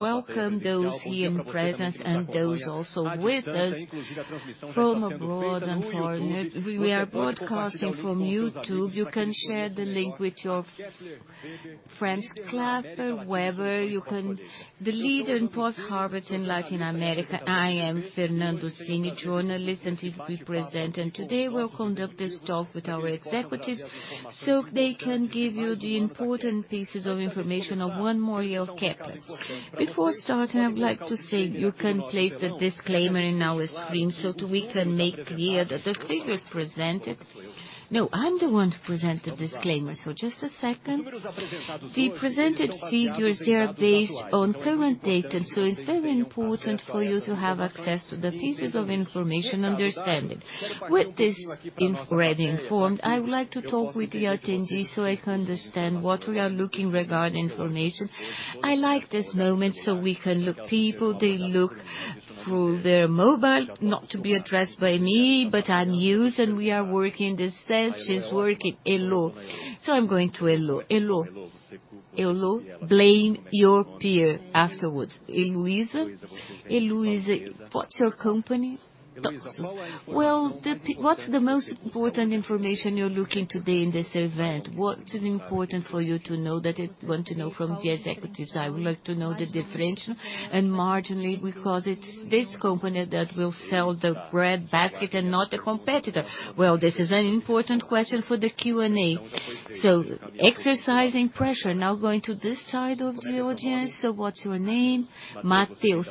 Welcome, those here in presence and those also with us from abroad and foreign. We are broadcasting from YouTube. You can share the link with your friend's club, or wherever you can. The lead in post-harvest in Latin America, I am Evandro Cini, journalist, and TV presenter, and today we'll conduct this talk with our executives, so they can give you the important pieces of information of one more year of Kepler. Before starting, I'd like to say you can place the disclaimer in our screen, so we can make clear that the figures presented-- No, I'm the one to present the disclaimer, so just a second. The presented figures, they are based on current data, so it's very important for you to have access to the pieces of information understanding. With this in reading form, I would like to talk with the attendee, so I can understand what we are looking regarding information. I like this moment, so we can look people. They look through their mobile, not to be addressed by me, but I'm used, and we are working. The staff she's working. Heloísa. Heloísa. So I'm going to Heloísa. Heloísa? Heloísa, blame your peer afterwards. Heloísa? Heloísa, what's your company? Well, what's the most important information you're looking today in this event? What is important for you to know from the executives? I would like to know the differential and margin, because it's this company that will sell the breadbasket and not the competitor. Well, this is an important question for the Q&A. So exercising pressure. Now going to this side of the audience. So what's your name? Mateus.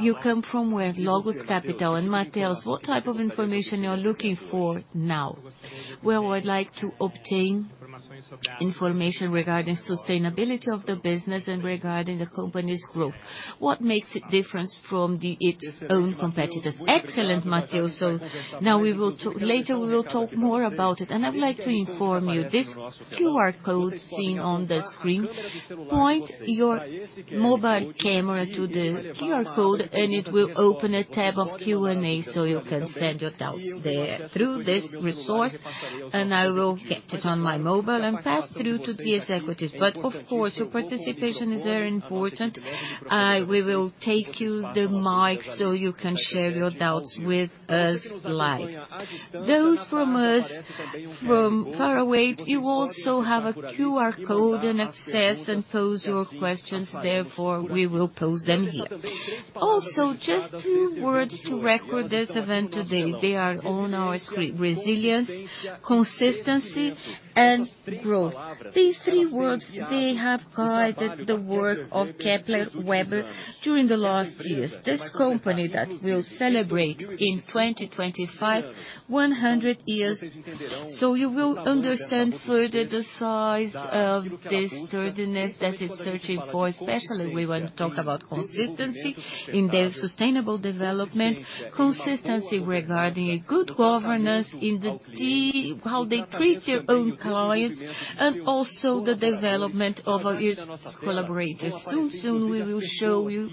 You come from where? Logos Capital. And Mateus, what type of information you are looking for now? Well, I'd like to obtain information regarding sustainability of the business and regarding the company's growth. What makes it different from the, its own competitors? Excellent, Mateus. So now we will talk. Later, we will talk more about it. And I'd like to inform you, this QR code seen on the screen, point your mobile camera to the QR code, and it will open a tab of Q&A, so you can send your doubts there through this resource, and I will get it on my mobile and pass through to the executives. But of course, your participation is very important. We will take you the mic, so you can share your doubts with us live. Those from us, from far away, you also have a QR code and access and pose your questions. Therefore, we will pose them here. Also, just two words to record this event today. They are on our screen: resilience, consistency, and growth. These three words, they have guided the work of Kepler Weber during the last years. This company that will celebrate in 2025, 100 years. So you will understand further the size of the sturdiness that it's searching for, especially when we talk about consistency in their sustainable development, consistency regarding a good governance in how they treat their own clients, and also the development of its collaborators. Soon, soon, we will show you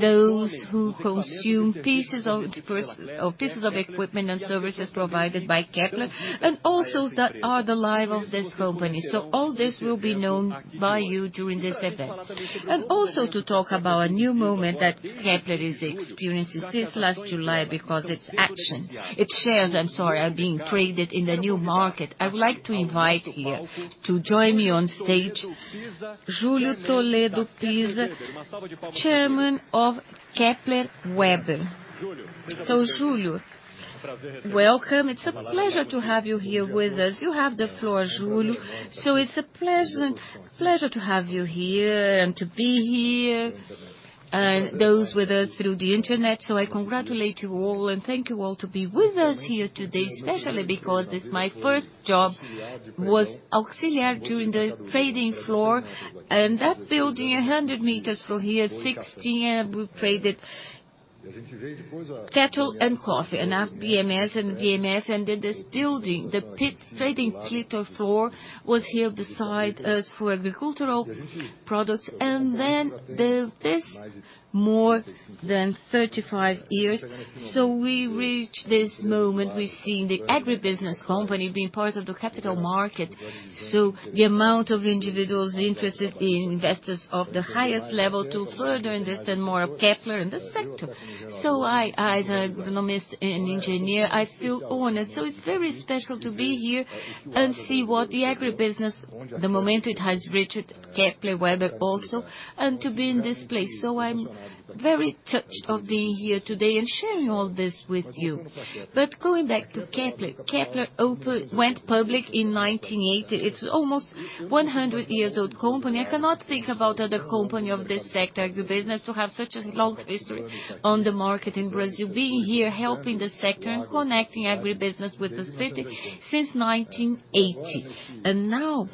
those who consume pieces of equip- or pieces of equipment and services provided by Kepler, and also that are the life of this company. So all this will be known by you during this event. And also to talk about a new moment that Kepler is experiencing this last July, because its action, its shares, I'm sorry, are being traded in the Novo Mercado. I would like to invite here to join me on stage, Júlio Toledo Piza, Chairman of Kepler Weber. So, Júlio, welcome. It's a pleasure to have you here with us. You have the floor, Júlio. So it's a pleasant pleasure to have you here and to be here, and those with us through the internet. So I congratulate you all, and thank you all to be with us here today, especially because this my first job was auxiliary during the trading floor. And that building, 100 meters from here, 16, and we traded cattle and coffee, and after BM&F, and then this building, the pit, trading pit or floor was here beside us for agricultural products, and then this more than 35 years. So we reached this moment, we're seeing the agribusiness company being part of the capital market. So the amount of individuals interested in investors of the highest level to further understand more of Kepler Weber and the sector. So I, as an economist and engineer, I feel honored. So it's very special to be here and see what the agribusiness, the moment it has reached Kepler Weber also, and to be in this place. So I'm very touched of being here today and sharing all this with you. But going back to Kepler. Kepler went public in 1980. It's almost 100 years old company. I cannot think about other company of this sector, agribusiness, to have such a long history on the market in Brazil, being here, helping the sector and connecting agribusiness with the city since 1980. And now,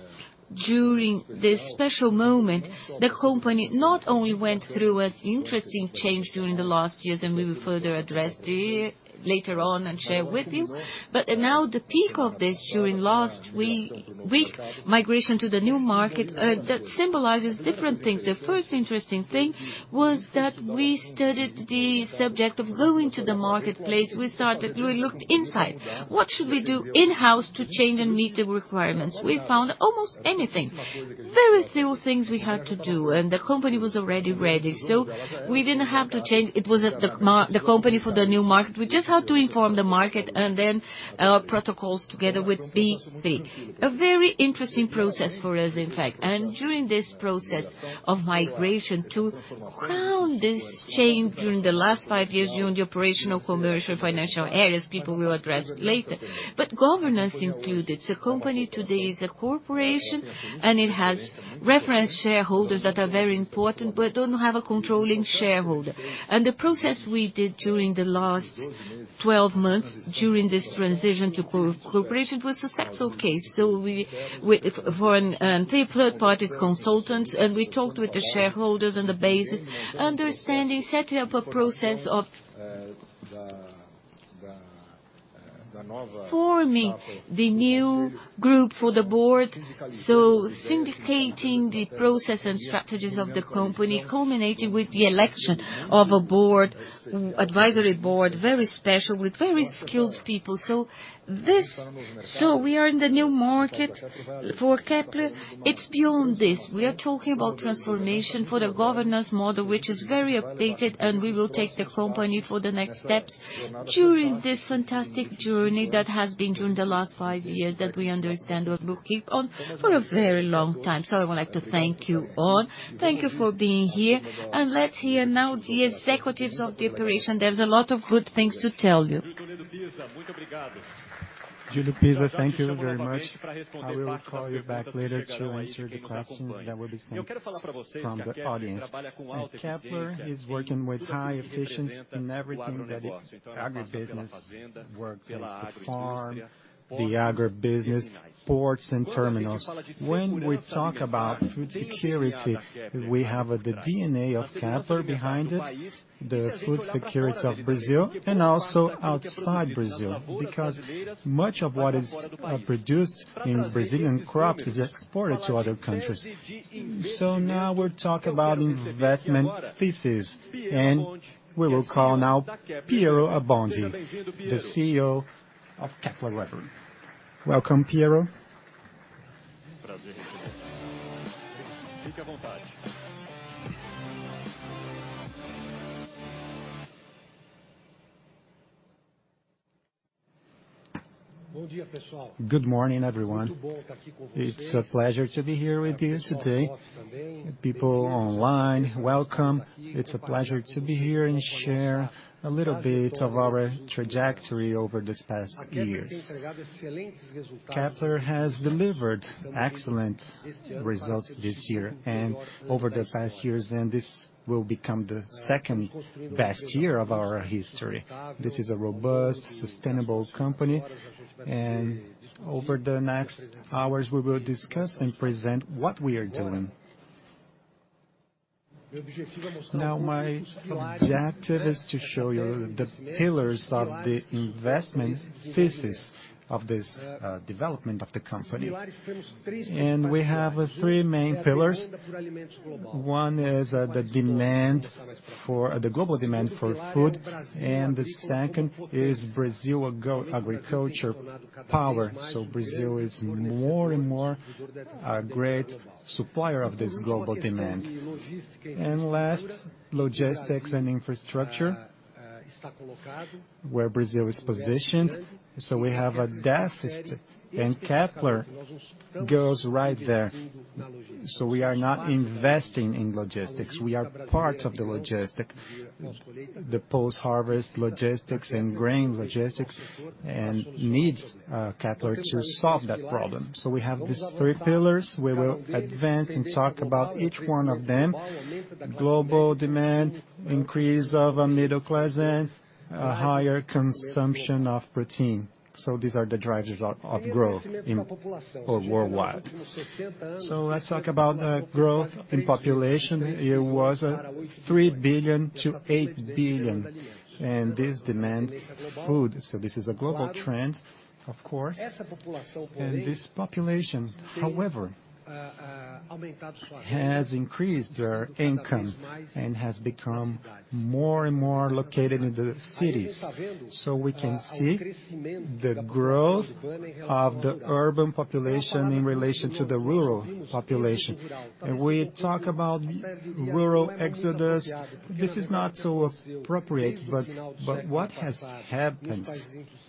during this special moment, the company not only went through an interesting change during the last years, and we will further address it later on and share with you. But now, the peak of this, during last week, week migration to the new market, that symbolizes different things. The first interesting thing was that we studied the subject of going to the marketplace. We started, we looked inside. What should we do in-house to change and meet the requirements? We found almost anything. Very few things we had to do, and the company was already ready, so we didn't have to change. It was at the company for the Novo Mercado. We just had to inform the market and then protocols together with BB. A very interesting process for us, in fact. And during this process of migration to the Novo Mercado this change during the last 5 years during the operational, commercial, financial areas, people will address it later. But governance included. So company today is a corporation, and it has reference shareholders that are very important, but don't have a controlling shareholder. And the process we did during the last 12 months, during this transition to corporation, was a successful case. So we for third-party consultants, and we talked with the shareholders on the basis, understanding, setting up a process of-... forming the new group for the board, so syndicating the process and strategies of the company, culminating with the election of a board, advisory board, very special, with very skilled people. So this. So we are in the new market. For Kepler, it's beyond this. We are talking about transformation for the governance model, which is very updated, and we will take the company for the next steps during this fantastic journey that has been during the last five years, that we understand what will keep on for a very long time. So I would like to thank you all. Thank you for being here, and let's hear now the executives of the operation. There's a lot of good things to tell you. Júlio Piza, thank you very much. I will call you back later to answer the questions that will be sent from the audience. Kepler is working with high efficiency in everything that its agribusiness works: as the farm, the agribusiness, ports, and terminals. When we talk about food security, we have the DNA of Kepler behind it, the food security of Brazil, and also outside Brazil, because much of what is produced in Brazilian crops is exported to other countries. Now we'll talk about investment thesis, and we will call now Piero Abbondi, the CEO of Kepler Weber. Welcome, Piero. Good morning, everyone. It's a pleasure to be here with you today. People online, welcome. It's a pleasure to be here and share a little bit of our trajectory over these past years. Kepler has delivered excellent results this year and over the past years, and this will become the second best year of our history. This is a robust, sustainable company, and over the next hours, we will discuss and present what we are doing. Now, my objective is to show you the pillars of the investment thesis of this development of the company. We have three main pillars. One is the demand for the global demand for food, and the second is Brazil, a global agriculture power. Brazil is more and more a great supplier of this global demand. Last, logistics and infrastructure, where Brazil is positioned. We have a deficit, and Kepler goes right there. We are not investing in logistics, we are part of the logistics, the post-harvest logistics and grain logistics, and needs Kepler to solve that problem. So we have these three pillars. We will advance and talk about each one of them. Global demand, increase of a middle class, and a higher consumption of protein. So these are the drivers of, of growth in worldwide. So let's talk about growth in population. It was 3-8 billion, and this demand food. So this is a global trend, of course. And this population, however, has increased their income and has become more and more located in the cities. So we can see the growth of the urban population in relation to the rural population. And we talk about rural exodus. This is not so appropriate, but what has happened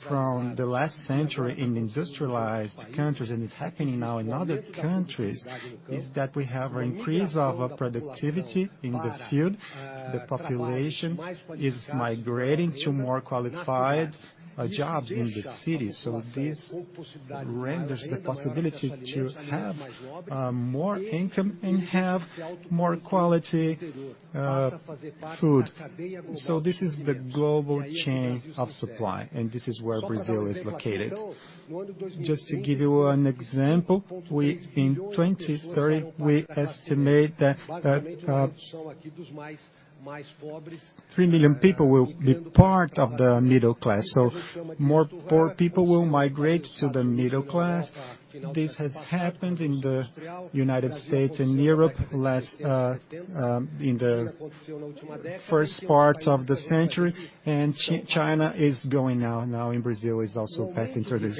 from the last century in industrialized countries, and it's happening now in other countries, is that we have an increase of productivity in the field. The population is migrating to more qualified jobs in the city. So this renders the possibility to have more income and have more quality food. So this is the global chain of supply, and this is where Brazil is located. Just to give you an example, in 2030, we estimate that 3 million people will be part of the middle class, so more poor people will migrate to the middle class. This has happened in the United States and Europe last in the first part of the century, and China is going now. In Brazil is also path into this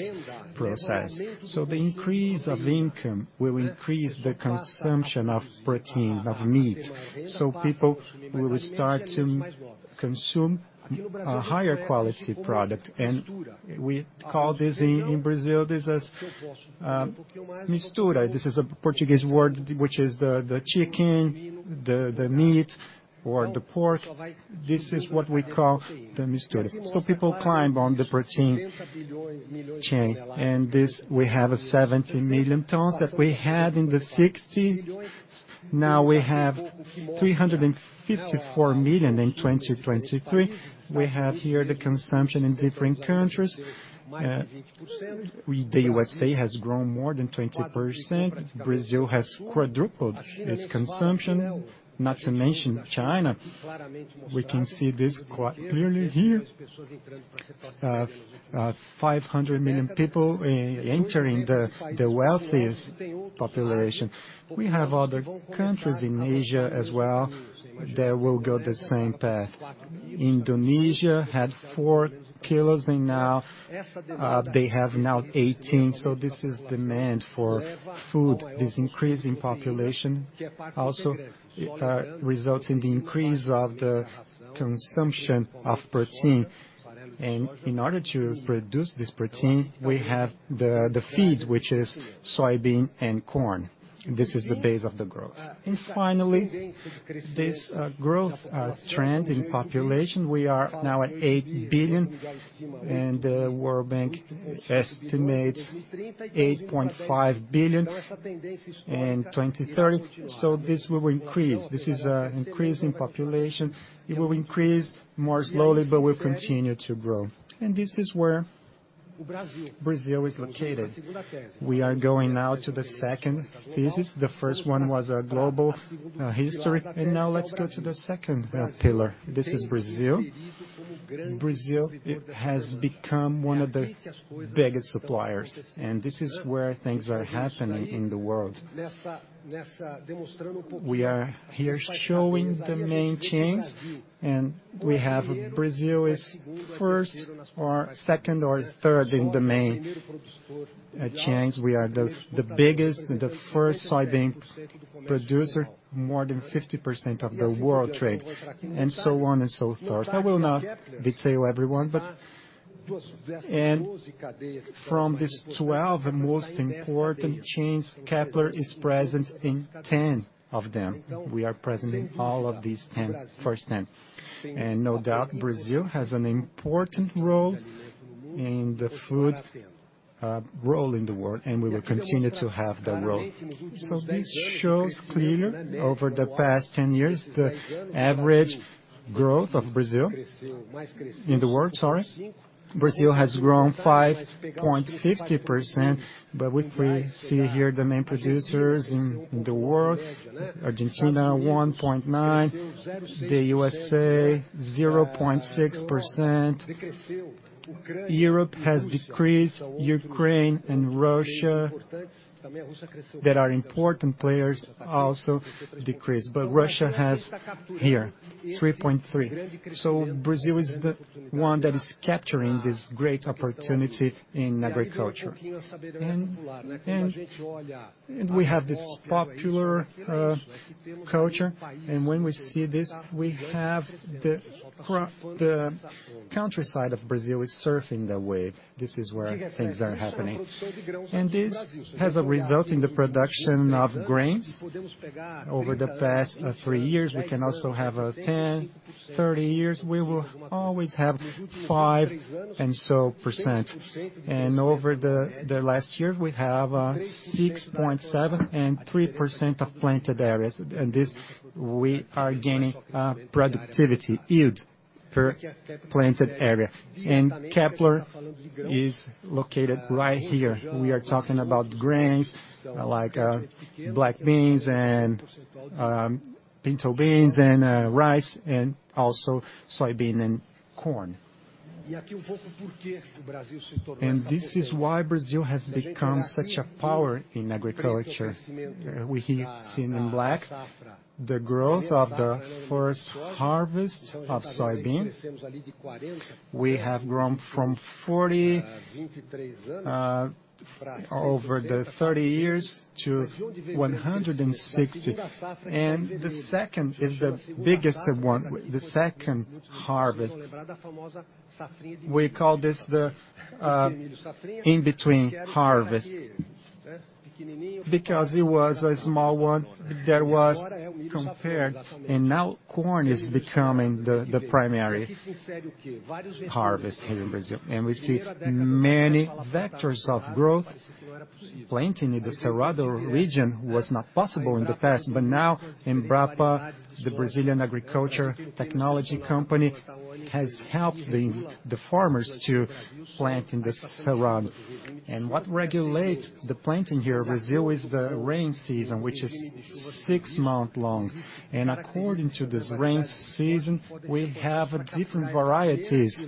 process. So the increase of income will increase the consumption of protein, of meat, so people will start to consume a higher quality product, and we call this in Brazil this is mistura. This is a Portuguese word, which is the chicken, the meat or the pork. This is what we call the mistura. So people climb on the protein chain, and this, we have 70 million tons that we had in 60. Now we have 354 million in 2023. We have here the consumption in different countries. The USA has grown more than 20%. Brazil has quadrupled its consumption, not to mention China. We can see this quite clearly here. Five hundred million people entering the wealthiest population. We have other countries in Asia as well, that will go the same path. Indonesia had 4 kilos, and now they have now 18, so this is demand for food. This increase in population also results in the increase of the consumption of protein. In order to produce this protein, we have the feeds, which is soybean and corn. This is the base of the growth. Finally, this growth trend in population, we are now at 8 billion, and the World Bank estimates 8.5 billion in 2030. This will increase. This is an increase in population. It will increase more slowly, but will continue to grow. This is where Brazil is located. We are going now to the second thesis. The first one was a global history, and now let's go to the second pillar. This is Brazil. Brazil has become one of the biggest suppliers, and this is where things are happening in the world. We are here showing the main chains, and we have Brazil is first or second or third in the main chains. We are the biggest, the first soybean producer, more than 50% of the world trade, and so on and so forth. I will not detail everyone, but and from these 12 most important chains, Kepler is present in 10 of them. We are present in all of these 10, first 10, and no doubt, Brazil has an important role in the food role in the world, and we will continue to have that role. So this shows clearly over the past 10 years, the average growth of Brazil in the world, sorry. Brazil has grown 5.50%, but we see here the main producers in the world. Argentina, 1.9%, the USA, 0.6%. Europe has decreased, Ukraine and Russia, that are important players, also decreased, but Russia has here 3.3%. So Brazil is the one that is capturing this great opportunity in agriculture. And we have this popular culture, and when we see this, the countryside of Brazil is surfing the wave. This is where things are happening. And this has a result in the production of grains. Over the past 3 years, we can also have 10-30 years, we will always have 5% or so. And over the last year, we have 6.7 and 3% of planted areas. And this, we are gaining productivity, yield per planted area. And Kepler is located right here. We are talking about grains like black beans and pinto beans and rice, and also soybean and corn. And this is why Brazil has become such a power in agriculture. We have seen in black the growth of the first harvest of soybean. We have grown from 40 over the 30 years to 160, and the second is the biggest one, the second harvest. We call this the in-between harvest because it was a small one that was compared, and now corn is becoming the primary harvest here in Brazil. We see many vectors of growth. Planting in the Cerrado region was not possible in the past, but now Embrapa, the Brazilian Agriculture Technology Company, has helped the farmers to plant in the Cerrado. What regulates the planting here in Brazil is the rain season, which is six months long, and according to this rain season, we have different varieties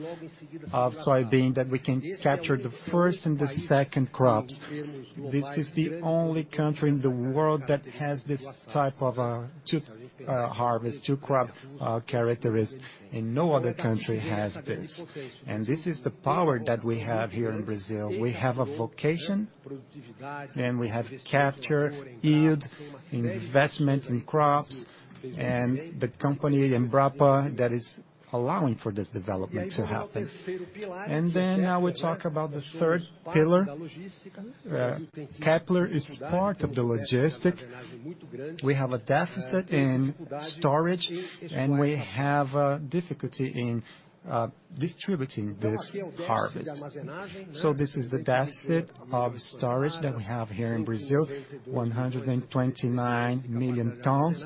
of soybean that we can capture the first and the second crops. This is the only country in the world that has this type of 2-harvest, 2-crop characteristics, and no other country has this. This is the power that we have here in Brazil. We have a vocation, and we have capture, yield, investment in crops, and the company, Embrapa, that is allowing for this development to happen. Now we talk about the third pillar. Kepler is part of the logistic. We have a deficit in storage, and we have a difficulty in distributing this harvest. So this is the deficit of storage that we have here in Brazil, 129 million tons.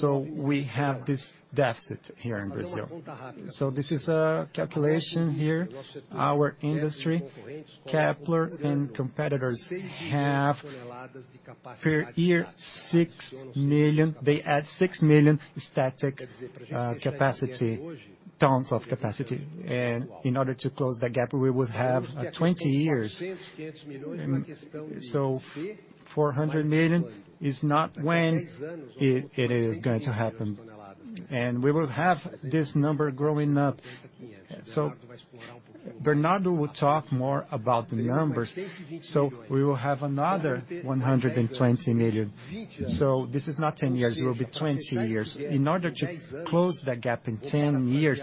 So we have this deficit here in Brazil. So this is a calculation here. Our industry, Kepler and competitors, per year, 6 million, they add 6 million static capacity tons of capacity. In order to close that gap, we would have 20 years. So 400 million is not when it, it is going to happen, and we will have this number growing up. So Bernardo will talk more about the numbers, so we will have another 120 million. So this is not 10 years, it will be 20 years. In order to close that gap in 10 years,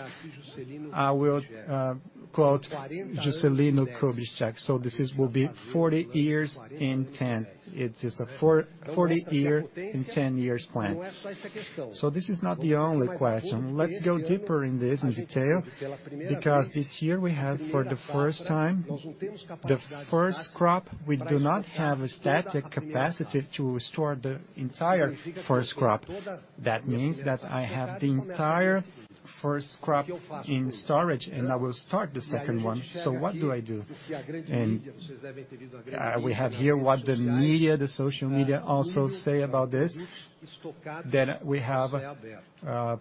I will quote Juscelino Kubitschek. So this is, will be 40 years in 10. It is a 40-year in 10 years plan. So this is not the only question. Let's go deeper in this in detail, because this year we had for the first time, the first crop. We do not have a storage capacity to store the entire first crop. That means that I have the entire first crop in storage, and I will start the second one. So what do I do? And we have here what the media, the social media also say about this, that we have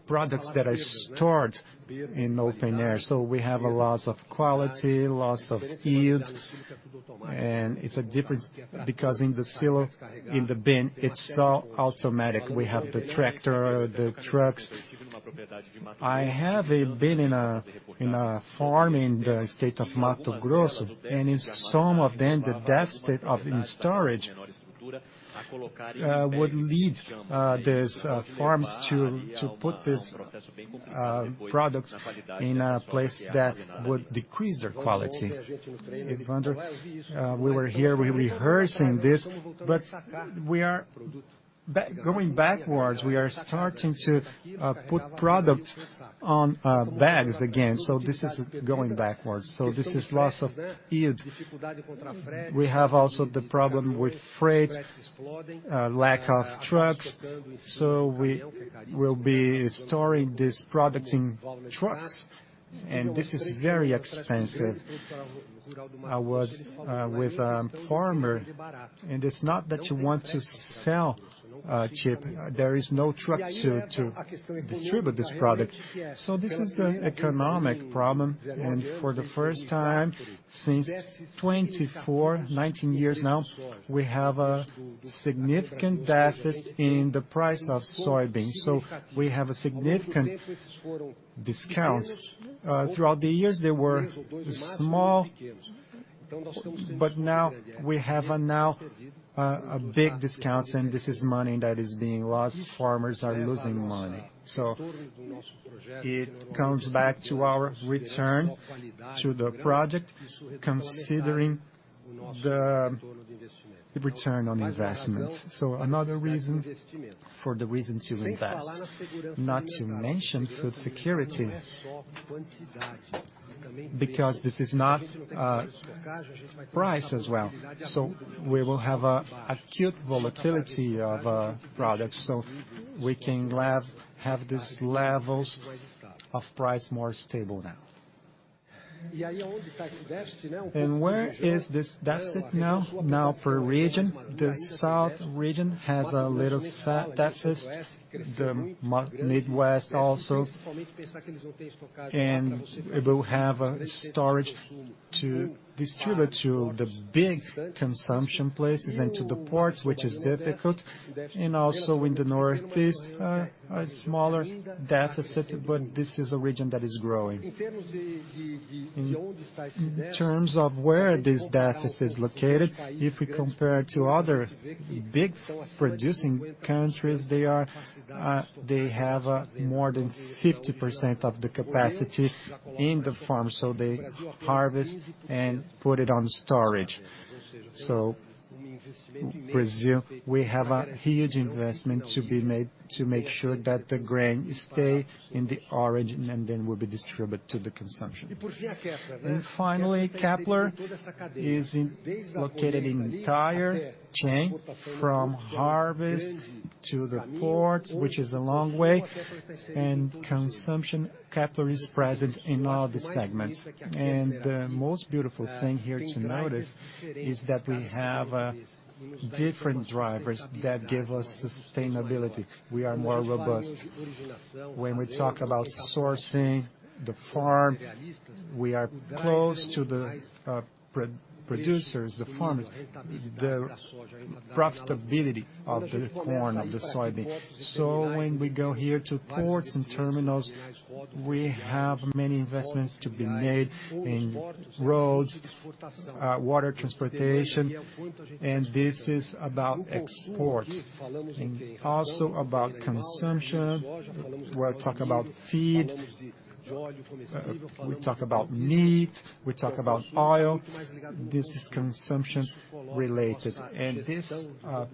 products that are stored in open air. So we have a loss of quality, loss of yield, and it's a difference, because in the silo, in the bin, it's so automatic. We have the tractor, the trucks. I have a bin in a farm in the state of Mato Grosso, and in some of them, the deficit in storage would lead these farms to put these products in a place that would decrease their quality. We were here, we were rehearsing this, but we are going backwards. We are starting to put products on bags again, so this is going backwards. So this is loss of yield. We have also the problem with freight, lack of trucks, so we will be storing these products in trucks, and this is very expensive. I was with a farmer, and it's not that you want to sell cheap. There is no truck to distribute this product. So this is the economic problem, and for the first time since 2024, 19 years now, we have a significant deficit in the price of soybean. So we have a significant discounts. Throughout the years, they were small, but now we have a big discounts, and this is money that is being lost. Farmers are losing money, so it comes back to our return to the project, considering the return on investment. So another reason for the reason to invest. Not to mention food security, because this is not price as well. So we will have an acute volatility of products, so we can have these levels of price more stable now. And where is this deficit now? Now, per region, the South region has a little deficit, the Midwest also, and it will have a storage to distribute it to the big consumption places and to the ports, which is difficult, and also in the Northeast, a smaller deficit, but this is a region that is growing. In terms of where this deficit is located, if we compare to other big producing countries, they have more than 50% of the capacity in the farm, so they harvest and put it on storage. So Brazil, we have a huge investment to be made to make sure that the grain stay in the origin and then will be distributed to the consumption. And finally, Kepler is located in entire chain, from harvest to the ports, which is a long way, and consumption, Kepler is present in all the segments. And the most beautiful thing here to notice is that we have different drivers that give us sustainability. We are more robust. When we talk about sourcing the farm, we are close to the producers, the farmers, the profitability of the corn and the soybean. So when we go here to ports and terminals, we have many investments to be made in roads, water transportation, and this is about exports and also about consumption. We'll talk about feed, we talk about meat, we talk about oil. This is consumption related, and this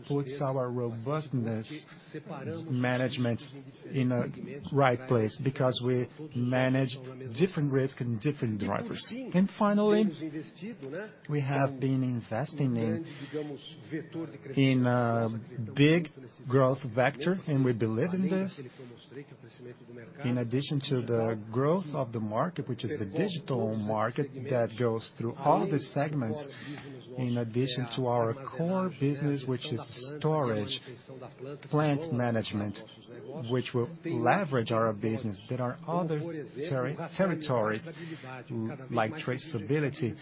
puts our robustness management in a right place because we manage different risk and different drivers. And finally, we have been investing in a big growth vector, and we believe in this. In addition to the growth of the market, which is the digital market, that goes through all these segments, in addition to our core business, which is storage, plant management, which will leverage our business. There are other territories like traceability.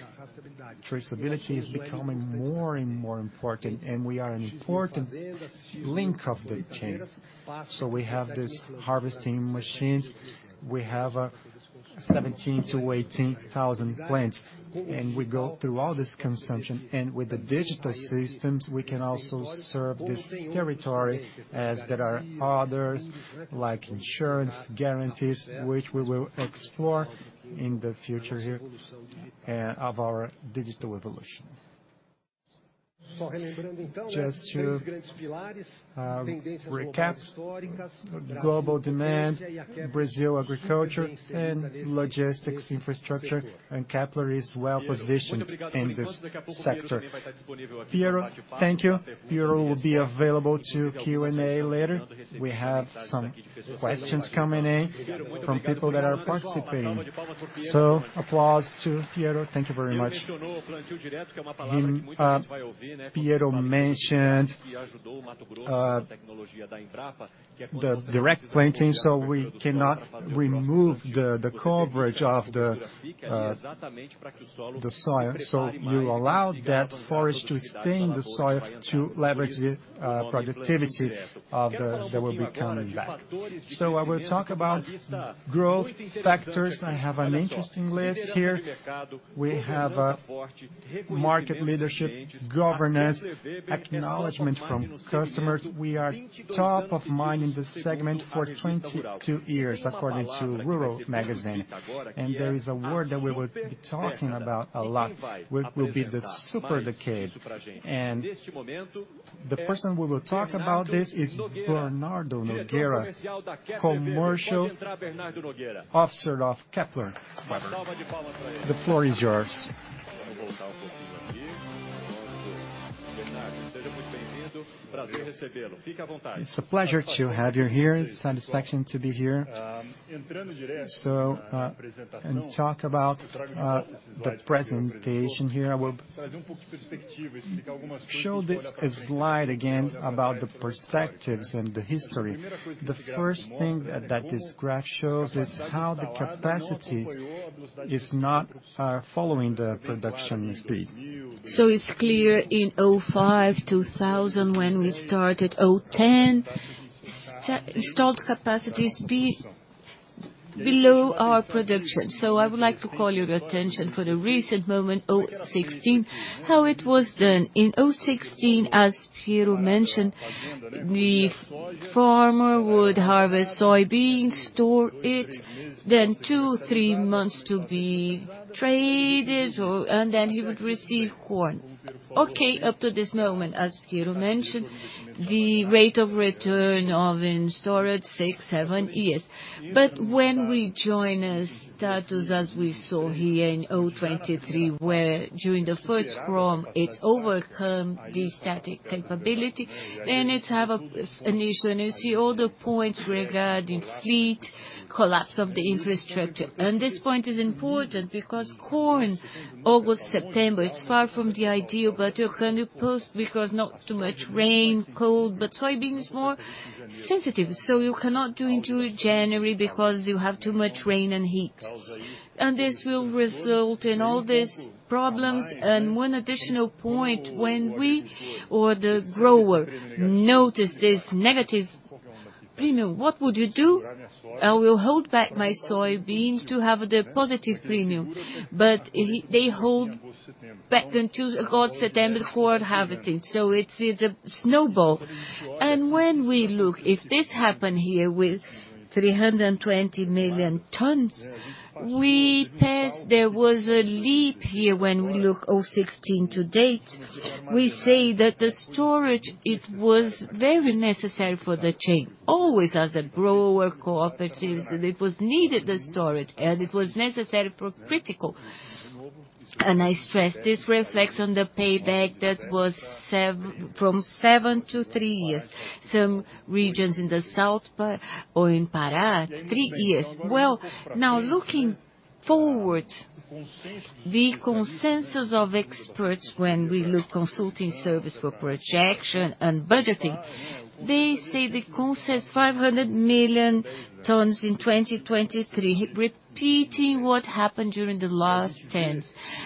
Traceability is becoming more and more important, and we are an important link of the chain. So we have these harvesting machines. We have 17,000-18,000 plants, and we go through all this consumption. And with the digital systems, we can also serve this territory, as there are others, like insurance guarantees, which we will explore in the future here of our digital evolution. Just to recap, global demand, Brazil agriculture and logistics infrastructure, and Kepler is well positioned in this sector. Piero, thank you. Piero will be available to Q&A later. We have some questions coming in from people that are participating. So applause to Piero. Thank you very much. Piero mentioned the direct planting, so we cannot remove the coverage of the soil. So you allow that forest to stain the soil, to leverage the productivity of the that will be coming back. So I will talk about growth factors. I have an interesting list here. We have a market leadership, governance, acknowledgment from customers. We are top of mind in this segment for 22 years, according to Rural Magazine, and there is a word that we will be talking about a lot, which will be the super decade. The person who will talk about this is Bernardo Nogueira, Commercial Officer of Kepler. The floor is yours. It's a pleasure to have you here. Satisfaction to be here. So, and talk about, the presentation here, I will show this slide again about the perspectives and the history. The first thing that this graph shows is how the capacity is not following the production speed. So it's clear in 2005, 2000 when we started, 2010, installed capacities be below our production. So I would like to call your attention for the recent moment, 2016, how it was done. In 2016, as Piero mentioned, the farmer would harvest soybeans, store it, then 2-3 months to be traded, or and then he would receive corn. Okay, up to this moment, as Piero mentioned, the rate of return of in storage, 6-7 years. But when we join a status, as we saw here in 2023, where during the Q1, it's overcome the storage capacity, and it have a, an issue, and you see all the points regarding fleet collapse of the infrastructure. And this point is important because corn, August, September, is far from the ideal, but you can post because not too much rain, cold, but soybean is more sensitive, so you cannot do into January because you have too much rain and heat. And this will result in all these problems. And one additional point, when we or the grower notice this negative premium, what would you do? I will hold back my soybeans to have the positive premium, but he-- they hold back until August, September for harvesting, so it's, it's a snowball. And when we look, if this happened here with 320 million tons, we see there was a leap here when we look 2016 to date. We say that the storage, it was very necessary for the chain, always as a grower, cooperatives, and it was needed, the storage, and it was necessary for critical. And I stress, this reflects on the payback that was from 7 to 3 years. Some regions in the south Pará, 3 years. Well, now looking forward, the consensus of experts when we look consulting service for projection and budgeting, they say the concept 500 million tons in 2023, repeating what happened during the last tens,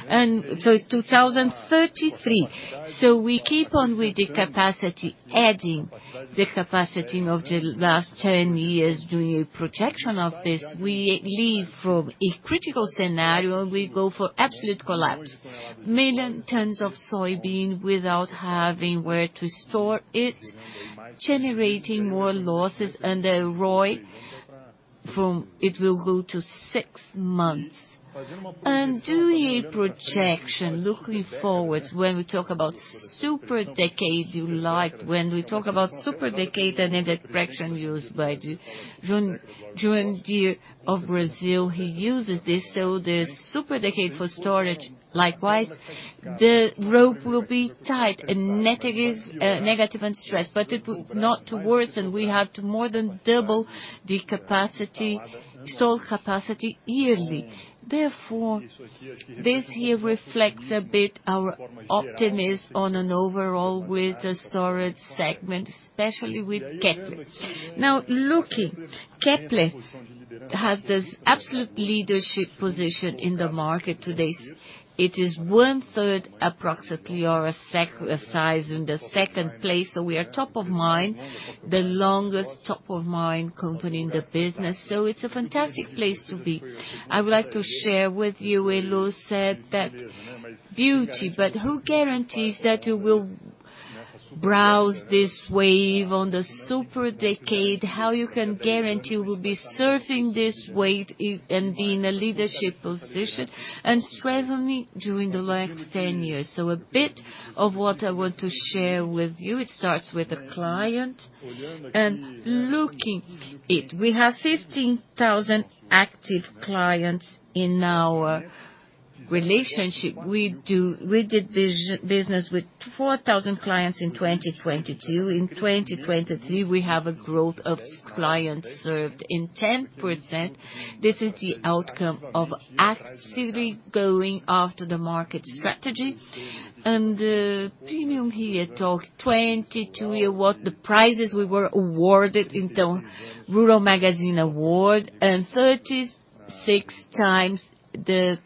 and so it's 2033. So we keep on with the capacity, adding the capacity of the last 10 years during a projection of this, we leave from a critical scenario, and we go for absolute collapse. Millions of tons of soybean without having where to store it, generating more losses, and the ROI from it will go to 6 months. And doing a projection, looking forward, when we talk about super decade, you like when we talk about super decade and the expression used by the John Deere of Brazil, he uses this, so the super decade for storage, likewise, the rope will be tight and negative, negative and stressed, but it will not to worsen. We have to more than double the capacity, store capacity yearly. Therefore, this here reflects a bit our optimism on an overall with the storage segment, especially with Kepler. Now, looking, Kepler has this absolute leadership position in the market today. It is one-third, approximately, or a size in the second place, so we are top of mind, the longest top-of-mind company in the business, so it's a fantastic place to be. I would like to share with you, where Lou said that beauty, but who guarantees that you will browse this wave on the super decade? How you can guarantee you will be surfing this wave, and be in a leadership position and strengthening during the last ten years. So a bit of what I want to share with you, it starts with a client, and looking it, we have 15,000 active clients in our relationship. We did business with 4,000 clients in 2022. In 2023, we have a growth of clients served in 10%. This is the outcome of actively going after the market strategy, and the premium here 2022 award, the prizes we were awarded in the Rural Magazine Award, and 36 times the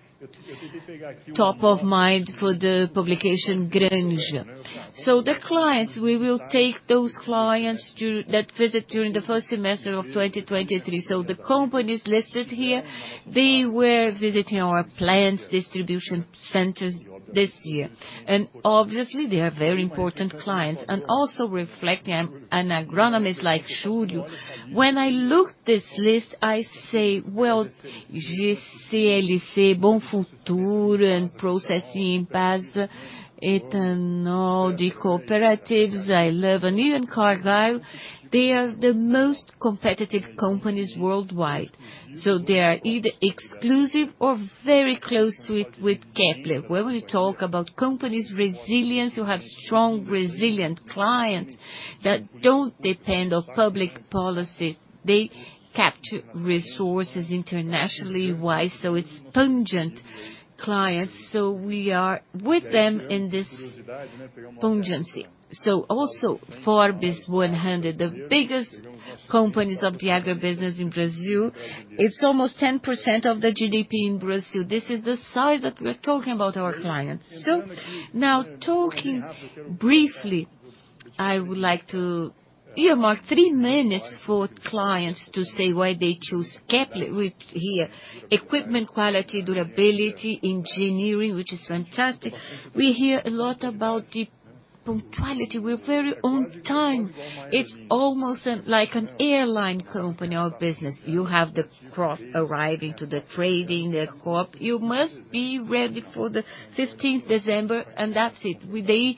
top of mind for the publication range. So the clients, we will take those clients to that visit during the first semester of 2023. So the companies listed here, they were visiting our plants, distribution centers this year, and obviously, they are very important clients. Also reflecting an agronomist like Julio, when I look this list, I say: "Well, SLC, Bonfuturo, and Processing Impasa, Ethanol, the Cooperatives, I love, and even Cargill, they are the most competitive companies worldwide. So they are either exclusive or very close with, with Kepler. When we talk about company's resilience, who have strong, resilient clients that don't depend on public policy, they capture resources internationally wise, so it's potent clients. So we are with them in this potency. So also, Forbes 100, the biggest companies of the agribusiness in Brazil, it's almost 10% of the GDP in Brazil. This is the size that we are talking about our clients. So now, talking briefly, I would like to earmark 3 minutes for clients to say why they choose Kepler Weber here. Equipment, quality, durability, engineering, which is fantastic. We hear a lot about the punctuality. We're very on time. It's almost like an airline company or business. You have the crop arriving to the trading, the crop, you must be ready for the fifteenth December, and that's it. They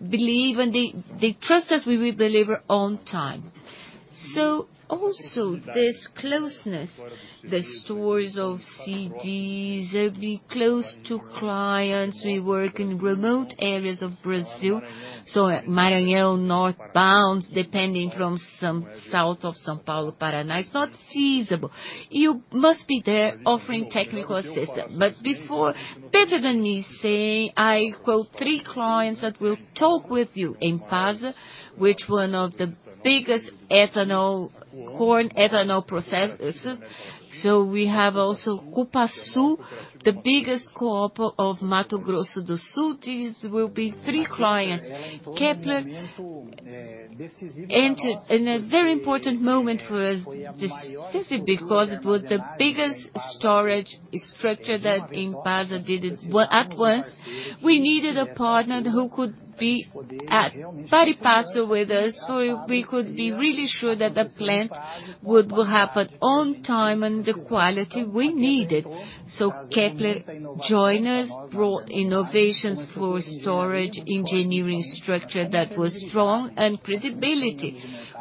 believe, and they trust us, we will deliver on time. So also, this closeness, the stock of silos, they'll be close to clients. We work in remote areas of Brazil, so Roraima, north bounds, down to some south of São Paulo, Paraná, it's not feasible. You must be there offering technical assistance. But before, better than me saying, I quote three clients that will talk with you. Impasa, which is one of the biggest corn ethanol producers. So we have also Copasul, the biggest co-op of Mato Grosso do Sul. These will be three clients. Kepler entered in a very important moment for us, specifically because it was the biggest storage structure that Impasa did. Well, at once, we needed a partner who could be passo a passo with us, so we could be really sure that the plant would happen on time, and the quality we needed. So Kepler joined us, brought innovations for storage, engineering structure that was strong and credibility,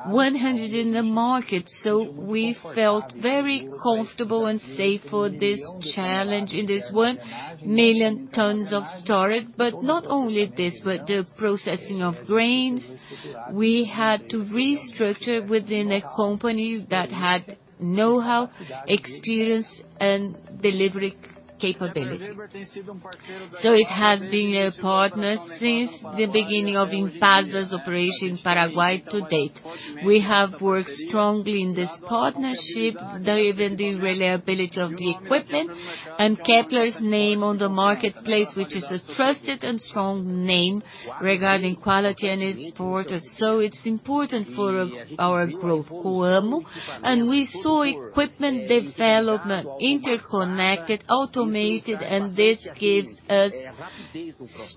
100 in the market, so we felt very comfortable and safe for this challenge in this 1 million tons of storage. But not only this, but the processing of grains, we had to restructure within a company that had know-how, experience, and delivery capability. So it has been a partner since the beginning of Impasa's operation in Paraguay to date. We have worked strongly in this partnership, given the reliability of the equipment and Kepler's name on the marketplace, which is a trusted and strong name regarding quality and export. So it's important for our, our growth, Coamo, and we saw equipment development, interconnected, automated, and this gives us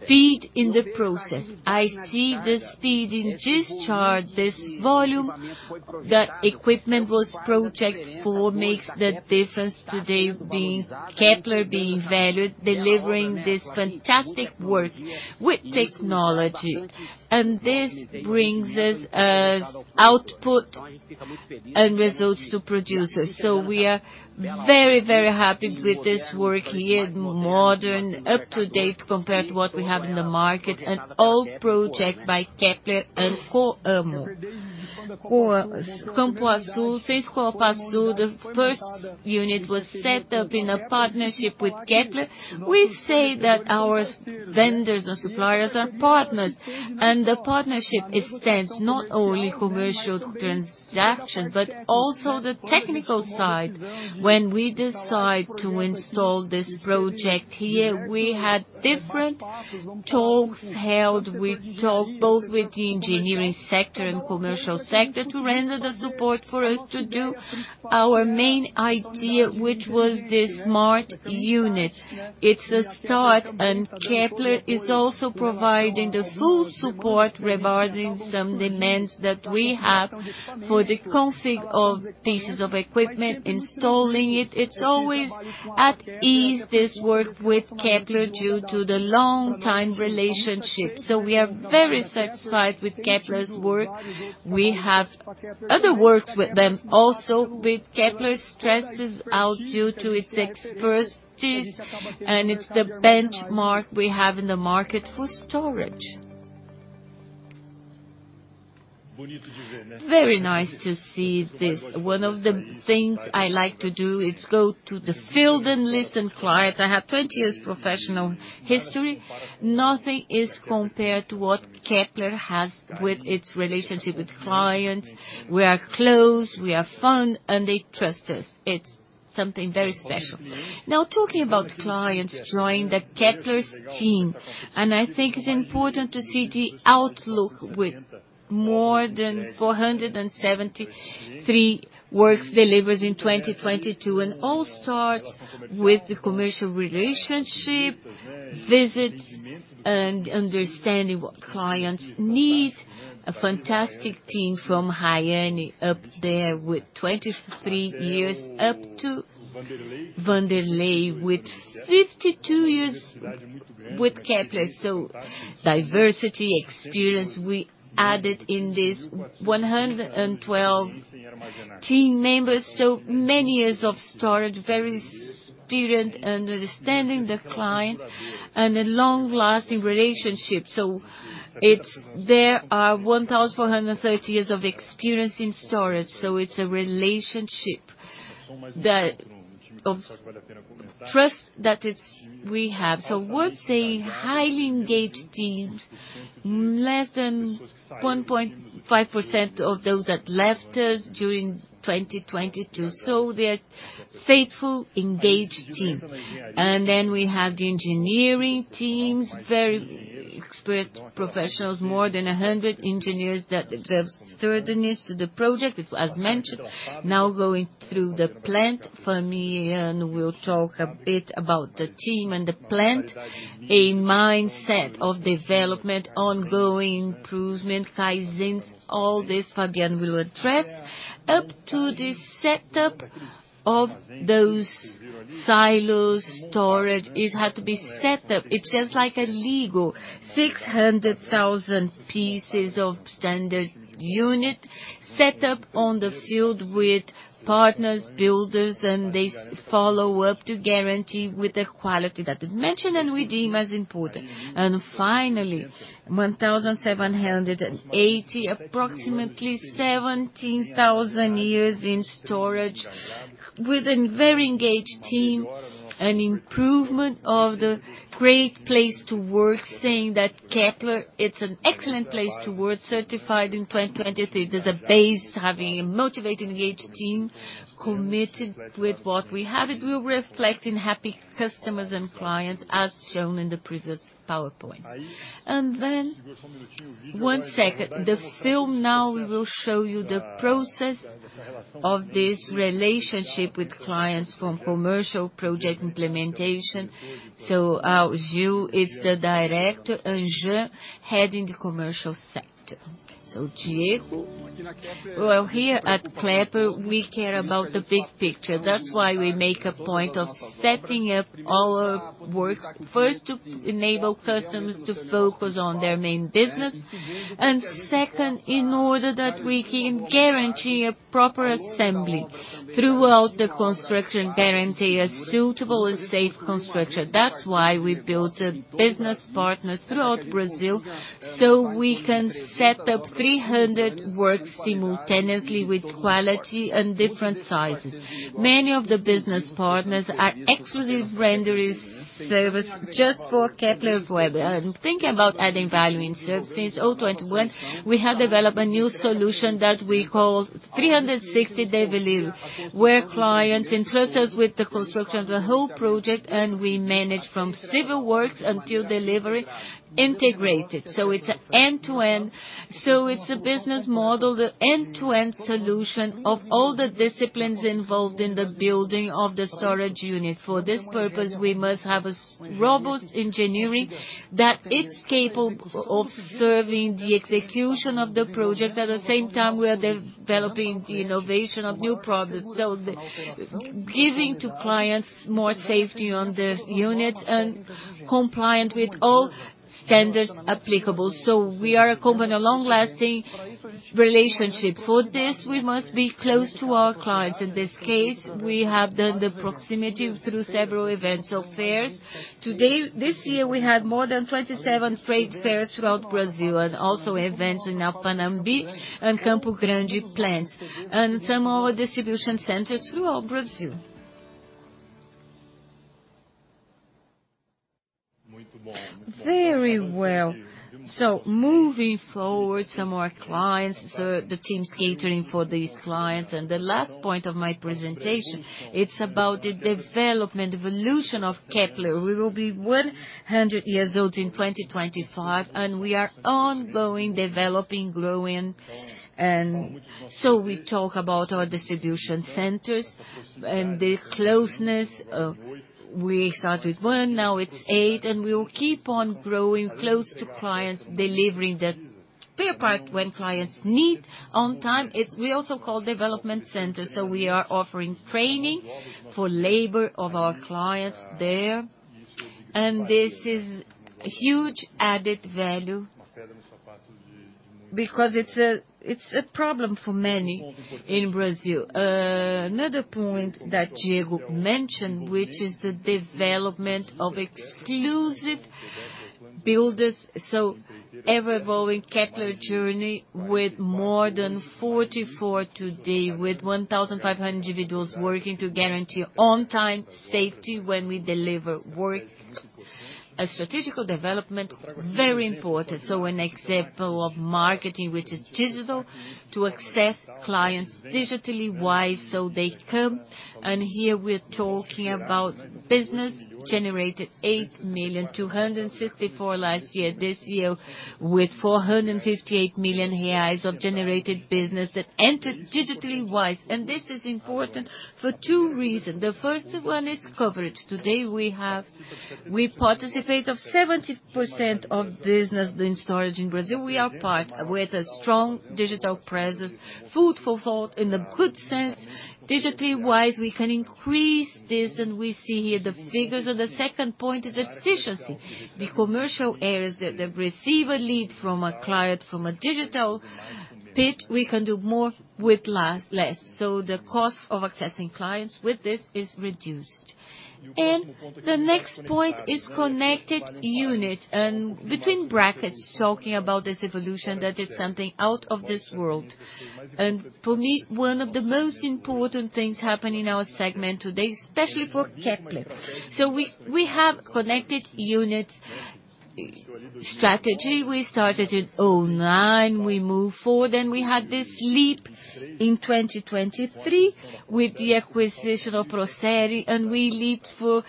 speed in the process. I see the speed in discharge, this volume, that equipment was projected for makes the difference today, being, Kepler being valued, delivering this fantastic work with technology, and this brings us, output and results to producers. So we are very, very happy with this work here, modern, up-to-date, compared to what we have in the market, an old project by Kepler and for Campo Azul, Francisco Pasu, the first unit was set up in a partnership with Kepler. We say that our vendors and suppliers are partners, and the partnership extends not only commercial transaction, but also the technical side. When we decide to install this project here, we had different talks held. We talked both with the engineering sector and commercial sector to render the support for us to do our main idea, which was this smart unit. It's a start, and Kepler is also providing the full support regarding some demands that we have for the config of pieces of equipment, installing it. It's always at ease, this work with Kepler, due to the long-time relationship, so we are very satisfied with Kepler's work. We have other works with them also, with Kepler standing out due to its expertise, and it's the benchmark we have in the market for storage. Very nice to see this. One of the things I like to do is go to the field and listen to clients. I have 20 years professional history. Nothing is compared to what Kepler has with its relationship with clients. We are close, we have fun, and they trust us. It's something very special. Now, talking about clients joining the Kepler's team, and I think it's important to see the outlook with more than 473 works delivered in 2022, and all starts with the commercial relationship, visits and understanding what clients need. A fantastic team from Raiane up there with 23 years, up to Vanderlei, with 52 years with Kepler. So diversity, experience we added in this 112 team members. So many years of storage, very experienced and understanding the client and a long-lasting relationship. So it's there are 1,430 years of experience in storage, so it's a relationship that, of trust, that it's we have. So worth saying, highly engaged teams, less than 1.5% of those that left us during 2022, so they're faithful, engaged team. Then we have the engineering teams, very expert professionals, more than 100 engineers that have sturdiness to the project, as mentioned. Now, going through the plant, Fabian will talk a bit about the team and the plant, a mindset of development, ongoing improvement, Kaizens, all this Fabian will address. Up to the setup of those silos, storage, it had to be set up. It's just like a Lego, 600,000 pieces of standard unit set up on the field with partners, builders, and they follow up to guarantee with the quality that is mentioned and we deem as important. And finally, 1,780, approximately 17,000 years in storage, with a very engaged team, an improvement of the Great Place to Work, saying that Kepler, it's an excellent place to work, certified in 2023. There's a base, having a motivated, engaged team, committed with what we have; it will reflect in happy customers and clients, as shown in the previous PowerPoint. Then, one second, the film now will show you the process of this relationship with clients from commercial project implementation. So, Júlio is the director and Jean, head in the commercial sector. So Diego. Well, here at Kepler, we care about the big picture. That's why we make a point of setting up all our works, first, to enable customers to focus on their main business, and second, in order that we can guarantee a proper assembly throughout the construction, guarantee a suitable and safe construction. That's why we built a business partners throughout Brazil, so we can set up 300 works simultaneously with quality and different sizes. Many of the business partners are exclusive rendering service just for Kepler. Thinking about adding value in service, since 2021, we have developed a new solution that we call 360-degree, where clients entrust us with the construction of the whole project, and we manage from civil works until delivery integrated. So it's an end-to-end. So it's a business model, the end-to-end solution of all the disciplines involved in the building of the storage unit. For this purpose, we must have a robust engineering that is capable of serving the execution of the project. At the same time, we are developing the innovation of new products, so giving to clients more safety on the unit and compliant with all standards applicable. So we are accompanying a long-lasting relationship. For this, we must be close to our clients. In this case, we have done the proximity through several events of fairs. Today, this year, we had more than 27 trade fairs throughout Brazil and also events in our Panambi and Campo Grande plants, and some of our distribution centers throughout Brazil. Very well. So moving forward, some of our clients, so the team's catering for these clients. The last point of my presentation, it's about the development, evolution of Kepler. We will be 100 years old in 2025, and we are ongoing, developing, growing. So we talk about our distribution centers and the closeness of, we start with 1, now it's 8, and we will keep on growing close to clients, delivering the spare part when clients need on time. It's, we also call development centers. So we are offering training for labor of our clients there, and this is a huge added value, because it's a, it's a problem for many in Brazil. Another point that Diego mentioned, which is the development of exclusive builders, so ever-evolving Kepler journey with more than 44 today, with 1,500 individuals working to guarantee on time safety when we deliver work. A strategical development, very important. So an example of marketing, which is digital, to access clients digitally wise, so they come. And here we're talking about business generated 8,000,264 last year. This year, with 458 million reais AIs of generated business that entered digitally wise. And this is important for two reasons. The first one is coverage. Today, we have we participate of 70% of business in storage in Brazil. We are part, we have a strong digital presence, food for thought in a good sense. Digitally wise, we can increase this, and we see here the figures, and the second point is efficiency. The commercial areas that receive a lead from a client, from a digital pit, we can do more with less, less. So the cost of accessing clients with this is reduced. The next point is connected units, and between brackets, talking about this evolution, that it's something out of this world. For me, one of the most important things happening in our segment today, especially for Kepler. So we have connected units strategy. We started in 2009, we moved forward, and we had this leap in 2023 with the acquisition of Procer, and we leaped for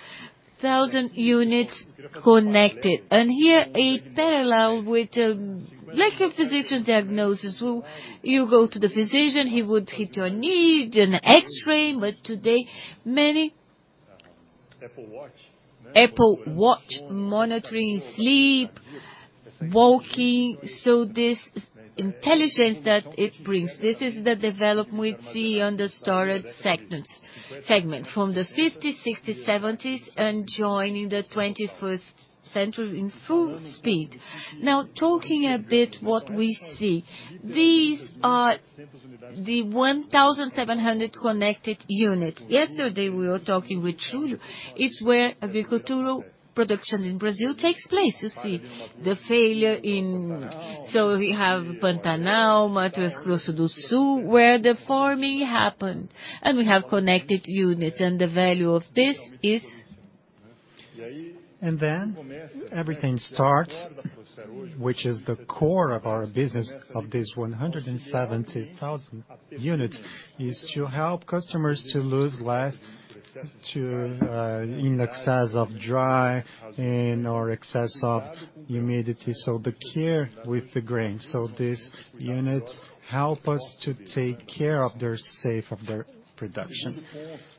1,000 units connected. Here, a parallel with, like a physician diagnosis, where you go to the physician, he would hit your knee, do an X-ray, but today, many- Apple Watch. Apple Watch, monitoring, sleep, walking. So this intelligence that it brings, this is the development we see on the storage segments, segment from the 50s, 60s, 70s and joining the 21st century in full speed. Now, talking a bit what we see, these are the 1,700 connected units. Yesterday, we were talking with Julio, it's where agricultural production in Brazil takes place. You see the failure in we have Pantanal, Mato Grosso do Sul, where the farming happened, and we have connected units, and the value of this is- And then everything starts, which is the core of our business of this 170,000 units, is to help customers to lose less, to in excess of dry, in or excess of humidity, so the care with the grain. So these units help us to take care of their safe, of their production.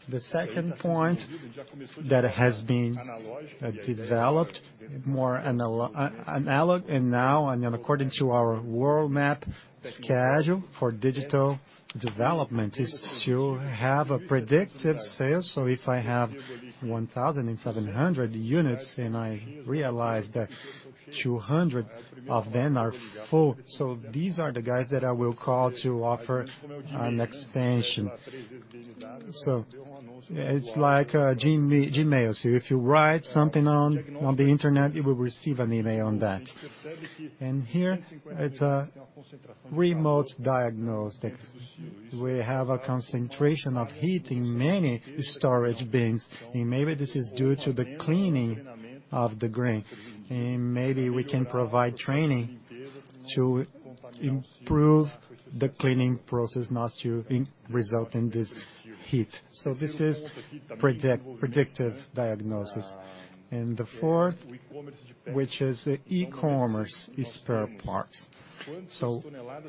The second point that has been developed more analog, and now, and according to our world map schedule for digital development, is to have a predictive sales. So if I have 1,700 units, and I realize that 200 of them are full, so these are the guys that I will call to offer an expansion. So it's like, Gmail. So if you write something on the Internet, you will receive an email on that. And here, it's a remote diagnostic. We have a concentration of heat in many storage bins, and maybe this is due to the cleaning of the grain. And maybe we can provide training to improve the cleaning process, not to result in this heat. So this is predictive diagnosis. And the fourth, which is the e-commerce spare parts. So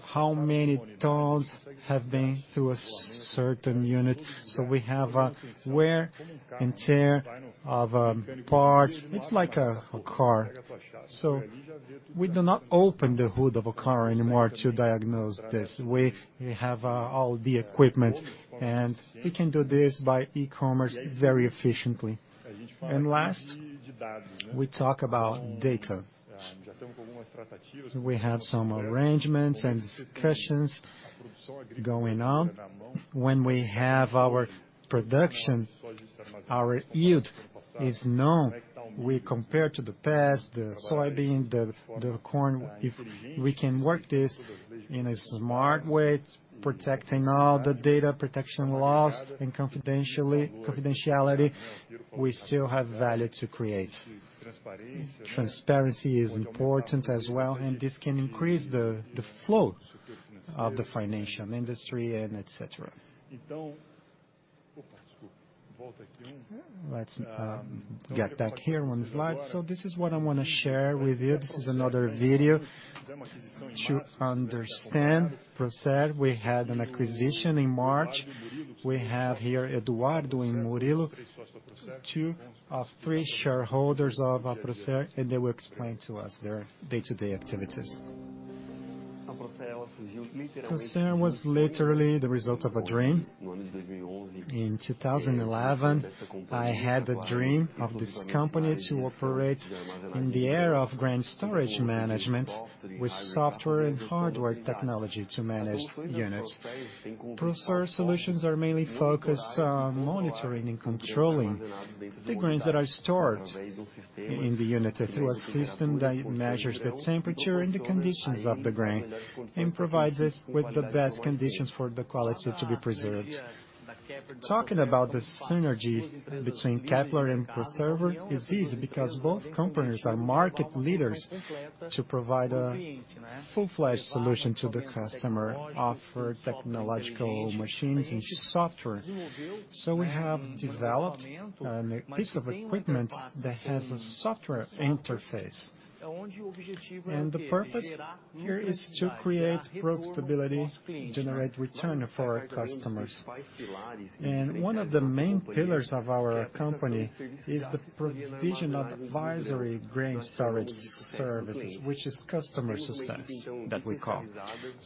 how many tons have been through a certain unit? So we have a wear and tear of parts. It's like a car. So we do not open the hood of a car anymore to diagnose this. We have all the equipment, and we can do this by e-commerce very efficiently. And last, we talk about data. We have some arrangements and discussions going on. When we have our production, our yield is known. We compare to the past, the soybean, the corn, if we can work this in a smart way, protecting all the data protection laws and confidentiality. We still have value to create. Transparency is important as well, and this can increase the flow of the financial industry and et cetera. Let's get back here on the slide. So this is what I wanna share with you. This is another video to understand Procer. We had an acquisition in March. We have here Eduardo and Murilo, two of three shareholders of Procer, and they will explain to us their day-to-day activities. Procer was literally the result of a dream. In 2011, I had the dream of this company to operate in the area of grain storage management, with software and hardware technology to manage units. Procer solutions are mainly focused on monitoring and controlling the grains that are stored in the unit, through a system that measures the temperature and the conditions of the grain, and provides us with the best conditions for the quality to be preserved. Talking about the synergy between Kepler and Procer is easy, because both companies are market leaders to provide a full-fledged solution to the customer, offer technological machines and software. So we have developed, a piece of equipment that has a software interface, and the purpose here is to create profitability, generate return for our customers. And one of the main pillars of our company is the provision of advisory grain storage services, which is customer success, that we call.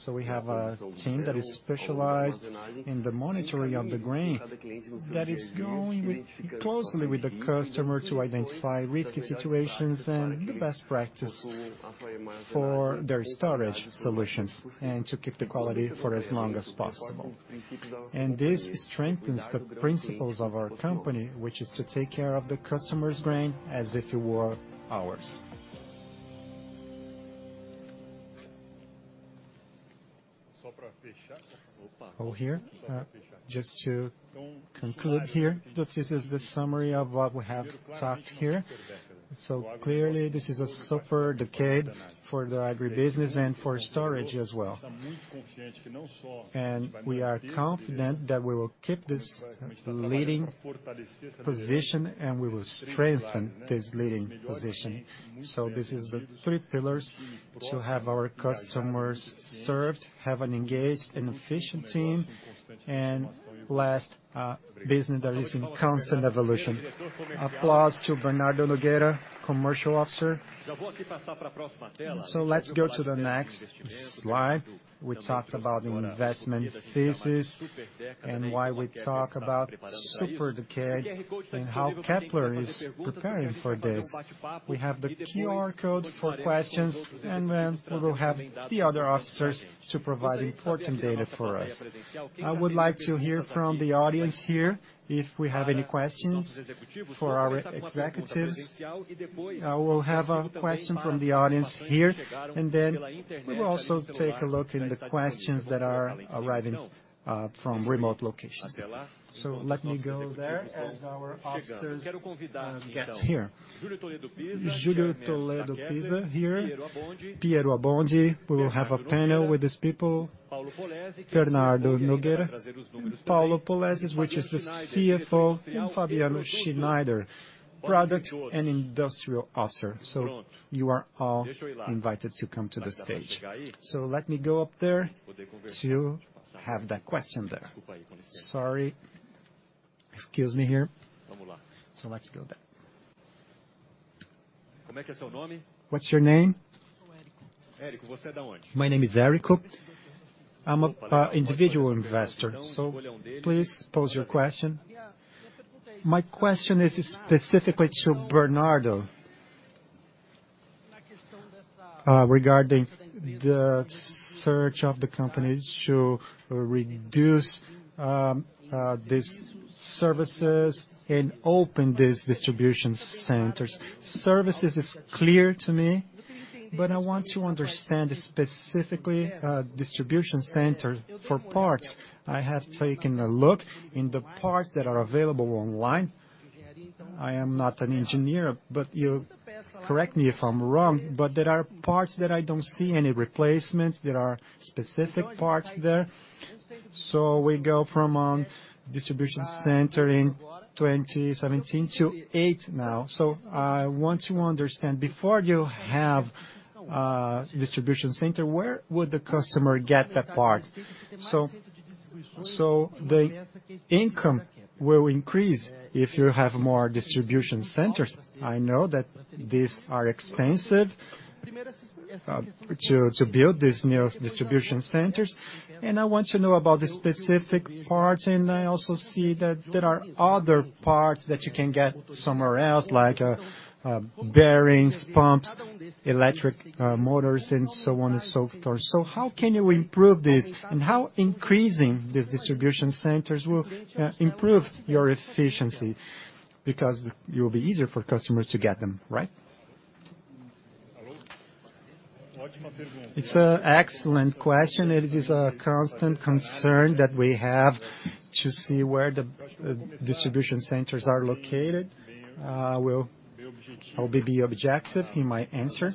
So we have a team that is specialized in the monitoring of the grain, that is going closely with the customer to identify risky situations and the best practice for their storage solutions, and to keep the quality for as long as possible. And this strengthens the principles of our company, which is to take care of the customer's grain as if it were ours. Over here. Just to conclude here, that this is the summary of what we have talked here. So clearly, this is a super decade for the agribusiness and for storage as well. And we are confident that we will keep this leading position, and we will strengthen this leading position. So this is the three pillars to have our customers served, have an engaged and efficient team, and last, a business that is in constant evolution. Applause to Bernardo Nogueira, commercial officer. So let's go to the next slide. We talked about the investment phases and why we talk about super decade, and how Kepler is preparing for this. We have the QR code for questions, and then we will have the other officers to provide important data for us. I would like to hear from the audience here if we have any questions for our executives. I will have a question from the audience here, and then we will also take a look in the questions that are arriving from remote locations. So let me go there as our officers get here. Júlio Toledo Piza here, Piero Abbondi, we will have a panel with these people, Bernardo Nogueira, Paulo Polezi, which is the CFO, and Fabiano Schneider, Product and Industrial Officer. So you are all invited to come to the stage. So let me go up there to have that question there. Sorry. Excuse me here. So let's go then. What's your name? Érico. My name is Érico. I'm an individual investor. So please pose your question. My question is specifically to Bernardo regarding the search of the company to reduce these services and open these distribution centers. Services is clear to me, but I want to understand specifically distribution center for parts. I have taken a look in the parts that are available online. I am not an engineer, but you correct me if I'm wrong, but there are parts that I don't see any replacements, there are specific parts there. So we go from distribution center in 2017 to 8 now. So I want to understand, before you have distribution center, where would the customer get that part? So, the income will increase if you have more distribution centers. I know that these are expensive, to build these new distribution centers, and I want to know about the specific parts, and I also see that there are other parts that you can get somewhere else, like, bearings, pumps, electric, motors, and so on and so forth. So how can you improve this, and how increasing the distribution centers will, improve your efficiency? Because it will be easier for customers to get them, right? It's an excellent question, and it is a constant concern that we have to see where the distribution centers are located. We'll, I'll be objective in my answer.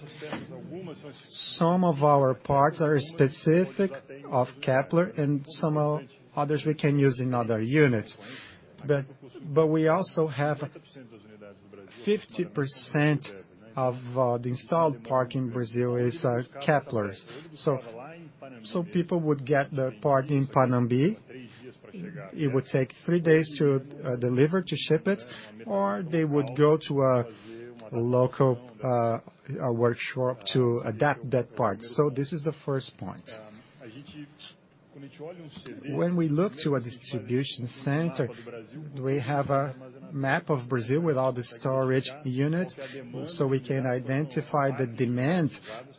Some of our parts are specific of Kepler, and some of others we can use in other units. But we also have 50% of the installed park in Brazil is Kepler's. So people would get the part in Panambi, it would take three days to deliver, to ship it, or they would go to a local, a workshop to adapt that part. So this is the first point. When we look to a distribution center, we have a map of Brazil with all the storage units, so we can identify the demand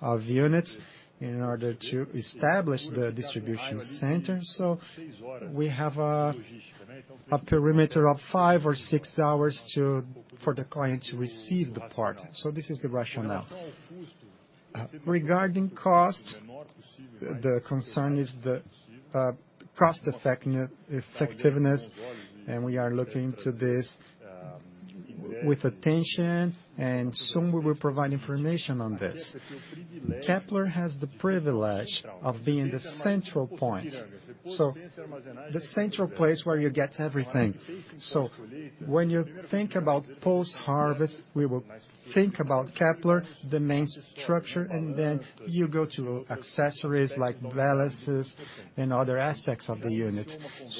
of units in order to establish the distribution center. So we have a perimeter of five or six hours for the client to receive the part. So this is the rationale. Regarding cost, the concern is the cost effectiveness, and we are looking to this with attention, and soon we will provide information on this. Kepler has the privilege of being the central point, so the central place where you get everything. So when you think about post-harvest, we will think about Kepler, the main structure, and then you go to accessories like balances and other aspects of the unit.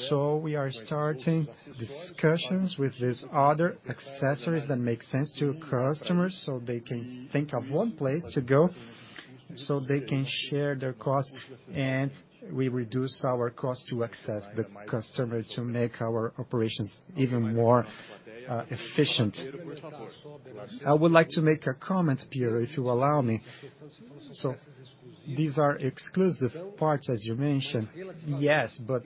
So we are starting discussions with these other accessories that make sense to customers, so they can think of one place to go, so they can share their cost, and we reduce our cost to access the customer to make our operations even more efficient. I would like to make a comment, Piero, if you allow me. So these are exclusive parts, as you mentioned. Yes, but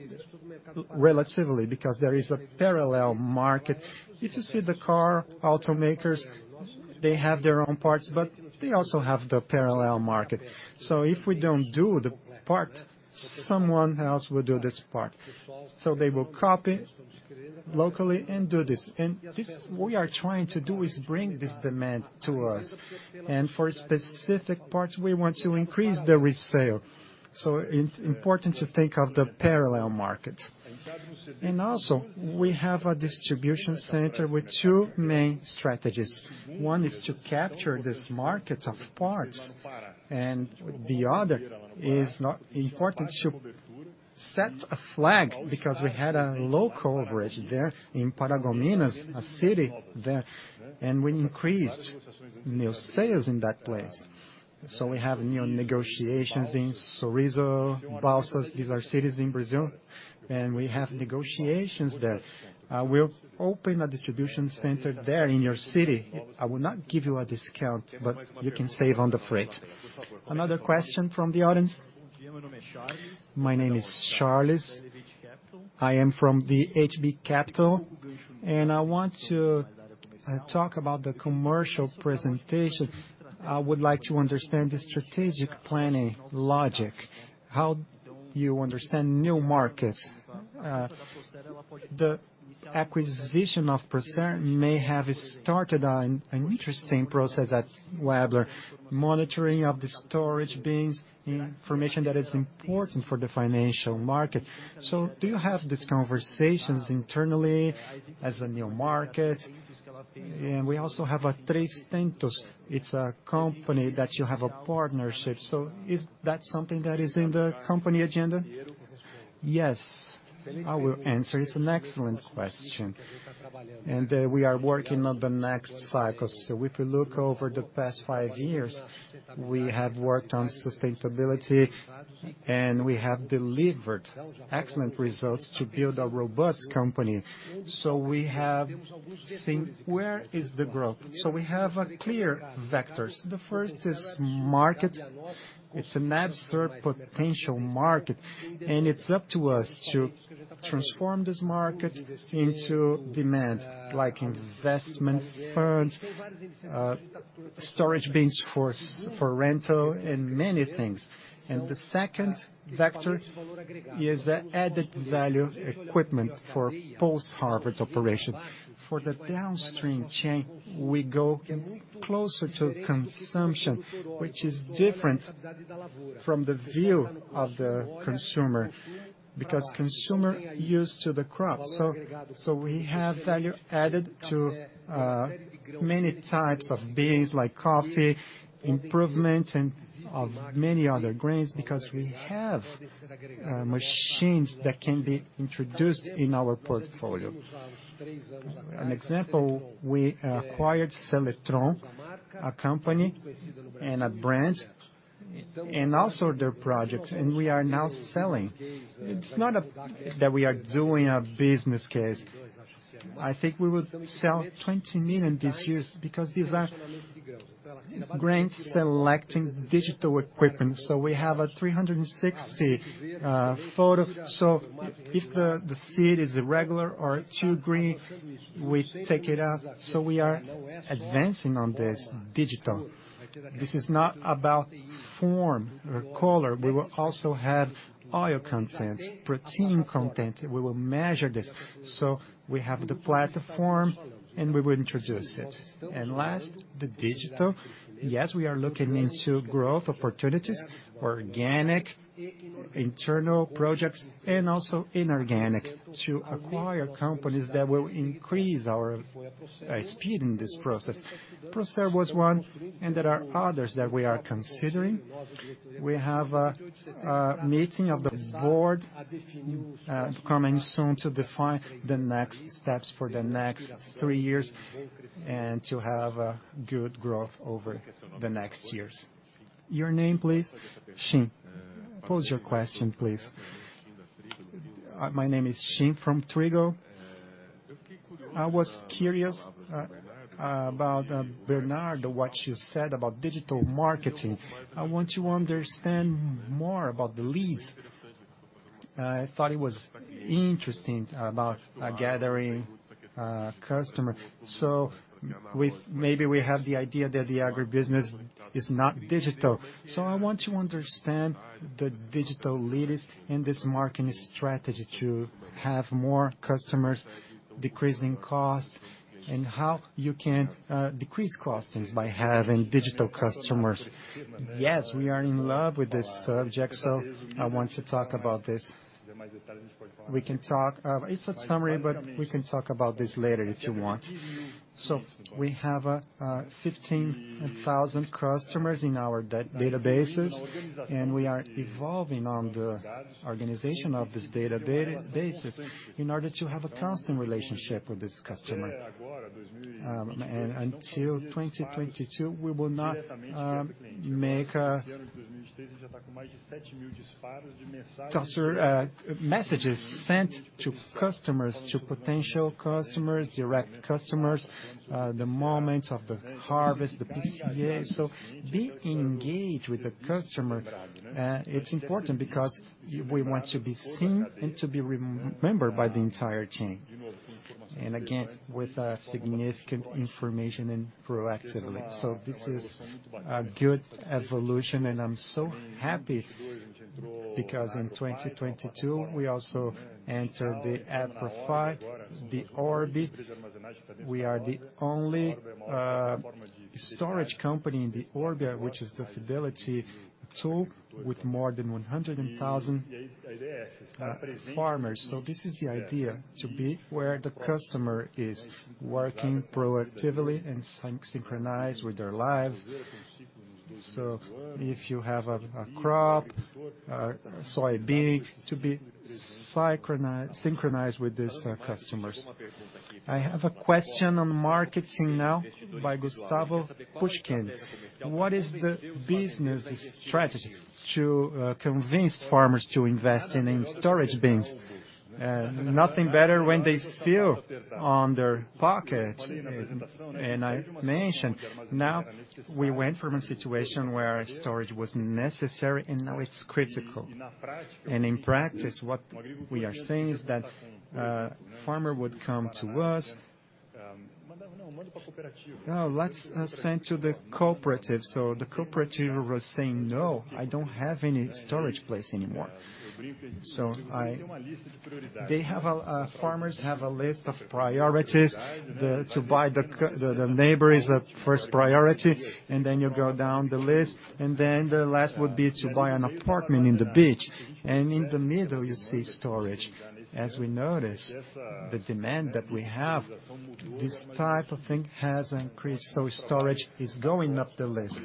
relatively, because there is a parallel market. If you see the car automakers, they have their own parts, but they also have the parallel market. So if we don't do the part, someone else will do this part. So they will copy locally and do this. And this, we are trying to do is bring this demand to us, and for specific parts, we want to increase the resale. So it's important to think of the parallel market. And also, we have a distribution center with two main strategies. One is to capture this market of parts, and the other is not important to set a flag, because we had a low coverage there in Paragominas, a city there, and we increased new sales in that place. So we have new negotiations in Soure, Balsas, these are cities in Brazil, and we have negotiations there. We'll open a distribution center there in your city. I will not give you a discount, but you can save on the freight. Another question from the audience. My name is Charles. I am from the HB Capital, and I want to talk about the commercial presentation. I would like to understand the strategic planning logic, how you understand new markets. The acquisition of Procer may have started an interesting process at Kepler, monitoring of the storage bins, information that is important for the financial market. So do you have these conversations internally as a new market? And we also have a 3tentos, it's a company that you have a partnership, so is that something that is in the company agenda? Yes, I will answer. It's an excellent question, and we are working on the next cycles. So if we look over the past five years, we have worked on sustainability, and we have delivered excellent results to build a robust company. So we have seen where is the growth? So we have a clear vectors. The first is market. It's an absurd potential market, and it's up to us to transform this market into demand, like investment funds, storage bins for rental, and many things. And the second vector is the added value equipment for post-harvest operations. For the downstream chain, we go closer to consumption, which is different from the view of the consumer, because consumer used to the crop. So we have value added to many types of beans, like coffee, improvement, and of many other grains, because we have machines that can be introduced in our portfolio. An example, we acquired Seletron, a company and a brand, and also their projects, and we are now selling. It's not that we are doing a business case. I think we will sell 20 million this year, because these are grain selecting digital equipment. So we have a 360 photo. So if the seed is irregular or too green, we take it out. So we are advancing on this digital. This is not about form or color, we will also have oil content, protein content, we will measure this. So we have the platform, and we will introduce it. And last, the digital. Yes, we are looking into growth opportunities, organic, internal projects, and also inorganic, to acquire companies that will increase our speed in this process. Procer was one, and there are others that we are considering. We have a meeting of the board coming soon to define the next steps for the next three years, and to have a good growth over the next years. Your name, please? Shin. Pose your question, please. My name is Shin from Trigo. I was curious about Bernardo, what you said about digital marketing. I want to understand more about the leads. I thought it was interesting about gathering customer. So maybe we have the idea that the agribusiness is not digital. So I want to understand the digital leaders in this marketing strategy to have more customers, decreasing costs, and how you can decrease costs by having digital customers. Yes, we are in love with this subject, so I want to talk about this. We can talk; it's a summary, but we can talk about this later, if you want. So we have 15,000 customers in our databases, and we are evolving on the organization of this database, in order to have a constant relationship with this customer. And until 2022, we will not make customer messages sent to customers, to potential customers, direct customers, the moments of the harvest, the PCA. So be engaged with the customer, it's important because we want to be seen and to be remembered by the entire chain. And again, with a significant information and proactively. So this is a good evolution, and I'm so happy, because in 2022, we also entered the Agrofy, the Orbi. We are the only storage company in the Orbi, which is the fidelity tool with more than 100,000 farmers. So this is the idea, to be where the customer is, working proactively and synchronized with their lives. So if you have a crop, soybean, to be synchronized, synchronized with these customers. I have a question on marketing now by Gustavo Pusch. What is the business strategy to convince farmers to invest in, in storage bins? Nothing better when they feel on their pockets. And I mentioned, now we went from a situation where storage was necessary, and now it's critical. And in practice, what we are saying is that, farmer would come to us, "no, let's send to the cooperative." So the cooperative was saying: "No, I don't have any storage place anymore." They have a, farmers have a list of priorities, the neighbor is the first priority, and then you go down the list, and then the last would be to buy an apartment in the beach. And in the middle, you see storage. As we notice, the demand that we have, this type of thing has increased, so storage is going up the list.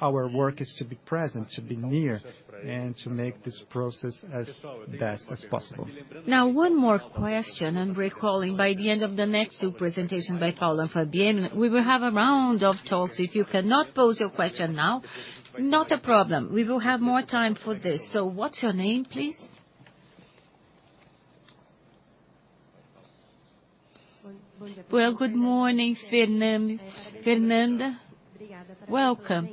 Our work is to be present, to be near, and to make this process as fast as possible. Now, one more question, and recalling by the end of the next two presentations by Paulo and Fabienne, we will have a round of talks. If you cannot pose your question now, not a problem, we will have more time for this. So what's your name, please? Well, good morning, Fernanda. Fernanda, welcome.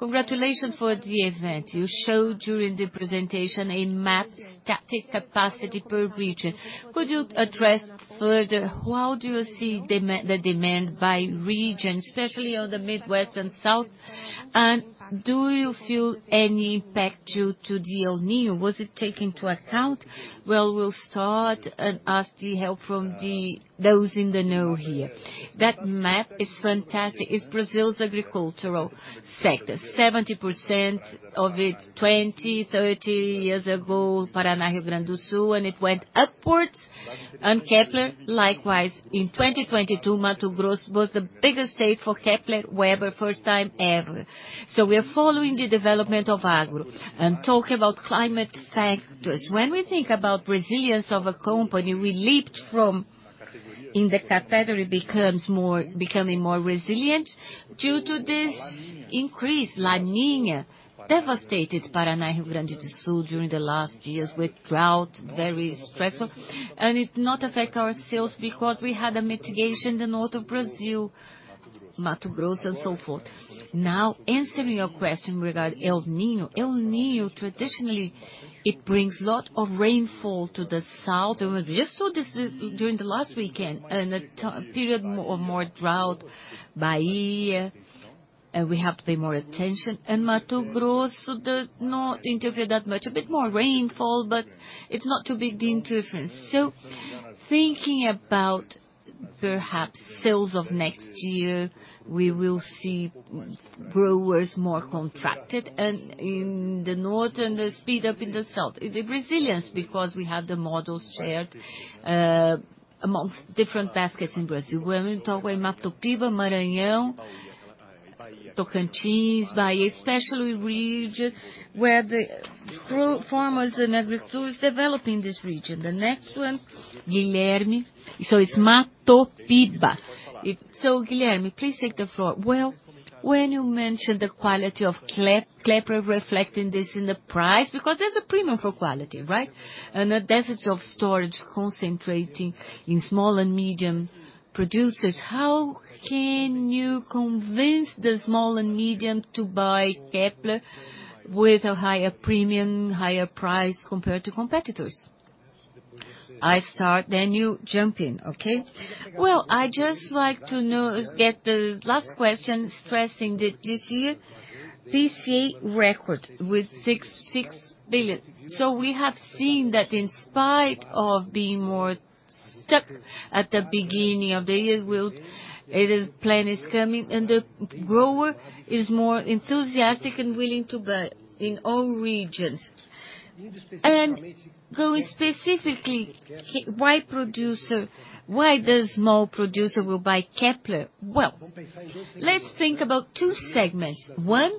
Congratulations for the event. You showed during the presentation a map, static capacity per region. Could you address further, how do you see the demand by region, especially on the Midwest and South? And do you feel any impact due to the El Niño? Was it taken into account? Well, we'll start and ask the help from those in the know here. That map is fantastic, it's Brazil's agricultural sector. 70% of it 20, 30 years ago, Paraná, Rio Grande do Sul, and it went upwards. Kepler, likewise, in 2022, Mato Grosso was the biggest state for Kepler Weber, first time ever. So we are following the development of agro. And talk about climate factors. When we think about resilience of a company, we leaped from, in the category, becoming more resilient due to this increase La Niña, devastated Paraná, Rio Grande do Sul during the last years with drought, very stressful, and it not affect our sales because we had a mitigation in the north of Brazil, Mato Grosso, and so forth. Now, answering your question regarding El Niño. El Niño, traditionally, it brings a lot of rainfall to the south, and we just saw this during the last weekend, and a period of more drought, Bahia, and we have to pay more attention. And Mato Grosso, does not interfere that much. A bit more rainfall, but it's not too big the interference. So thinking about perhaps sales of next year, we will see growers more contracted, and in the north, and the speed up in the south. The resilience, because we have the models shared amongst different baskets in Brazil. When we talk about Matopiba, Maranhão, Tocantins, Bahia, especially region where the farmers and agriculturists developing this region. The next one, Guilherme. So it's Matopiba. So, Guilherme, please take the floor. Well, when you mention the quality of Kepler reflecting this in the price, because there's a premium for quality, right? And the deficit of storage concentrating in small and medium producers, how can you convince the small and medium to buy Kepler with a higher premium, higher price compared to competitors? I start, then you jump in, okay? Well, I'd just like to know, get the last question, stressing that this year, PCA record with 6.6 billion. So we have seen that in spite of being more stuck at the beginning of the year, plan is coming, and the grower is more enthusiastic and willing to buy in all regions. And going specifically, why the small producer will buy Kepler? Well, let's think about two segments. One,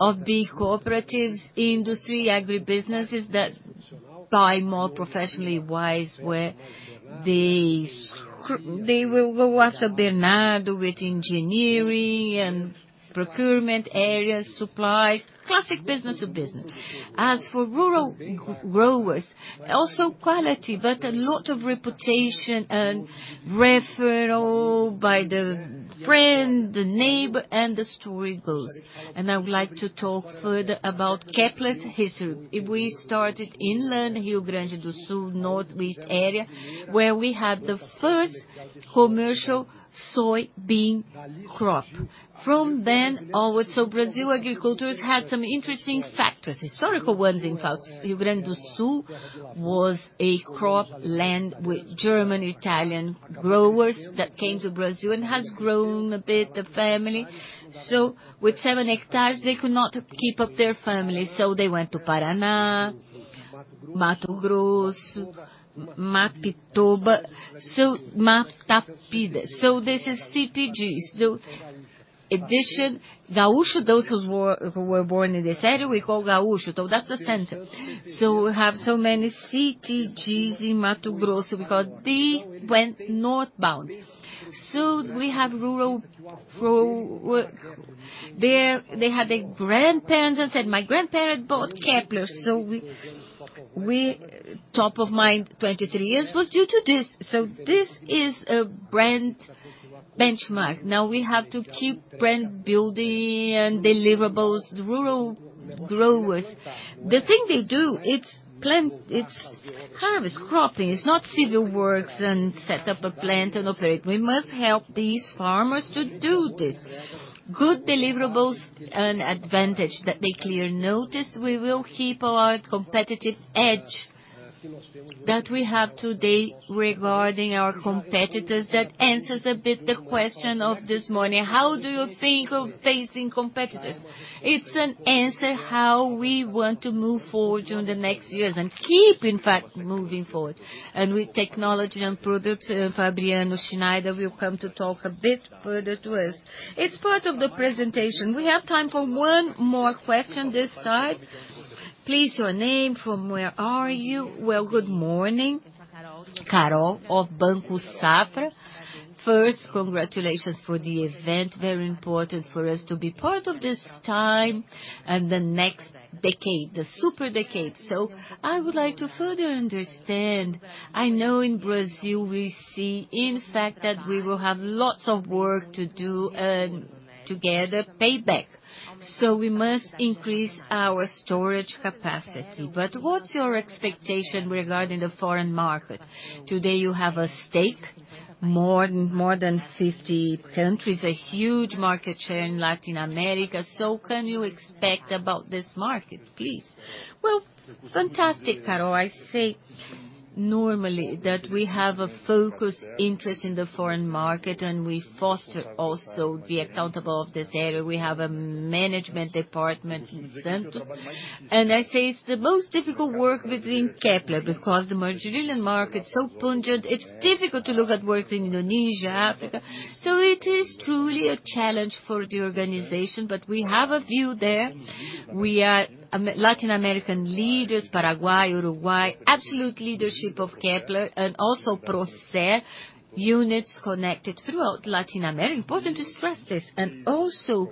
of the cooperatives industry, agribusinesses that buy more professionally wise, where they will go as Bernardo with engineering and procurement areas, supply, classic business to business. As for rural growers, also quality, but a lot of reputation and referral by the friend, the neighbor, and the story goes. And I would like to talk further about Kepler's history. We started inland, Rio Grande do Sul, northeast area, where we had the first commercial soybean crop. From then onwards, Brazil agriculture has had some interesting factors, historical ones, in fact. Rio Grande do Sul was cropland with German, Italian growers that came to Brazil and has grown a bit, the family. With seven hectares, they could not keep up their family, so they went to Paraná, Mato Grosso, Maranhão, so Matopiba. This is CTGs. In addition, Gaúcho, those who were born in this area, we call Gaúcho. That's the center. We have so many CTGs in Mato Grosso because they went northbound. We have rural growers there, they had their grandparents and said, "My grandparents bought Kepler." We top of mind, 23 years was due to this. This is a brand benchmark. Now we have to keep brand building and deliverables. The rural growers, the thing they do, it's plant, it's harvest, cropping. It's not civil works and set up a plant and operate. We must help these farmers to do this. Good deliverables, an advantage that make clear. Notice, we will keep our competitive edge that we have today regarding our competitors. That answers a bit the question of this morning: How do you think of facing competitors? It's an answer how we want to move forward during the next years and keep, in fact, moving forward. And with technology and products, and Fabiano Schneider will come to talk a bit further to us. It's part of the presentation. We have time for one more question this side. Please, your name, from where are you? Well, good morning. Carol of Banco Safra. First, congratulations for the event. Very important for us to be part of this time and the next decade, the super decade. So I would like to further understand. I know in Brazil, we see, in fact, that we will have lots of work to do and to get a payback, so we must increase our storage capacity. But what's your expectation regarding the foreign market? Today, you have a stake, more than, more than 50 countries, a huge market share in Latin America. So can you expect about this market, please? Well, fantastic, Charles. I say normally that we have a focused interest in the foreign market, and we foster also the accountable of this area. We have a management department in centers, and I say it's the most difficult work within Kepler because the Brazilian market is so pungent, it's difficult to look at work in Indonesia, Africa. So it is truly a challenge for the organization, but we have a view there. We are Latin American leaders, Paraguay, Uruguay, absolute leadership of Kepler and also Procer units connected throughout Latin America. Important to stress this. And also,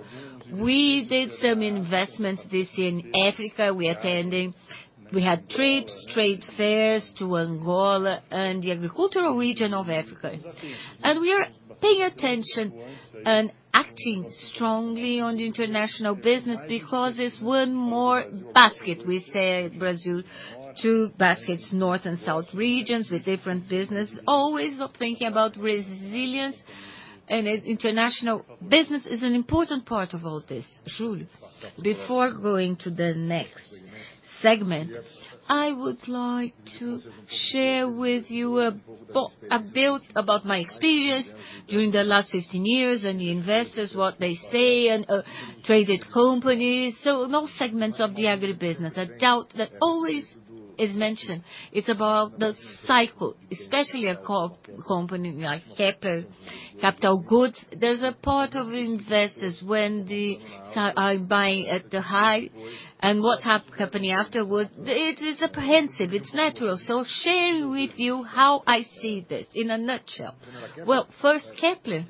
we did some investments this year in Africa. We had trips, trade fairs to Angola and the agricultural region of Africa. And we are paying attention and acting strongly on the international business because it's one more basket. We say Brazil, two baskets, north and south regions with different business, always thinking about resilience, and its international business is an important part of all this. Júlio, before going to the next segment, I would like to share with you a bit about my experience during the last 15 years, and the investors, what they say, and traded companies, so no segments of the agribusiness. A doubt that always is mentioned, it's about the cycle, especially a company like Kepler, capital goods. There's a part of investors when they are buying at the high, and what's happening afterwards, it is apprehensive, it's natural. So sharing with you how I see this in a nutshell. Well, first, Kepler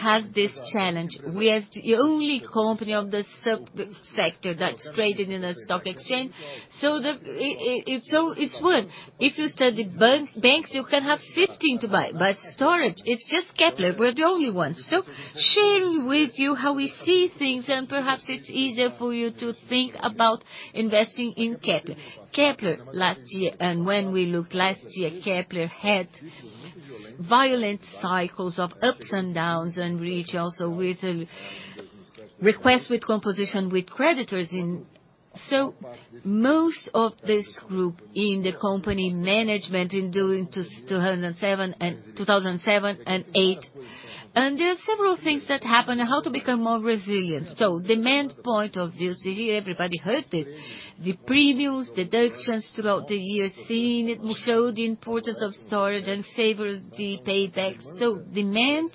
has this challenge. We are the only company of the subsector that's traded in the stock exchange. So it's one. If you study bank, banks, you can have 15 to buy, but storage, it's just Kepler. We're the only ones. So sharing with you how we see things, and perhaps it's easier for you to think about investing in Kepler. Kepler, last year, and when we look last year, Kepler had violent cycles of ups and downs and reach also with a request with composition with creditors in... So most of this group in the company management in during 2007 and 2008, and there are several things that happened on how to become more resilient. So demand point of view, everybody heard it, the previous deductions throughout the year, seeing it show the importance of storage and favor the paybacks. So demand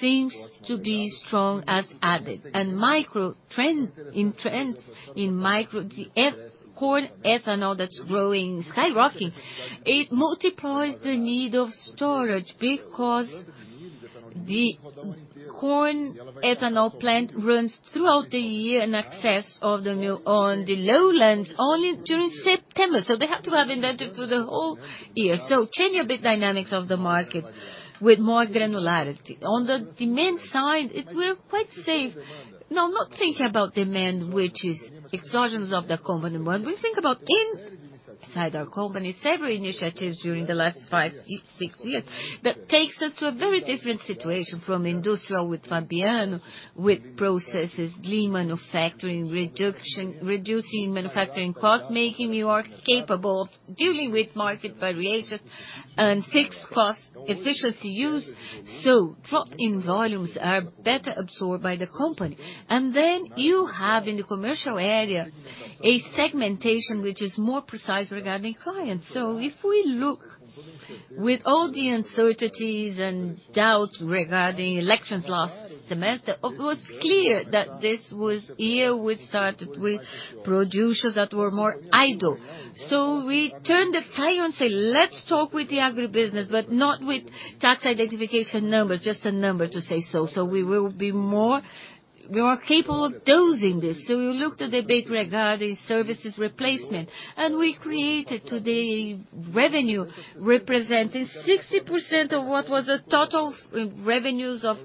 seems to be strong as added. And macro trends in trends, in micro, the corn ethanol that's growing, skyrocketing, it multiplies the need of storage because the corn ethanol plant runs throughout the year in excess of the new, on the lowlands, only during September, so they have to have inventory through the whole year. So changing a bit dynamics of the market with more granularity. On the demand side, it's we're quite safe. Now, not thinking about demand, which is exogenous of the company, but we think about inside our company, several initiatives during the last 5, 6 years, that takes us to a very different situation from industrial, with Fabiano, with processes, lean manufacturing, reduction, reducing manufacturing cost, making you are capable of dealing with market variations and fixed cost efficiency use. So drop in volumes are better absorbed by the company. And then you have in the commercial area, a segmentation, which is more precise regarding clients. So if we look with all the uncertainties and doubts regarding elections last semester, it was clear that this was year we started with producers that were more idle. So we turned the tide and say, "Let's talk with the agribusiness," but not with tax identification numbers, just a number to say so. So we are capable of dosing this. So we looked a bit regarding services replacement, and we created today revenue, representing 60% of what was the total revenues of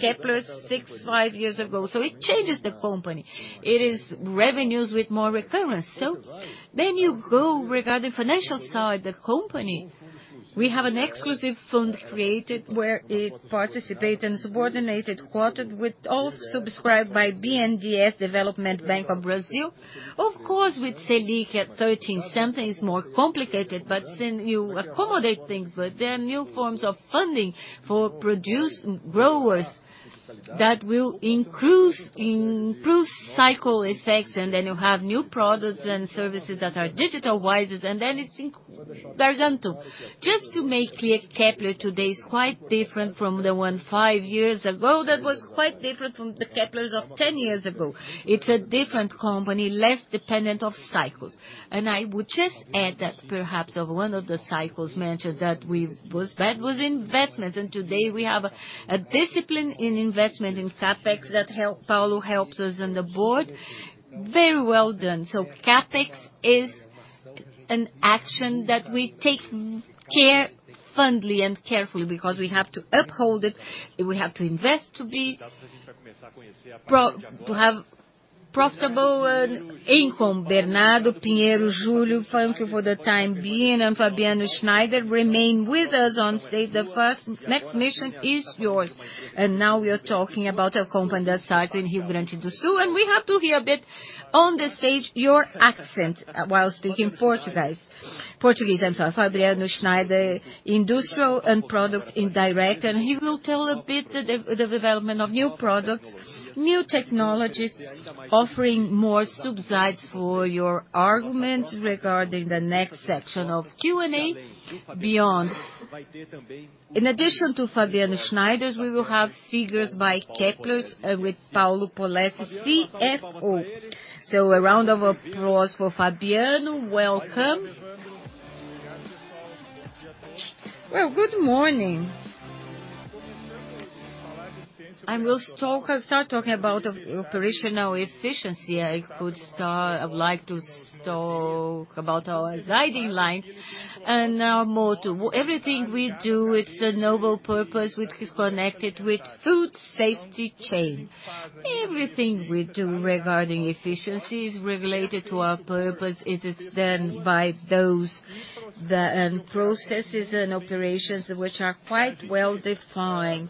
Kepler 65 years ago. So it changes the company. It is revenues with more recurrence. So then you go regarding financial side, the company, we have an exclusive fund created where it participates in a subordinated quota, with all subscribed by BNDES, Development Bank of Brazil. Of course, with Selic at 13%, something is more complicated, but then you accommodate things, but there are new forms of funding for produce growers that will increase, improve cycle effects, and then you have new products and services that are digital-wises, and then it's in... There are two. Just to make clear, Kepler today is quite different from the one 5 years ago, that was quite different from the Keplers of 10 years ago. It's a different company, less dependent of cycles. I would just add that perhaps of one of the cycles mentioned that we was, that was investments, and today we have a, a discipline in investment in CapEx that help Paulo helps us on the board. Very well done. CapEx is an action that we take care fully and carefully because we have to uphold it, and we have to invest to be profitable and income. Bernardo Nogueira, Júlio, thank you for the time being, and Fabiano Schneider, remain with us on stage. The first, next mission is yours. Now we are talking about a company that starts in Rio Grande do Sul, and we have to hear a bit on the stage, your accent, while speaking Portuguese. Portuguese, I'm sorry. Fabiano Schneider, Industrial and Product Director, and he will tell a bit the development of new products, new technologies, offering more substance for your arguments regarding the next section of Q&A beyond. In addition to Fabiano Schneider, we will have figures by Kepler and with Paulo Polezi, CFO. So a round of applause for Fabiano. Welcome. Well, good morning... I will start talking about operational efficiency. I could start, I would like to talk about our guiding lines and our motto. Everything we do, it's a noble purpose, which is connected with food safety chain. Everything we do regarding efficiency is related to our purpose, it is done by those processes and operations which are quite well defined.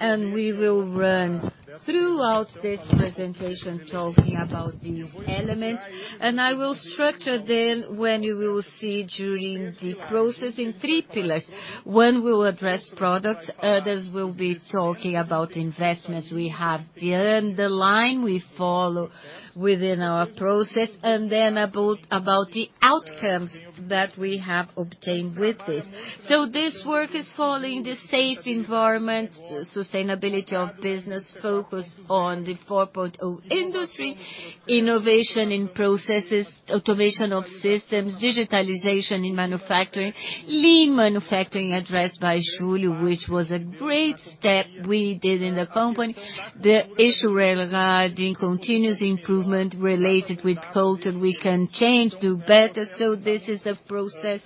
And we will run throughout this presentation talking about these elements, and I will structure them when you will see during the process in three pillars. One will address products, others will be talking about investments we have done, the line we follow within our process, and then about, about the outcomes that we have obtained with this. So this work is fostering a safe environment, sustainability of business focus on the Industry 4.0, innovation in processes, automation of systems, digitalization in manufacturing, lean manufacturing, addressed by Júlio, which was a great step we did in the company. The issue regarding continuous improvement related with culture, we can change, do better, so this is a process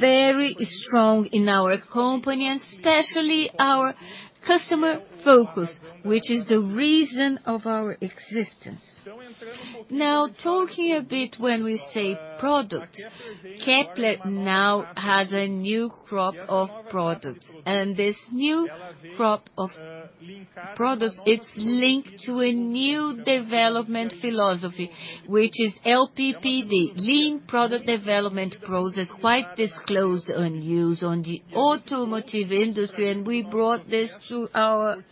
very strong in our company, especially our customer focus, which is the reason of our existence. Now, talking a bit, when we say product, Kepler now has a new crop of products, and this new crop of products, it's linked to a new development philosophy, which is LPPD, Lean Product Development Process, quite disclosed and used on the automotive industry, and we brought this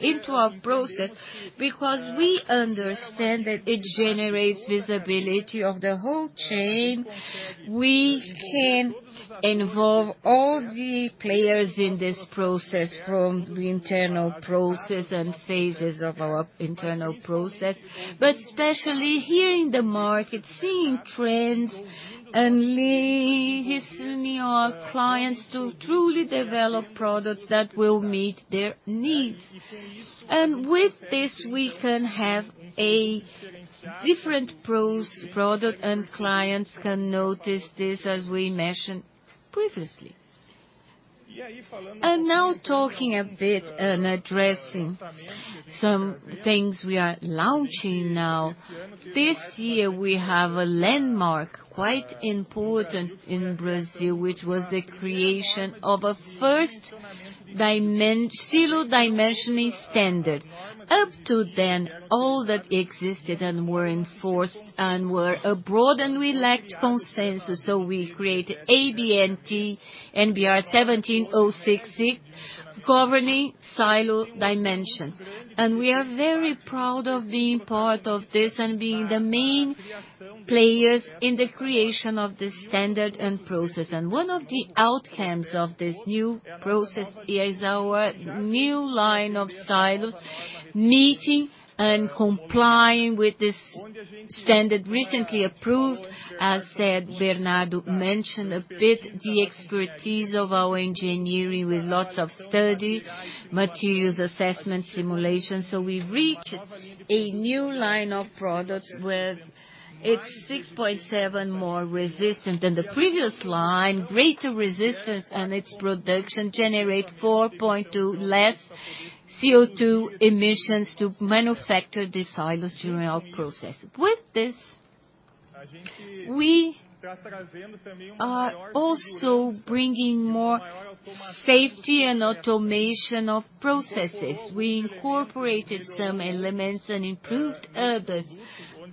into our process because we understand that it generates visibility of the whole chain. We can involve all the players in this process, from the internal process and phases of our internal process, but especially here in the market, seeing trends and listening our clients to truly develop products that will meet their needs. And with this, we can have a different product, and clients can notice this, as we mentioned previously. And now talking a bit and addressing some things we are launching now. This year, we have a landmark, quite important in Brazil, which was the creation of a first silo dimensioning standard. Up till then, all that existed and were enforced and were abroad and we lacked consensus, so we created ABNT NBR 17066, governing silo dimension. We are very proud of being part of this and being the main players in the creation of this standard and process. One of the outcomes of this new process is our new line of silos, meeting and complying with this standard recently approved. As said, Bernardo mentioned a bit the expertise of our engineering with lots of study, materials assessment, simulation. So we reached a new line of products, with its 6.7 more resistant than the previous line. Greater resistance and its production generate 4.2 less CO2 emissions to manufacture the silos during our process. With this, we are also bringing more safety and automation of processes. We incorporated some elements and improved others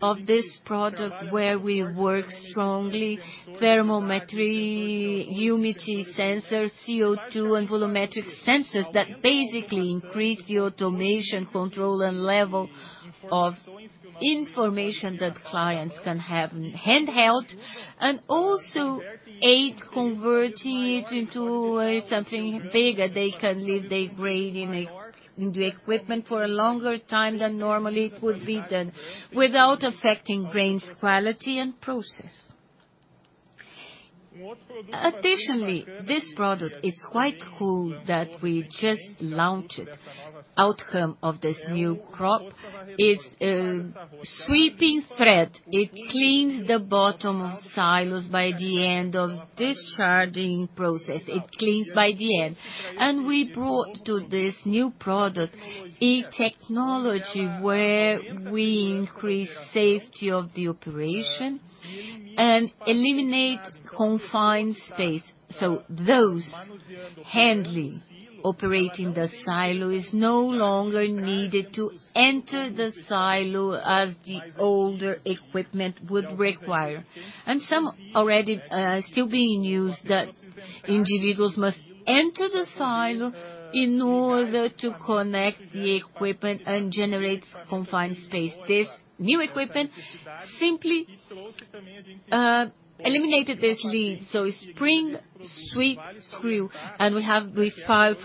of this product, where we work strongly, thermometry, humidity sensors, CO2 and volumetric sensors that basically increase the automation, control, and level of information that clients can have handheld, and also aid convert it into something bigger. They can leave their grain in the equipment for a longer time than normally it would be done, without affecting grain's quality and process. Additionally, this product is quite cool that we just launched. Outcome of this new crop is sweeping spread. It cleans the bottom of silos by the end of discharging process, it cleans by the end. And we brought to this new product, a technology where we increase safety of the operation and eliminate confined space. So those handling, operating the silo is no longer needed to enter the silo as the older equipment would require. And some already, still being used, that individuals must enter the silo in order to connect the equipment and generate confined space. This new equipment simply eliminated this need. So spring sweep screw, and we have applied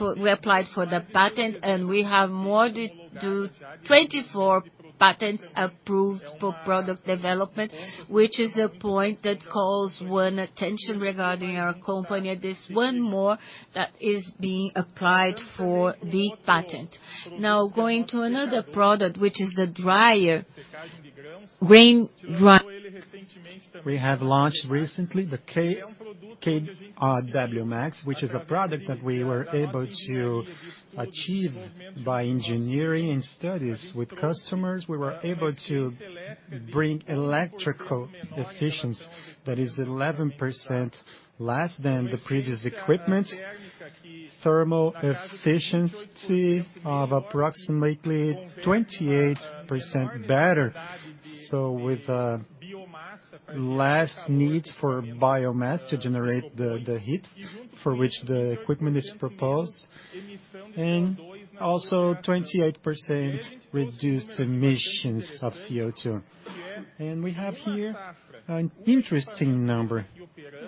for the patent, and we have more to do, 24 patents approved for product development, which is a point that calls one attention regarding our company. There's one more that is being applied for the patent. Now, going to another product, which is the dryer. We have launched recently the KW Max, which is a product that we were able to achieve by engineering and studies with customers. We were able to bring electrical efficiency that is 11% less than the previous equipment. Thermal efficiency of approximately 28% better, so with less needs for biomass to generate the heat for which the equipment is proposed, and also 28% reduced emissions of CO2. We have here an interesting number.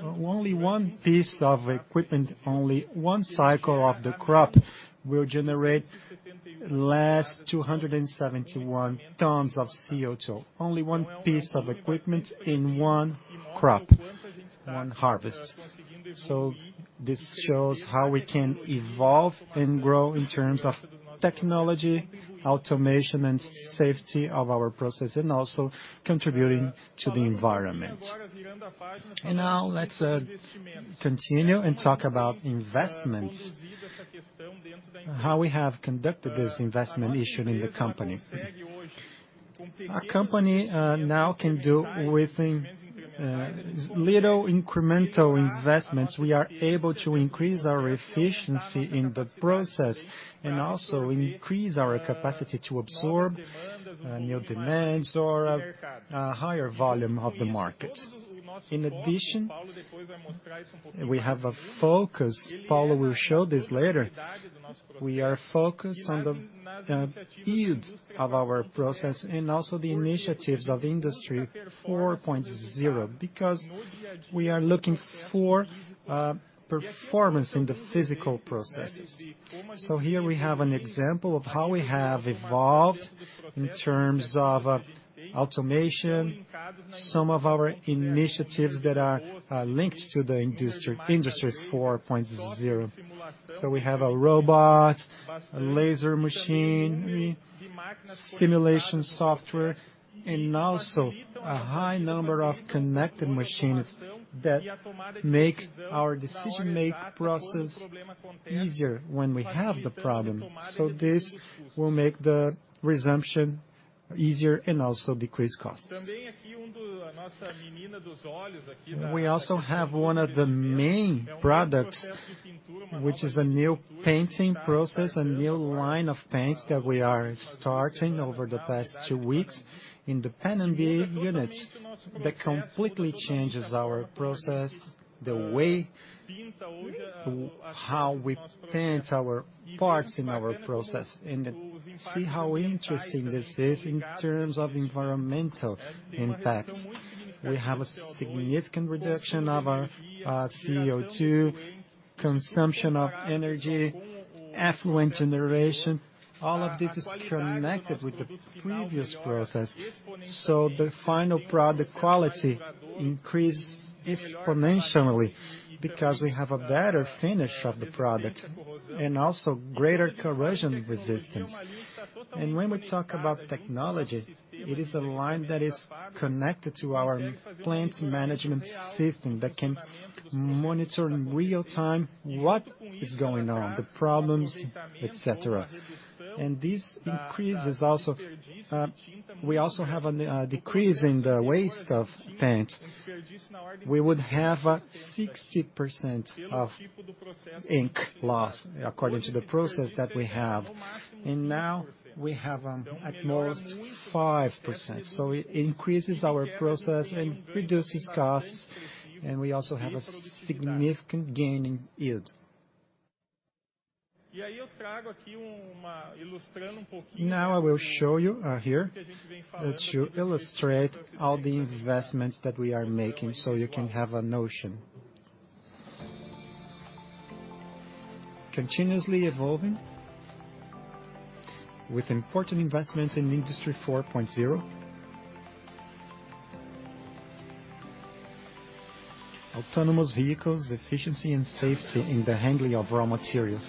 Only one piece of equipment, only one cycle of the crop will generate less 271 tons of CO2. Only one piece of equipment in one crop, one harvest. This shows how we can evolve and grow in terms of technology, automation, and safety of our process, and also contributing to the environment. Now let's continue and talk about investments. How we have conducted this investment issue in the company. Our company, now can do within, little incremental investments, we are able to increase our efficiency in the process and also increase our capacity to absorb, new demands or a higher volume of the market. In addition, we have a focus, Paulo will show this later. We are focused on the yield of our process and also the initiatives of Industry 4.0, because we are looking for performance in the physical processes. So here we have an example of how we have evolved in terms of automation, some of our initiatives that are linked to the industry, Industry 4.0. So we have a robot, a laser machine, simulation software, and also a high number of connected machines that make our decision-making process easier when we have the problem. So this will make the resumption easier and also decrease costs. We also have one of the main products, which is a new painting process, a new line of paint that we are starting over the past two weeks in the Panambi units. That completely changes our process, the way, how we paint our parts in our process, and see how interesting this is in terms of environmental impact. We have a significant reduction of our, CO2, consumption of energy, effluent generation. All of this is connected with the previous process, so the final product quality increases exponentially because we have a better finish of the product and also greater corrosion resistance. And when we talk about technology, it is a line that is connected to our plants management system that can monitor in real time what is going on, the problems, et cetera. This increases also. We also have a decrease in the waste of paint. We would have a 60% of ink loss according to the process that we have, and now we have, at most 5%. So it increases our process and reduces costs, and we also have a significant gain in yield. Now, I will show you here to illustrate all the investments that we are making, so you can have a notion. Continuously evolving with important investments in Industry 4.0. Autonomous vehicles, efficiency and safety in the handling of raw materials.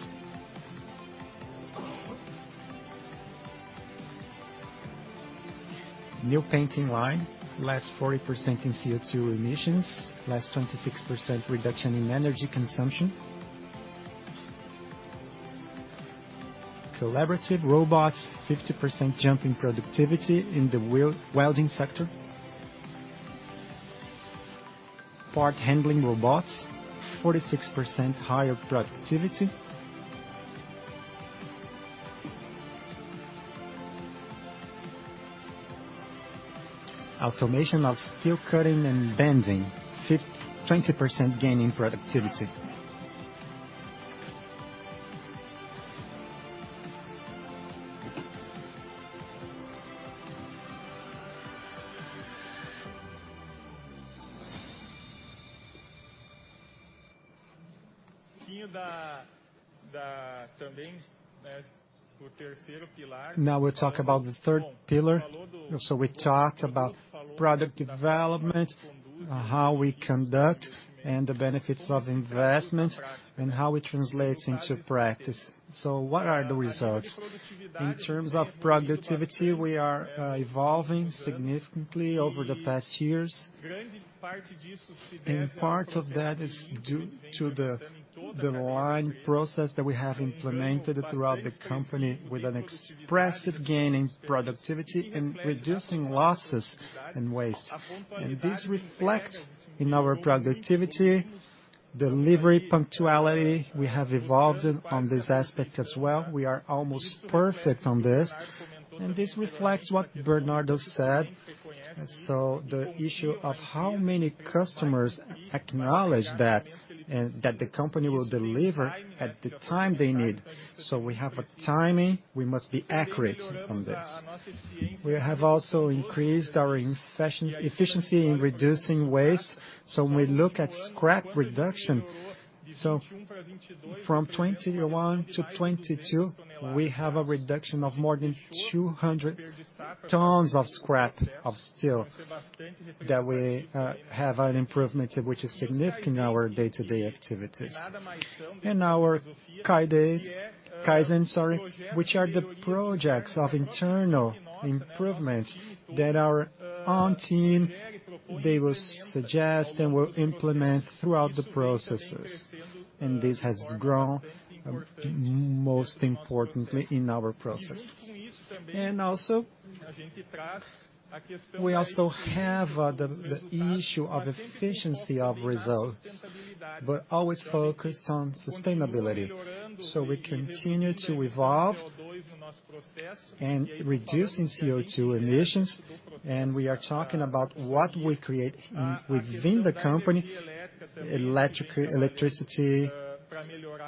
New painting line, less 40% in CO2 emissions, less 26% reduction in energy consumption. Collaborative robots, 50% jump in productivity in the welding sector. Part handling robots, 46% higher productivity. Automation of steel cutting and bending, twenty percent gain in productivity. A little bit of the third pillar. Now we'll talk about the third pillar. So we talked about product development, how we conduct and the benefits of investments, and how it translates into practice. So what are the results? In terms of productivity, we are evolving significantly over the past years, and part of that is due to the lean process that we have implemented throughout the company with an expressive gain in productivity and reducing losses and waste. And this reflect in our productivity, delivery, punctuality. We have evolved on this aspect as well. We are almost perfect on this, and this reflects what Bernardo said. So the issue of how many customers acknowledge that, and that the company will deliver at the time they need. So we have a timing, we must be accurate on this. We have also increased our efficiency in reducing waste, so when we look at scrap reduction. So from 2021 to 2022, we have a reduction of more than 200 tons of scrap of steel, that we have an improvement, which is significant in our day-to-day activities. And our Kaizen, sorry, which are the projects of internal improvements that our own team they will suggest and will implement throughout the processes, and this has grown, most importantly in our processes. And also, we also have the issue of efficiency of results, but always focused on sustainability. So we continue to evolve and reducing CO₂ emissions, and we are talking about what we create within the company, electricity,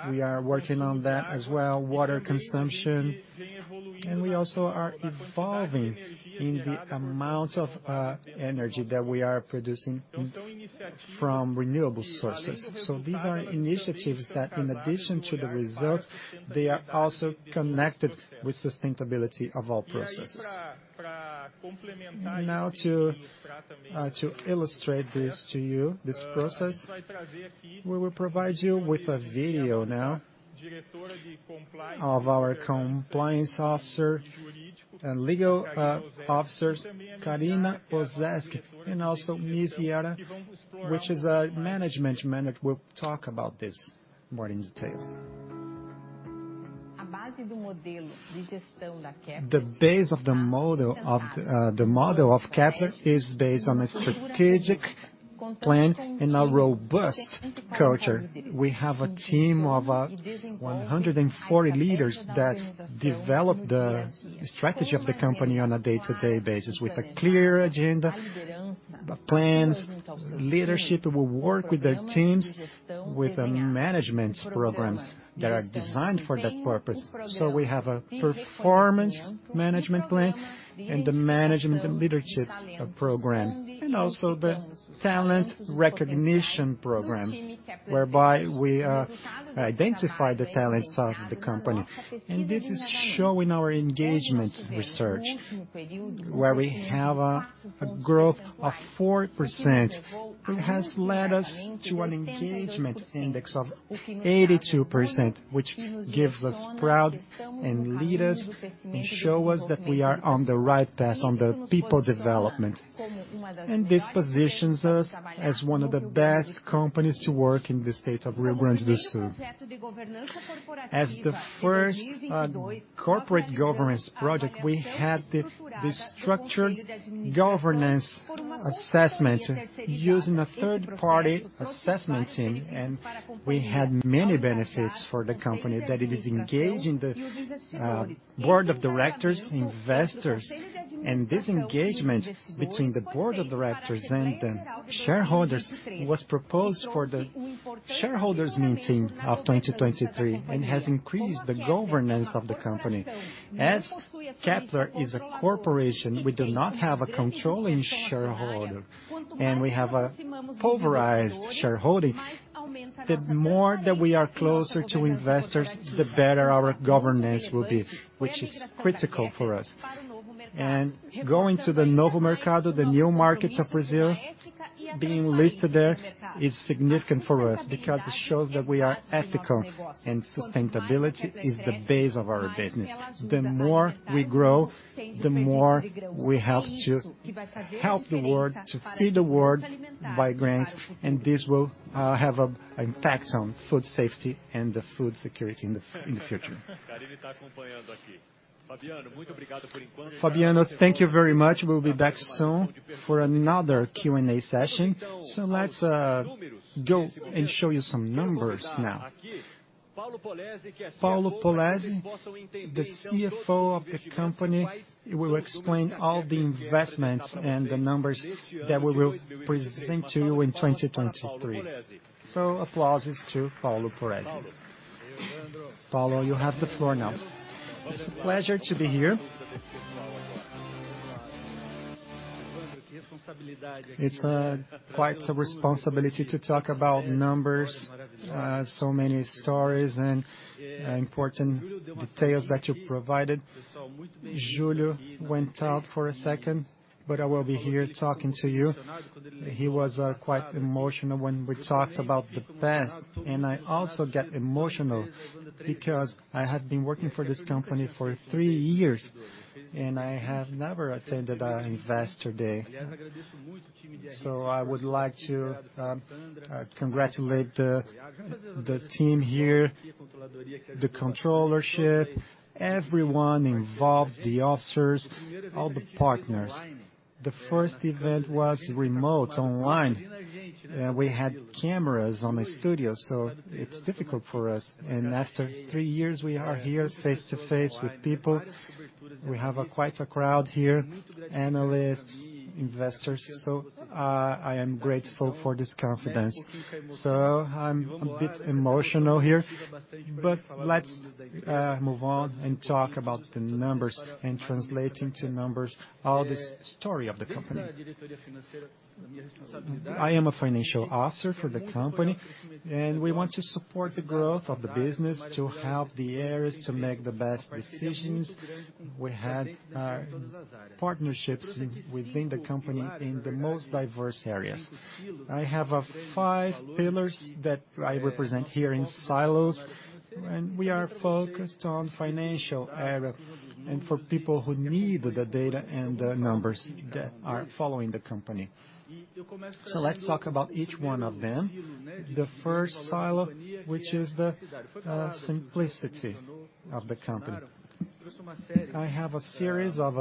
we are working on that as well, water consumption, and we also are evolving in the amount of energy that we are producing from renewable sources. So these are initiatives that in addition to the results, they are also connected with sustainability of all processes. Now, to illustrate this to you, this process, we will provide you with a video now of our Compliance Officer and Legal Officers, Karina Ozzetti, and also Miss Lara, which is a management manager, will talk about this more in detail. The base of the model of the model of Kepler is based on a strategic plan and a robust culture. We have a team of 140 leaders that develop the strategy of the company on a day-to-day basis with a clear agenda, plans. Leadership will work with their teams, with the management programs that are designed for that purpose. So we have a performance management plan and the management and leadership program, and also the talent recognition program, whereby we identify the talents of the company. And this is showing our engagement research, where we have a growth of 4%, which has led us to an engagement index of 82%, which gives us proud and lead us and show us that we are on the right path on the people development. And this positions us as one of the best companies to work in the state of Rio Grande do Sul. As the first corporate governance project, we had the structured governance assessment using a third-party assessment team, and we had many benefits for the company, that it is engaging the board of directors, investors. This engagement between the board of directors and the shareholders was proposed for the shareholders meeting of 2023, and has increased the governance of the company. As Kepler is a corporation, we do not have a controlling shareholder, and we have a pulverized shareholding. The more that we are closer to investors, the better our governance will be, which is critical for us. Going to the Novo Mercado, the new markets of Brazil, being listed there is significant for us because it shows that we are ethical, and sustainability is the base of our business. The more we grow, the more we help to help the world, to feed the world by grains, and this will have an impact on food safety and the food security in the, in the future. Fabiano, thank you very much. We'll be back soon for another Q&A session. So let's go and show you some numbers now. Paulo Polezi, the CFO of the company, will explain all the investments and the numbers that we will present to you in 2023. So applause to Paulo Polezi. Paulo, you have the floor now. It's a pleasure to be here... It's quite a responsibility to talk about numbers, so many stories and important details that you provided. Júlio went out for a second, but I will be here talking to you. He was quite emotional when we talked about the past, and I also get emotional, because I have been working for this company for three years, and I have never attended our Investor Day. So I would like to congratulate the team here, the controllership, everyone involved, the officers, all the partners. The first event was remote, online. We had cameras on the studio, so it's difficult for us, and after three years, we are here face to face with people. We have quite a crowd here, analysts, investors, so I am grateful for this confidence. So I'm a bit emotional here, but let's move on and talk about the numbers and translating to numbers, all this story of the company. I am a financial officer for the company, and we want to support the growth of the business to help the areas to make the best decisions. We had partnerships within the company in the most diverse areas. I have five pillars that I represent here in silos, and we are focused on financial areas and for people who need the data and the numbers that are following the company. So let's talk about each one of them. The first silo, which is the simplicity of the company. I have a series of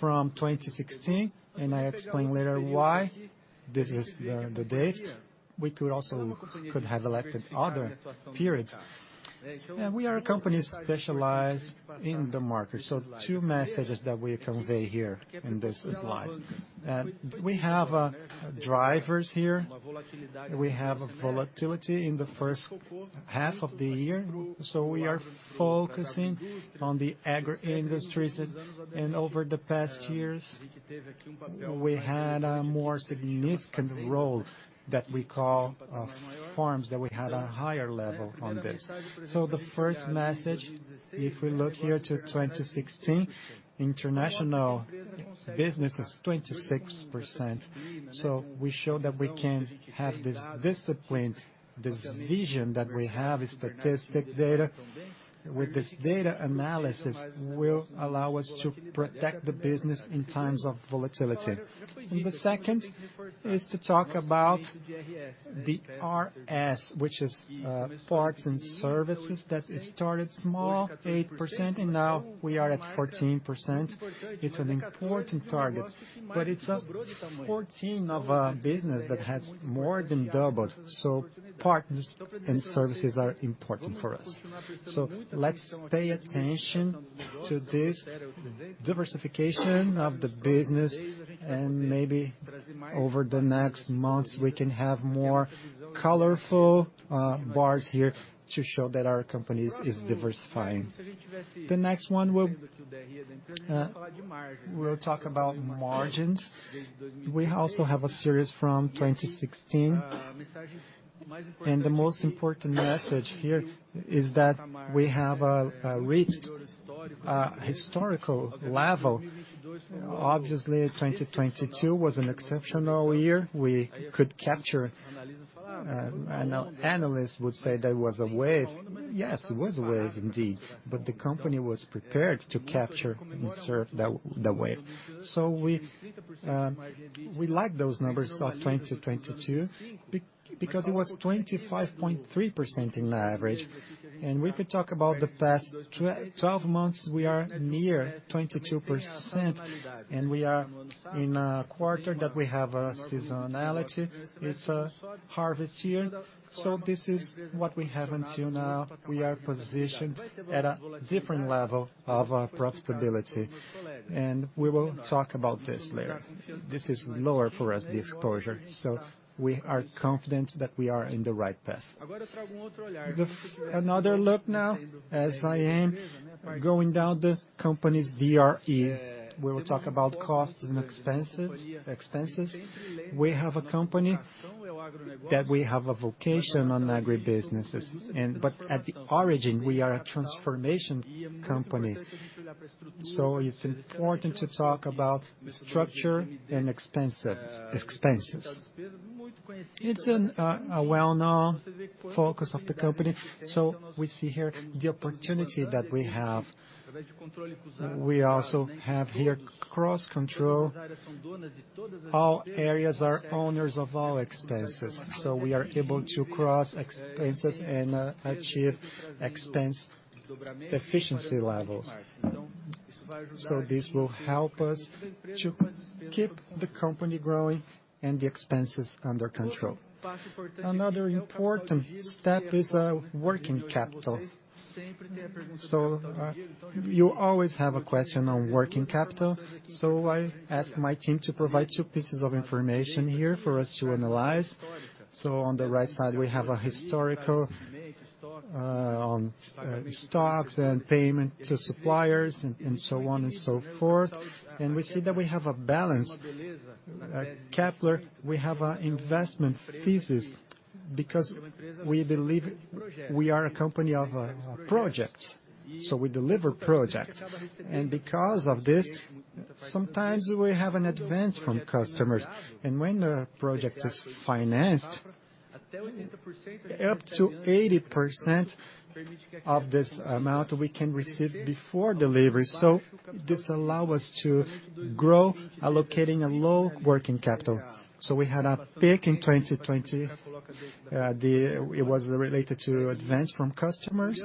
from 2016, and I explain later why this is the date. We could have elected other periods. And we are a company specialized in the market, so two messages that we convey here in this slide. We have drivers here. We have a volatility in the H1 of the year, so we are focusing on the agro-industries, and over the past years, we had a more significant role that we call, farms, that we had a higher level on this. The first message, if we look here to 2016, international business is 26%. So we show that we can have this discipline, this vision that we have, a statistic data. With this data analysis, will allow us to protect the business in times of volatility. The second is to talk about the RS, which is, parts and services that started small, 8%, and now we are at 14%. It's an important target, but it's a 14 of a business that has more than doubled, so partners and services are important for us. So let's pay attention to this diversification of the business, and maybe over the next months, we can have more colorful, bars here to show that our company is diversifying. The next one, we'll talk about margins. We also have a series from 2016, and the most important message here is that we have reached a historical level. Obviously, 2022 was an exceptional year. We could capture, and analysts would say that was a wave. Yes, it was a wave indeed, but the company was prepared to capture and surf the wave. So we like those numbers of 2022, because it was 25.3% in average. And we could talk about the past twelve months, we are near 22%, and we are in a quarter that we have a seasonality. It's a harvest year, so this is what we have until now. We are positioned at a different level of profitability, and we will talk about this later. This is lower for us, the exposure, so we are confident that we are in the right path. Another look now, as I am going down the company's VRE, we will talk about costs and expenses. We have a company that we have a vocation on agribusinesses, and but at the origin, we are a transformation company, so it's important to talk about structure and expenses. It's a well-known focus of the company, so we see here the opportunity that we have. We also have here, cross-control. All areas are owners of all expenses, so we are able to cross expenses and achieve expense efficiency levels. So this will help us to keep the company growing and the expenses under control. Another important step is working capital. So you always have a question on working capital, so I ask my team to provide two pieces of information here for us to analyze. So on the right side, we have historical on stocks and payment to suppliers and so on and so forth, and we see that we have a balance. At Kepler, we have a investment thesis, because we believe we are a company of projects, so we deliver projects. And because of this, sometimes we have an advance from customers, and when the project is financed, up to 80% of this amount we can receive before delivery. So this allow us to grow, allocating a low working capital. So we had a peak in 2020, It was related to advance from customers.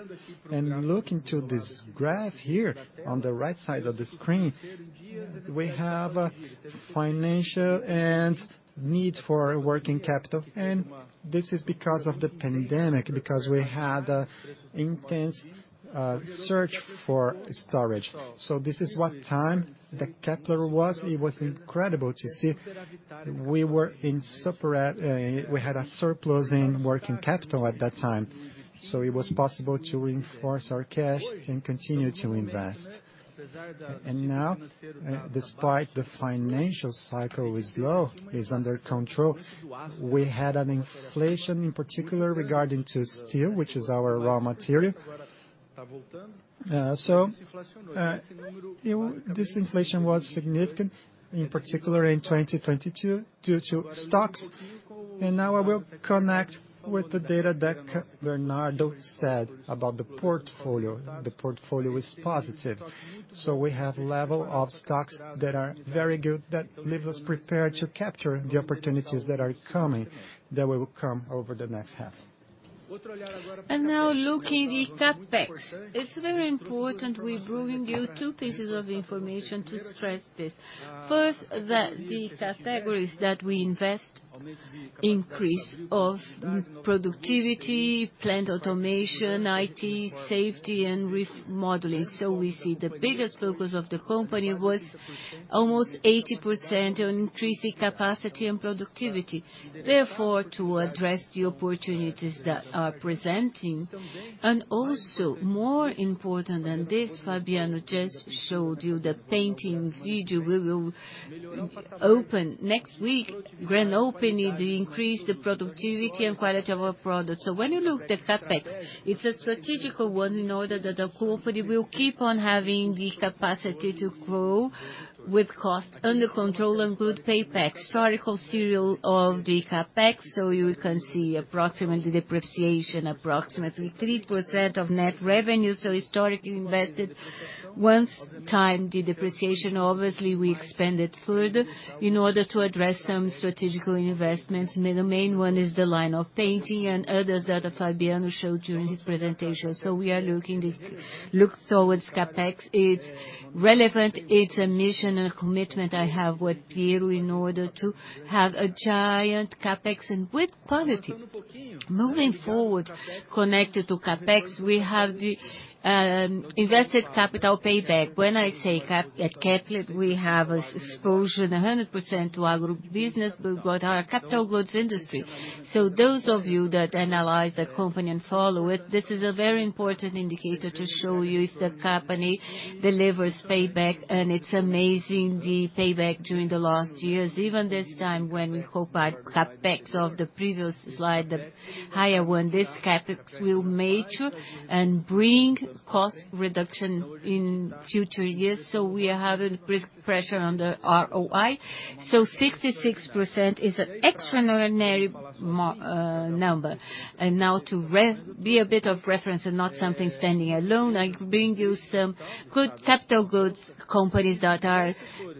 And looking to this graph here, on the right side of the screen, we have a financial and need for working capital, and this is because of the pandemic, because we had a intense, search for storage. So this is what time the Kepler was. It was incredible to see. We were in super, we had a surplus in working capital at that time, so it was possible to reinforce our cash and continue to invest. And now, despite the financial cycle is low, is under control, we had an inflation, in particular regarding to steel, which is our raw material. This inflation was significant, in particular in 2022 due to stocks, and now I will connect with the data that Bernardo said about the portfolio. The portfolio is positive. So we have level of stocks that are very good, that leaves us prepared to capture the opportunities that are coming, that will come over the next half. And now, looking at the CapEx. It's very important; we're bringing you two pieces of information to stress this. First, the categories that we invest in: increase of productivity, plant automation, IT, safety, and remodeling. So we see the biggest focus of the company was almost 80% on increasing capacity and productivity, therefore, to address the opportunities that are presenting. And also, more important than this, Fabiano just showed you the painting video. We will open next week, grand opening, to increase the productivity and quality of our products. So when you look at the CapEx, it's a strategic one, in order that the company will keep on having the capacity to grow with cost under control and good payback. Historical series of the CapEx, so you can see approximately depreciation, approximately 3% of net revenue, so historically invested. One time, the depreciation, obviously, we expanded further in order to address some strategic investments. The main one is the line of painting and others that Fabiano showed during his presentation. So we are looking to look towards CapEx. It's relevant, it's a mission, a commitment I have with Piero in order to have a giant CapEx and with quality. Moving forward, connected to CapEx, we have the invested capital payback. When I say capital at Kepler, we have exposure in 100% to our group business, but our capital goods industry. So those of you that analyze the company and follow it, this is a very important indicator to show you if the company delivers payback, and it's amazing, the payback during the last years. Even this time when we hope by CapEx of the previous slide, the higher one, this CapEx will mature and bring cost reduction in future years, so we are having pressure on the ROI. So 66% is an extraordinary number. Now to be a bit of reference and not something standing alone, I bring you some good capital goods companies that are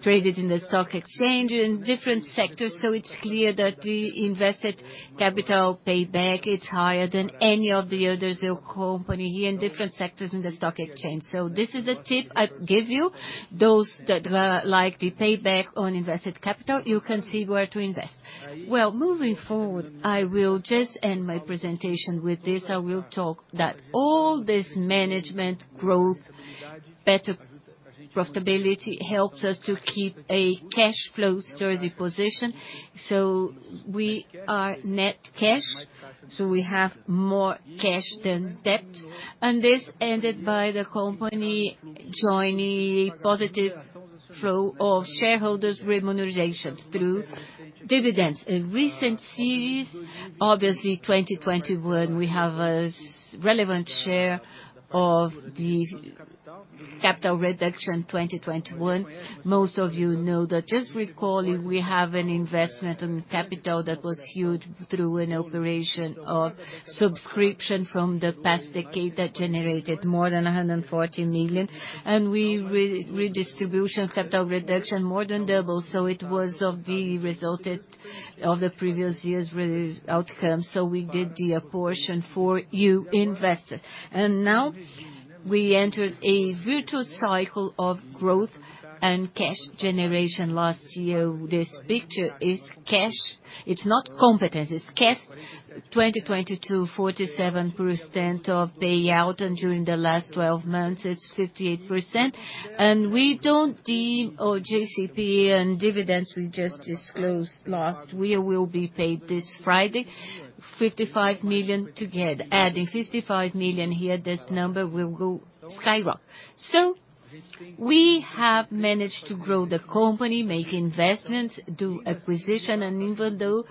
traded in the stock exchange in different sectors. So it's clear that the invested capital payback, it's higher than any of the other company in different sectors in the stock exchange. So this is a tip I'd give you. Those that like the payback on invested capital, you can see where to invest. Well, moving forward, I will just end my presentation with this. I will talk that all this management growth, better profitability, helps us to keep a cash flow sturdy position. So we are net cash, so we have more cash than debt, and this ended by the company joining positive flow of shareholders' remunerations through dividends. In recent series, obviously, 2021, we have a relevant share of the capital reduction 2021. Most of you know that. Just recalling, we have an investment on capital that was huge through an operation of subscription from the past decade that generated more than 140 million, and we redistribution capital reduction more than double, so it was of the resulted of the previous year's outcome, so we did the apportion for you investors. And now, we entered a virtual cycle of growth and cash generation last year. This picture is cash. It's not competence, it's cash. 2022, 47% of payout, and during the last 12 months, it's 58%. And we don't deem our JCP and dividends we just disclosed last, we will be paid this Friday, 55 million to get. Adding 55 million here, this number will go skyrocket. So we have managed to grow the company, make investments, do acquisition, and even though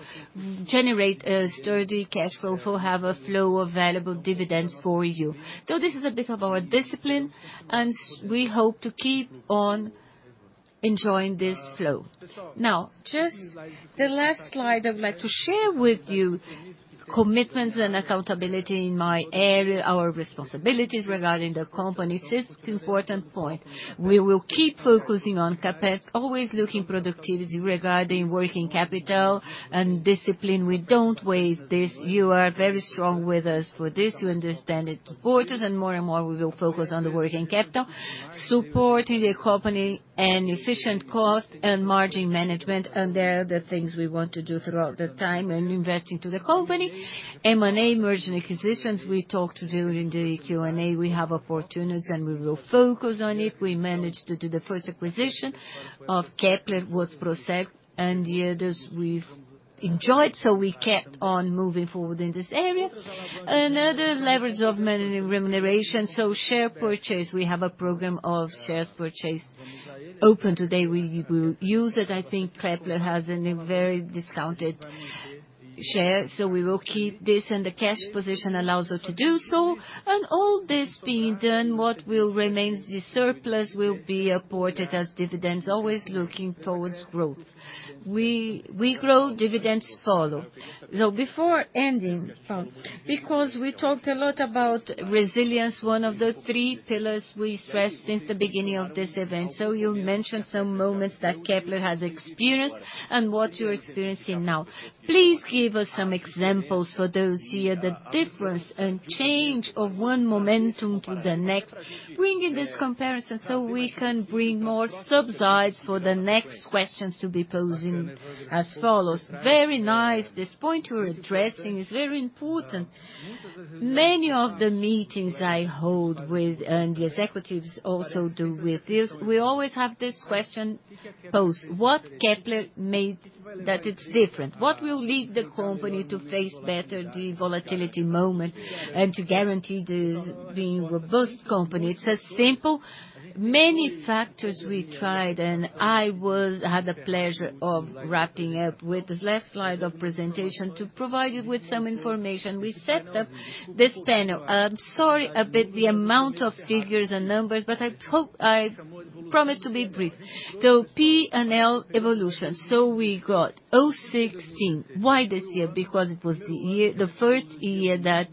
generate a sturdy cash flow for have a flow of available dividends for you. So this is a bit of our discipline, and we hope to keep on enjoying this flow. Now, just the last slide, I'd like to share with you commitments and accountability in my area, our responsibilities regarding the company. This important point, we will keep focusing on CapEx, always looking productivity regarding working capital and discipline. We don't waive this. You are very strong with us for this. You understand it's important, and more and more, we will focus on the working capital, supporting the company and efficient cost and margin management, and they're the things we want to do throughout the time and investing to the company. M&A, merger and acquisitions, we talked during the Q&A. We have opportunities, and we will focus on it. We managed to do the first acquisition of Kepler was Procer, and the others we've enjoyed. So we kept on moving forward in this area. Another leverage of managing remuneration, so share purchase. We have a program of shares purchase open today. We will use it. I think Kepler has a very discounted share, so we will keep this, and the cash position allows us to do so. And all this being done, what will remain the surplus will be reported as dividends, always looking towards growth. We, we grow, dividends follow. So before ending, because we talked a lot about resilience, one of the three pillars we stressed since the beginning of this event. So you mentioned some moments that Kepler has experienced and what you're experiencing now. Please give us some examples for those here, the difference and change of one moment to the next, bringing this comparison so we can bring more substance for the next questions to be posing as follows. Very nice. This point you're addressing is very important. Many of the meetings I hold with, and the executives also do with this, we always have this question posed: What Kepler made that it's different? What will lead the company to face better the volatility moment and to guarantee this being a robust company? It's as simple. Many factors we tried, and I had the pleasure of wrapping up with this last slide of presentation to provide you with some information. We set up this panel. I'm sorry about the amount of figures and numbers, but I hope I promised to be brief. So P&L evolution. So we got 2016. Why this year? Because it was the year, the first year that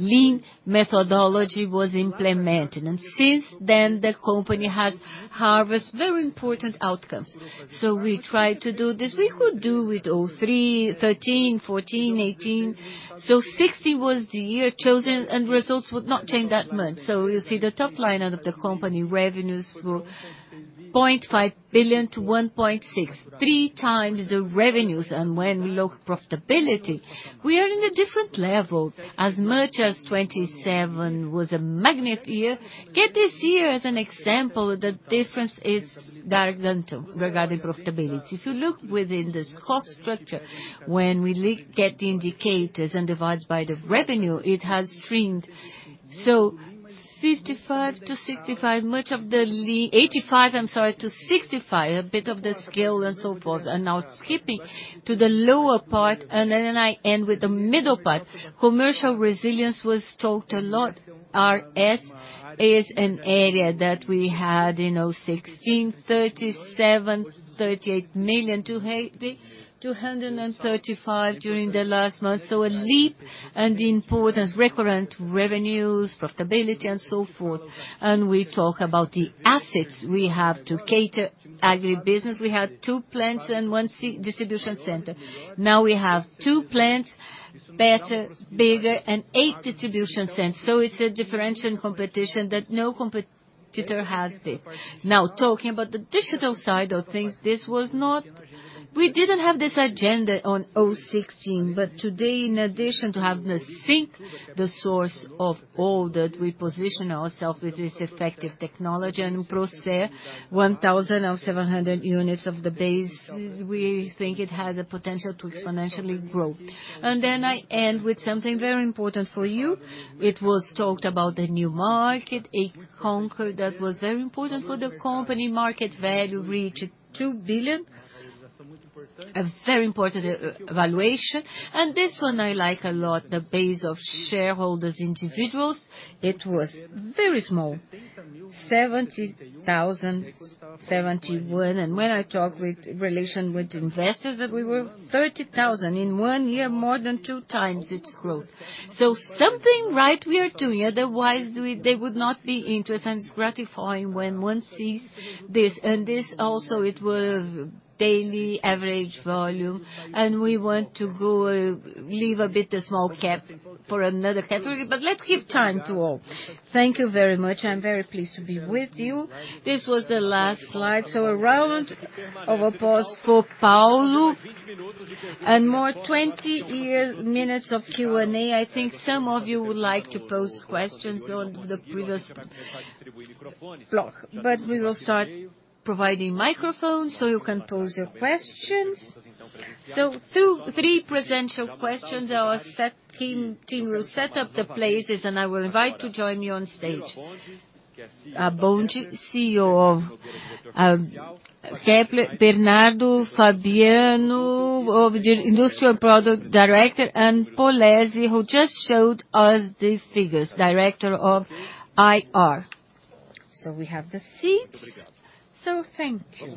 lean methodology was implemented, and since then, the company has harvest very important outcomes. So we tried to do this. We could do with 2003, 2013, 2014, 2018. So 2016 was the year chosen, and results would not change that much. So you see the top line out of the company, revenues were 0.5 billion to 1.6 billion, three times the revenues. And when we look profitability, we are in a different level. As much as 27 was a magnet year. Take this year as an example, the difference is gargantuan regarding profitability. If you look within this cost structure, when we look at the key indicators and divide by the revenue, it has streamlined. So 55-65, much of the lean 85, I'm sorry, to 65, a bit of the scale and so forth. Now skipping to the lower part, and then I end with the middle part. Commercial resilience was talked about a lot. RS is an area that we had in 2016, 37-38 million, to 235 during the last month. So a leap and the importance, recurrent revenues, profitability, and so forth. We talk about the assets we have to cater to agribusiness. We had two plants and one distribution center. Now we have two plants, better, bigger, and eight distribution centers. So it's a differential competition that no competitor has this. Now, talking about the digital side of things, this was not. We didn't have this agenda in 2016. But today, in addition to having the Sync, the source of all that, we position ourselves with this effective technology and process, 1,000 or 700 units of the base, we think it has a potential to exponentially grow. And then I end with something very important for you. It was talked about the new market, a conquest that was very important for the company. Market value reached 2 billion, a very important evaluation. And this one I like a lot, the base of shareholders, individuals. It was very small, 70,000, 71. And when I talk with relation with investors, that we were 30,000. In one year, more than 2 times its growth. So something right we are doing, otherwise, we, they would not be interested, and it's gratifying when one sees this. This also, it was daily average volume, and we want to go leave a bit a small cap for another category. But let's give time to all. Thank you very much. I'm very pleased to be with you. This was the last slide, so a round of applause for Paulo. More 20 minutes of Q&A. I think some of you would like to pose questions on the previous block, but we will start providing microphones, so you can pose your questions. 2-3 presential questions are set. Team will set up the places, and I will invite to join me on stage. Piero, CEO. Kepler, Bernardo, Fabiano of the Industrial Product Director, and Polezi, who just showed us the figures, Director of IR. We have the seats. Thank you.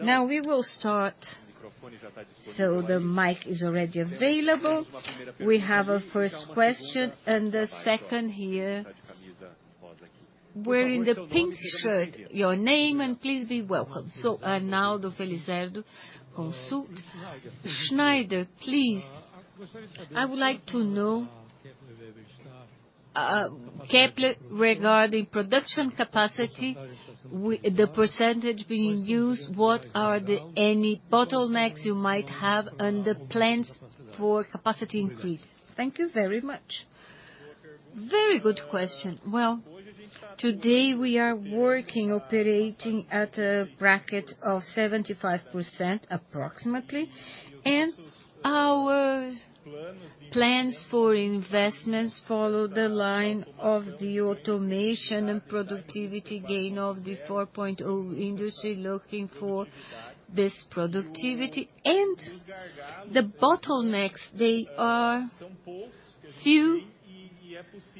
Now we will start. The mic is already available. We have a first question and a second here. Wearing the pink shirt, your name, and please be welcome. So, Arnaldo Felizardo, consultant. Schneider, please. I would like to know, Kepler, regarding production capacity, the percentage being used, what are any bottlenecks you might have and the plans for capacity increase? Thank you very much. Very good question. Well, today we are working, operating at a bracket of 75%, approximately, and our plans for investments follow the line of the automation and productivity gain of the Industry 4.0, looking for this productivity. The bottlenecks, they are few,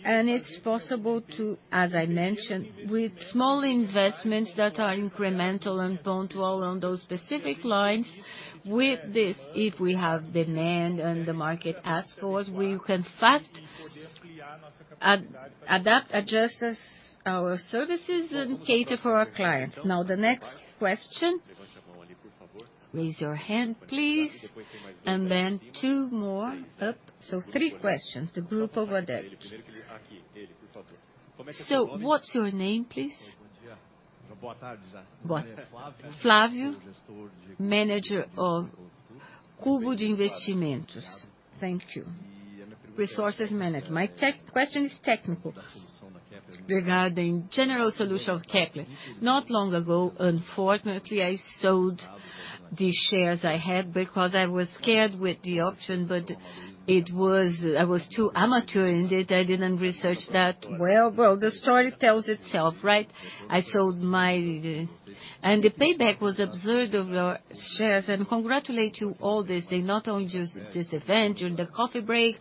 and it's possible to, as I mentioned, with small investments that are incremental and punctual on those specific lines, with this, if we have demand, and the market asks for us, we can fast adapt, adjust as our services and cater for our clients. Now, the next question. Raise your hand, please, and then two more. Up. So three questions. The group over there. So what's your name, please? Good. Flávio, Manager of Cubo Investimentos. Thank you. Resources manager. My technical question is technical, regarding general solution of Kepler. Not long ago, unfortunately, I sold the shares I had because I was scared with the option, but I was too amateur, and I didn't research that. Well, well, the story tells itself, right? I sold my... Payback was absurd of our shares, and congratulate you all this, and not only this, this event, during the coffee break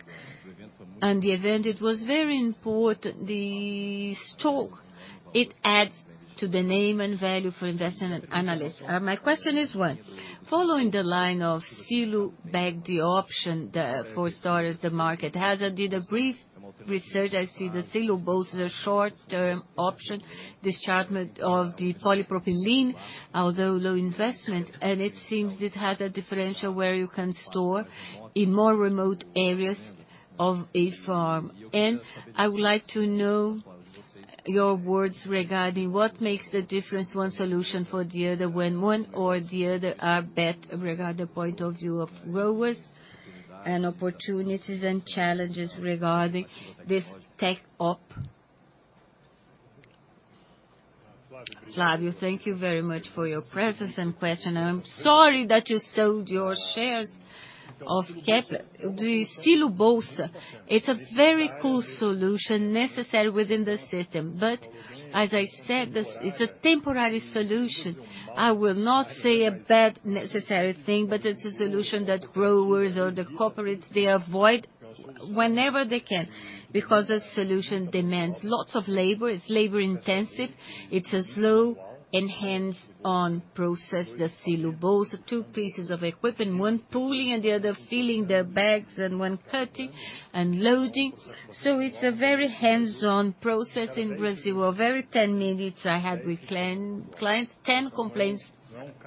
and the event, it was very important, the store, it adds to the name and value for investment analysts. My question is one, following the line of silo bag, the option, the, for start of the market. As I did a brief research, I see the silo bags a short-term option, this segment of the polypropylene, although low investment, and it seems it has a differential where you can store in more remote areas of a farm. And I would like to know your words regarding what makes the difference one solution for the other, when one or the other are bet, regard the point of view of growers and opportunities and challenges regarding this tech op. Flávio, thank you very much for your presence and question. I'm sorry that you sold your shares of Kepler. The Silo Bolsa, it's a very cool solution necessary within the system, but as I said, this it's a temporary solution. I will not say a bad, necessary thing, but it's a solution that growers or the corporates, they avoid whenever they can, because that solution demands lots of labor. It's labor-intensive, it's a slow and hands-on process. The Silo Bolsa, two pieces of equipment, one pulling and the other filling the bags and one cutting and loading. So it's a very hands-on process in Brazil. Well, every ten minutes I had with clients, ten complaints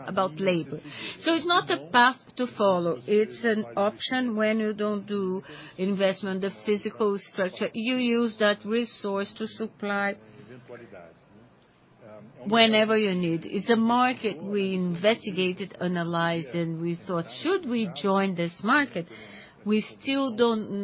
about labor. So it's not a path to follow. It's an option when you don't do investment, the physical structure, you use that resource to supply whenever you need. It's a market we investigated, analyzed, and we thought: Should we join this market? We still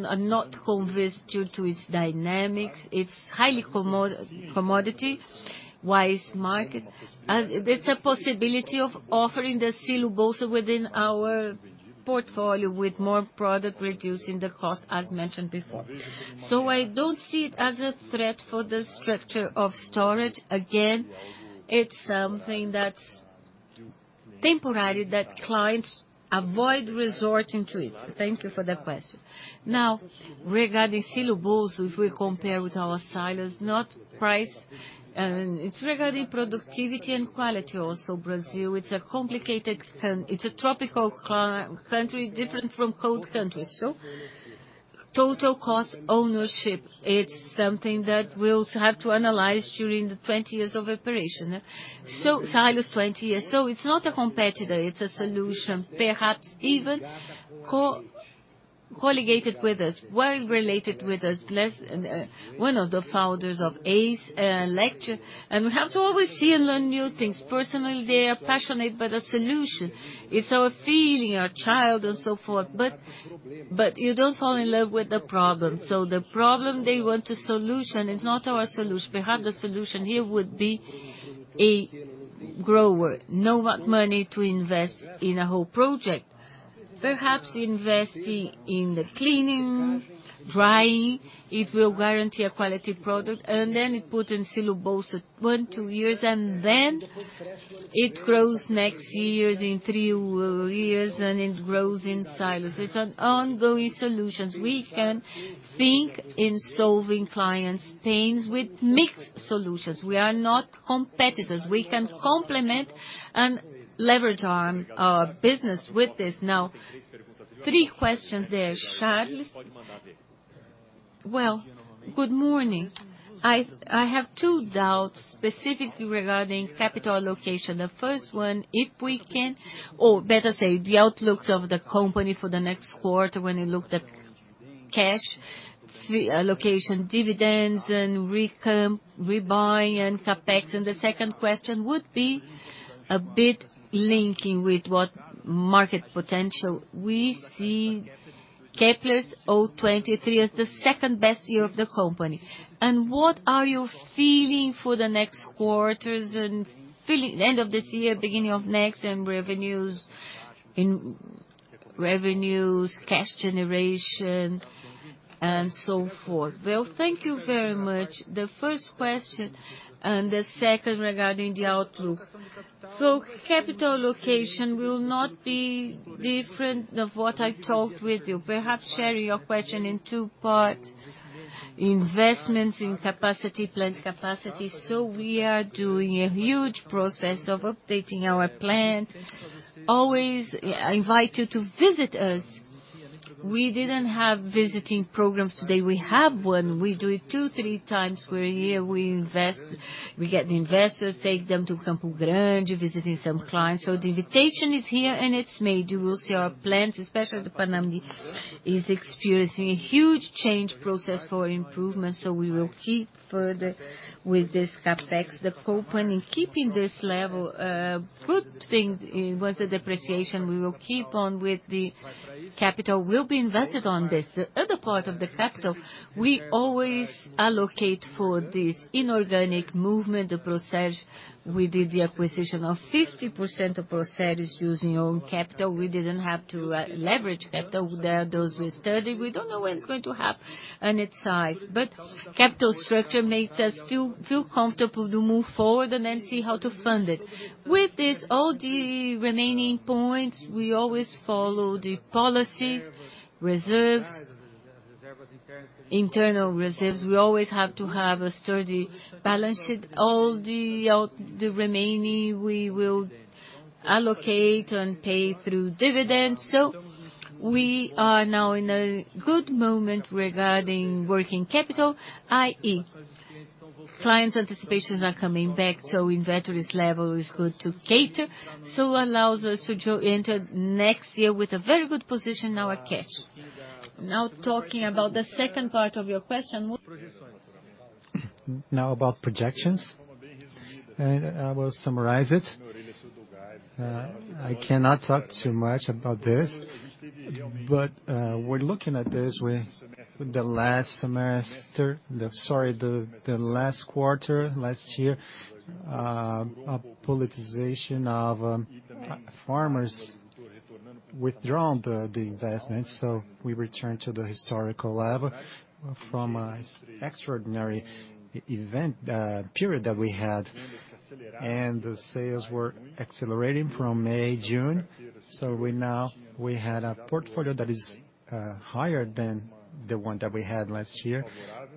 are not convinced due to its dynamics. It's highly commodity-wise market. There's a possibility of offering the Silo-Bolsa within our portfolio with more product, reducing the cost, as mentioned before. So I don't see it as a threat for the structure of storage. Again, it's something that's temporary, that clients avoid resorting to it. Thank you for that question. Now, regarding Silo-Bolsa, if we compare with our silos, not price, and it's regarding productivity and quality also. Brazil, it's a complicated country. It's a tropical country, different from cold countries. So total cost ownership, it's something that we'll have to analyze during the 20 years of operation. So silos, 20 years. So it's not a competitor, it's a solution, perhaps even co-located with us, well related with us. Less, and, one of the founders of ACE, lecture, and we have to always see and learn new things. Personally, they are passionate about a solution. It's our feeling, our child, and so forth, but, but you don't fall in love with the problem. So the problem, they want a solution. It's not our solution. Perhaps, the solution here would be a grower, not money to invest in a whole project... perhaps investing in the cleaning, drying, it will guarantee a quality product, and then it put in Silo-Bolsa for 1, 2 years, and then it grows next years, in 3 years, and it grows in silos. It's an ongoing solutions. We can think in solving clients' pains with mixed solutions. We are not competitors. We can complement and leverage on our business with this. Now, three questions there, Charles. Well, good morning. I, I have two doubts, specifically regarding capital allocation. The first one, if we can or better say, the outlooks of the company for the next quarter when you look at cash, the location, dividends, and recom, rebuy and CapEx. And the second question would be a bit linking with what market potential. We see Kepler's 2023 as the second best year of the company. And what are you feeling for the next quarters and feeling end of this year, beginning of next, and revenues, in revenues, cash generation, and so forth? Well, thank you very much. The first question and the second regarding the outlook. So capital allocation will not be different of what I talked with you. Perhaps, share your question in two parts, investments in capacity, plant capacity. So we are doing a huge process of updating our plant. Always, I invite you to visit us. We didn't have visiting programs today. We have one. We do it 2, 3 times a year we invest. We get the investors, take them to Campo Grande, visiting some clients. So the invitation is here, and it's made. You will see our plants, especially the Panambi, is experiencing a huge change process for improvement, so we will keep further with this CapEx, the company keeping this level, good things. With the depreciation, we will keep on with the capital will be invested on this. The other part of the factor, we always allocate for this inorganic movement, the process. We did the acquisition of 50% of Procer using own capital. We didn't have to leverage capital. There, those were sturdy. We don't know when it's going to happen on its side, but capital structure makes us feel, feel comfortable to move forward and then see how to fund it. With this, all the remaining points, we always follow the policies, reserves, internal reserves. We always have to have a sturdy balance sheet. All the out, the remaining, we will allocate and pay through dividends. So we are now in a good moment regarding working capital, i.e., clients' anticipations are coming back, so inventories level is good to cater, so allows us to enter next year with a very good position in our cash. Now, talking about the second part of your question. Now, about projections, and I will summarize it. I cannot talk too much about this, but we're looking at this with the last quarter, last year, a politicization of farmers withdrawing the investment, so we returned to the historical level from an extraordinary event period that we had, and the sales were accelerating from May, June. We had a portfolio that is higher than the one that we had last year.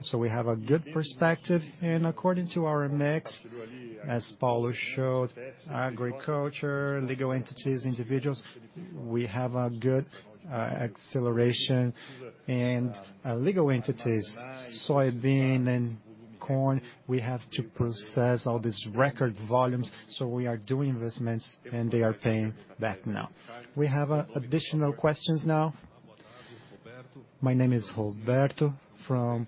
So we have a good perspective, and according to our mix, as Paulo showed, agriculture, legal entities, individuals, we have a good acceleration and legal entities, soybean and corn, we have to process all these record volumes, so we are doing investments, and they are paying back now. We have additional questions now. My name is Roberto from...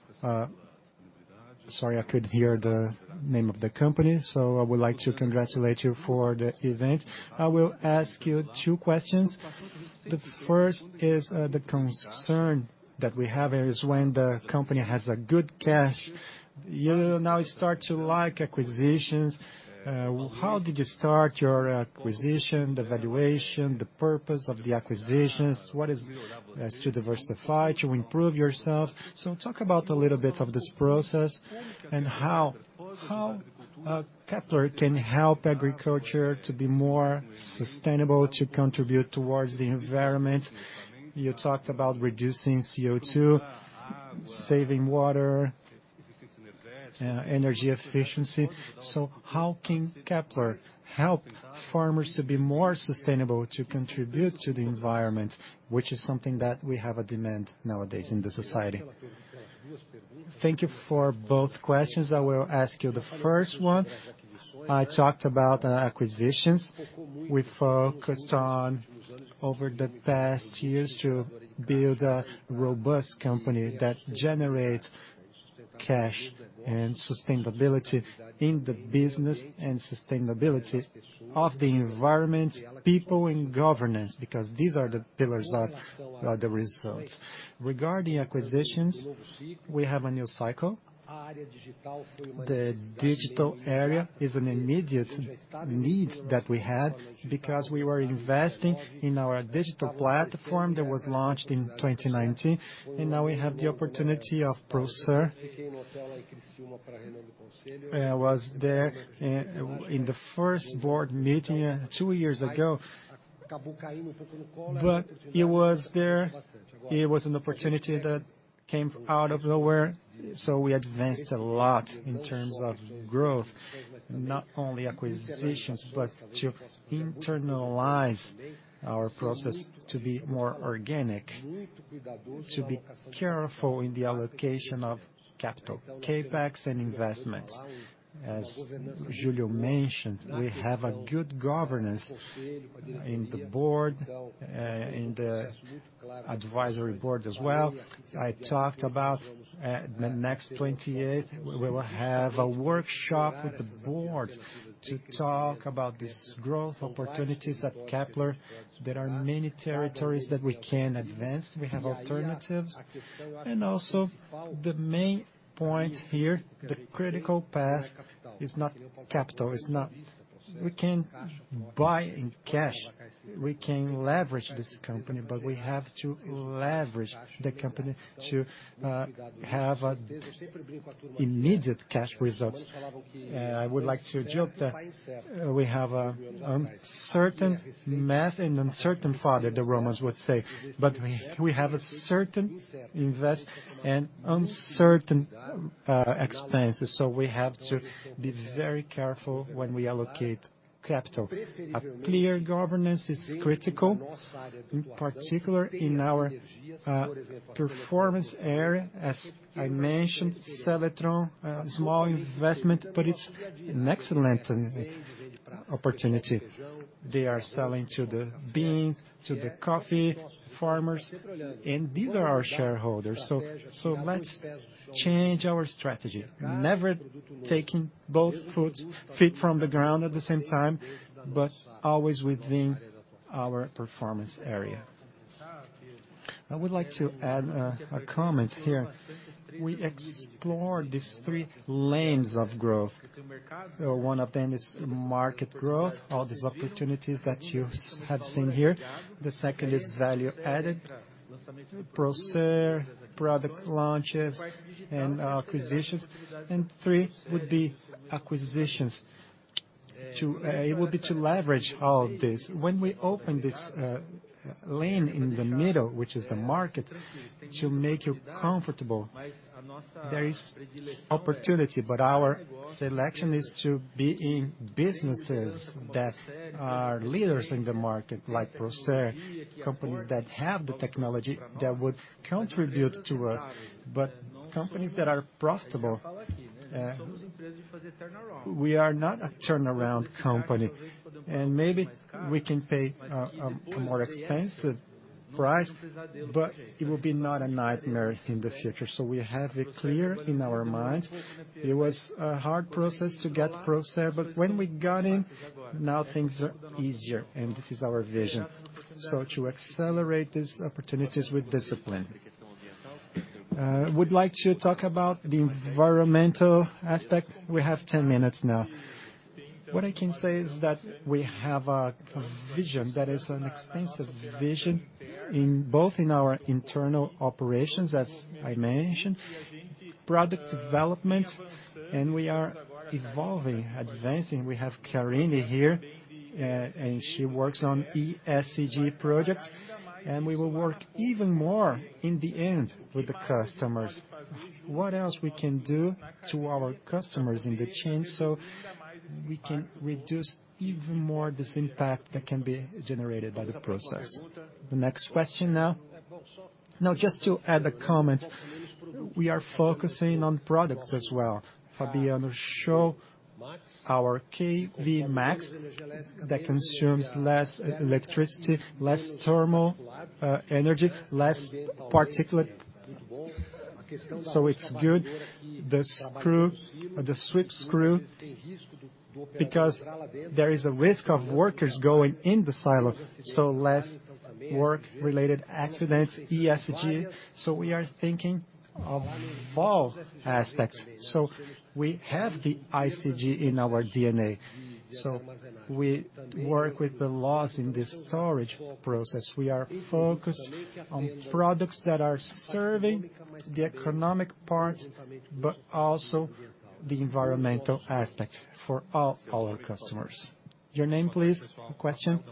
Sorry, I could hear the name of the company, so I would like to congratulate you for the event. I will ask you two questions. The first is, the concern that we have is when the company has a good cash, you now start to like acquisitions. How did you start your acquisition, the valuation, the purpose of the acquisitions? What is, is to diversify, to improve yourself? So talk about a little bit of this process, and how Kepler can help agriculture to be more sustainable, to contribute towards the environment. You talked about reducing CO2, saving water, energy efficiency. So how can Kepler help farmers to be more sustainable, to contribute to the environment, which is something that we have a demand nowadays in the society? Thank you for both questions. I will ask you the first one. I talked about acquisitions. We focused on, over the past years, to build a robust company that generates cash and sustainability in the business and sustainability of the environment, people, and governance, because these are the pillars that the results. Regarding acquisitions, we have a new cycle. The digital area is an immediate need that we had because we were investing in our digital platform that was launched in 2019, and now we have the opportunity of Procer. I was there in the first board meeting two years ago but it was there, it was an opportunity that came out of nowhere, so we advanced a lot in terms of growth, not only acquisitions, but to internalize our process to be more organic, to be careful in the allocation of capital, CapEx and investments. As Julio mentioned, we have a good governance in the board, in the advisory board as well. I talked about, the next 28th, we will have a workshop with the board to talk about this growth opportunities at Kepler. There are many territories that we can advance. We have alternatives. And also, the main point here, the critical path is not capital, is not. We can buy in cash, we can leverage this company, but we have to leverage the company to, have an immediate cash results. I would like to joke that we have, uncertain math and uncertain father, the Romans would say, but we, we have a certain invest and uncertain, expenses, so we have to be very careful when we allocate capital. A clear governance is critical, in particular in our, performance area. As I mentioned, Seletron, small investment, but it's an excellent opportunity. They are selling to the beans, to the coffee farmers, and these are our shareholders. So let's change our strategy. Never taking both feet from the ground at the same time, but always within our performance area. I would like to add a comment here. We explore these three lanes of growth. One of them is market growth, all these opportunities that you've have seen here. The second is value added, Procer, product launches, and acquisitions, and three would be acquisitions. It would be to leverage all this. When we open this, lane in the middle, which is the market, to make you comfortable, there is opportunity, but our selection is to be in businesses that are leaders in the market, like Procer, companies that have the technology that would contribute to us, but companies that are profitable. We are not a turnaround company, and maybe we can pay, a more expensive price, but it will be not a nightmare in the future. So we have it clear in our minds. It was a hard process to get Procer, but when we got in, now things are easier, and this is our vision. So to accelerate these opportunities with discipline. Would like to talk about the environmental aspect. We have 10 minutes now. What I can say is that we have a vision that is an extensive vision in both in our internal operations, as I mentioned, product development, and we are evolving, advancing. We have Karina here, and she works on ESG projects, and we will work even more in the end with the customers. What else we can do to our customers in the chain, so we can reduce even more this impact that can be generated by the process? The next question now. Now, just to add a comment, we are focusing on products as well. Fabiano, show our KW Max that consumes less electricity, less thermal, energy, less particulate. So it's good, the screw, the sweep screw, because there is a risk of workers going in the silo, so less work-related accidents, ESG. So we are thinking of all aspects. So we have the ESG in our DNA. So we work with the loss in the storage process. We are focused on products that are serving the economic part, but also the environmental aspect for all our customers. Your name, please. Question?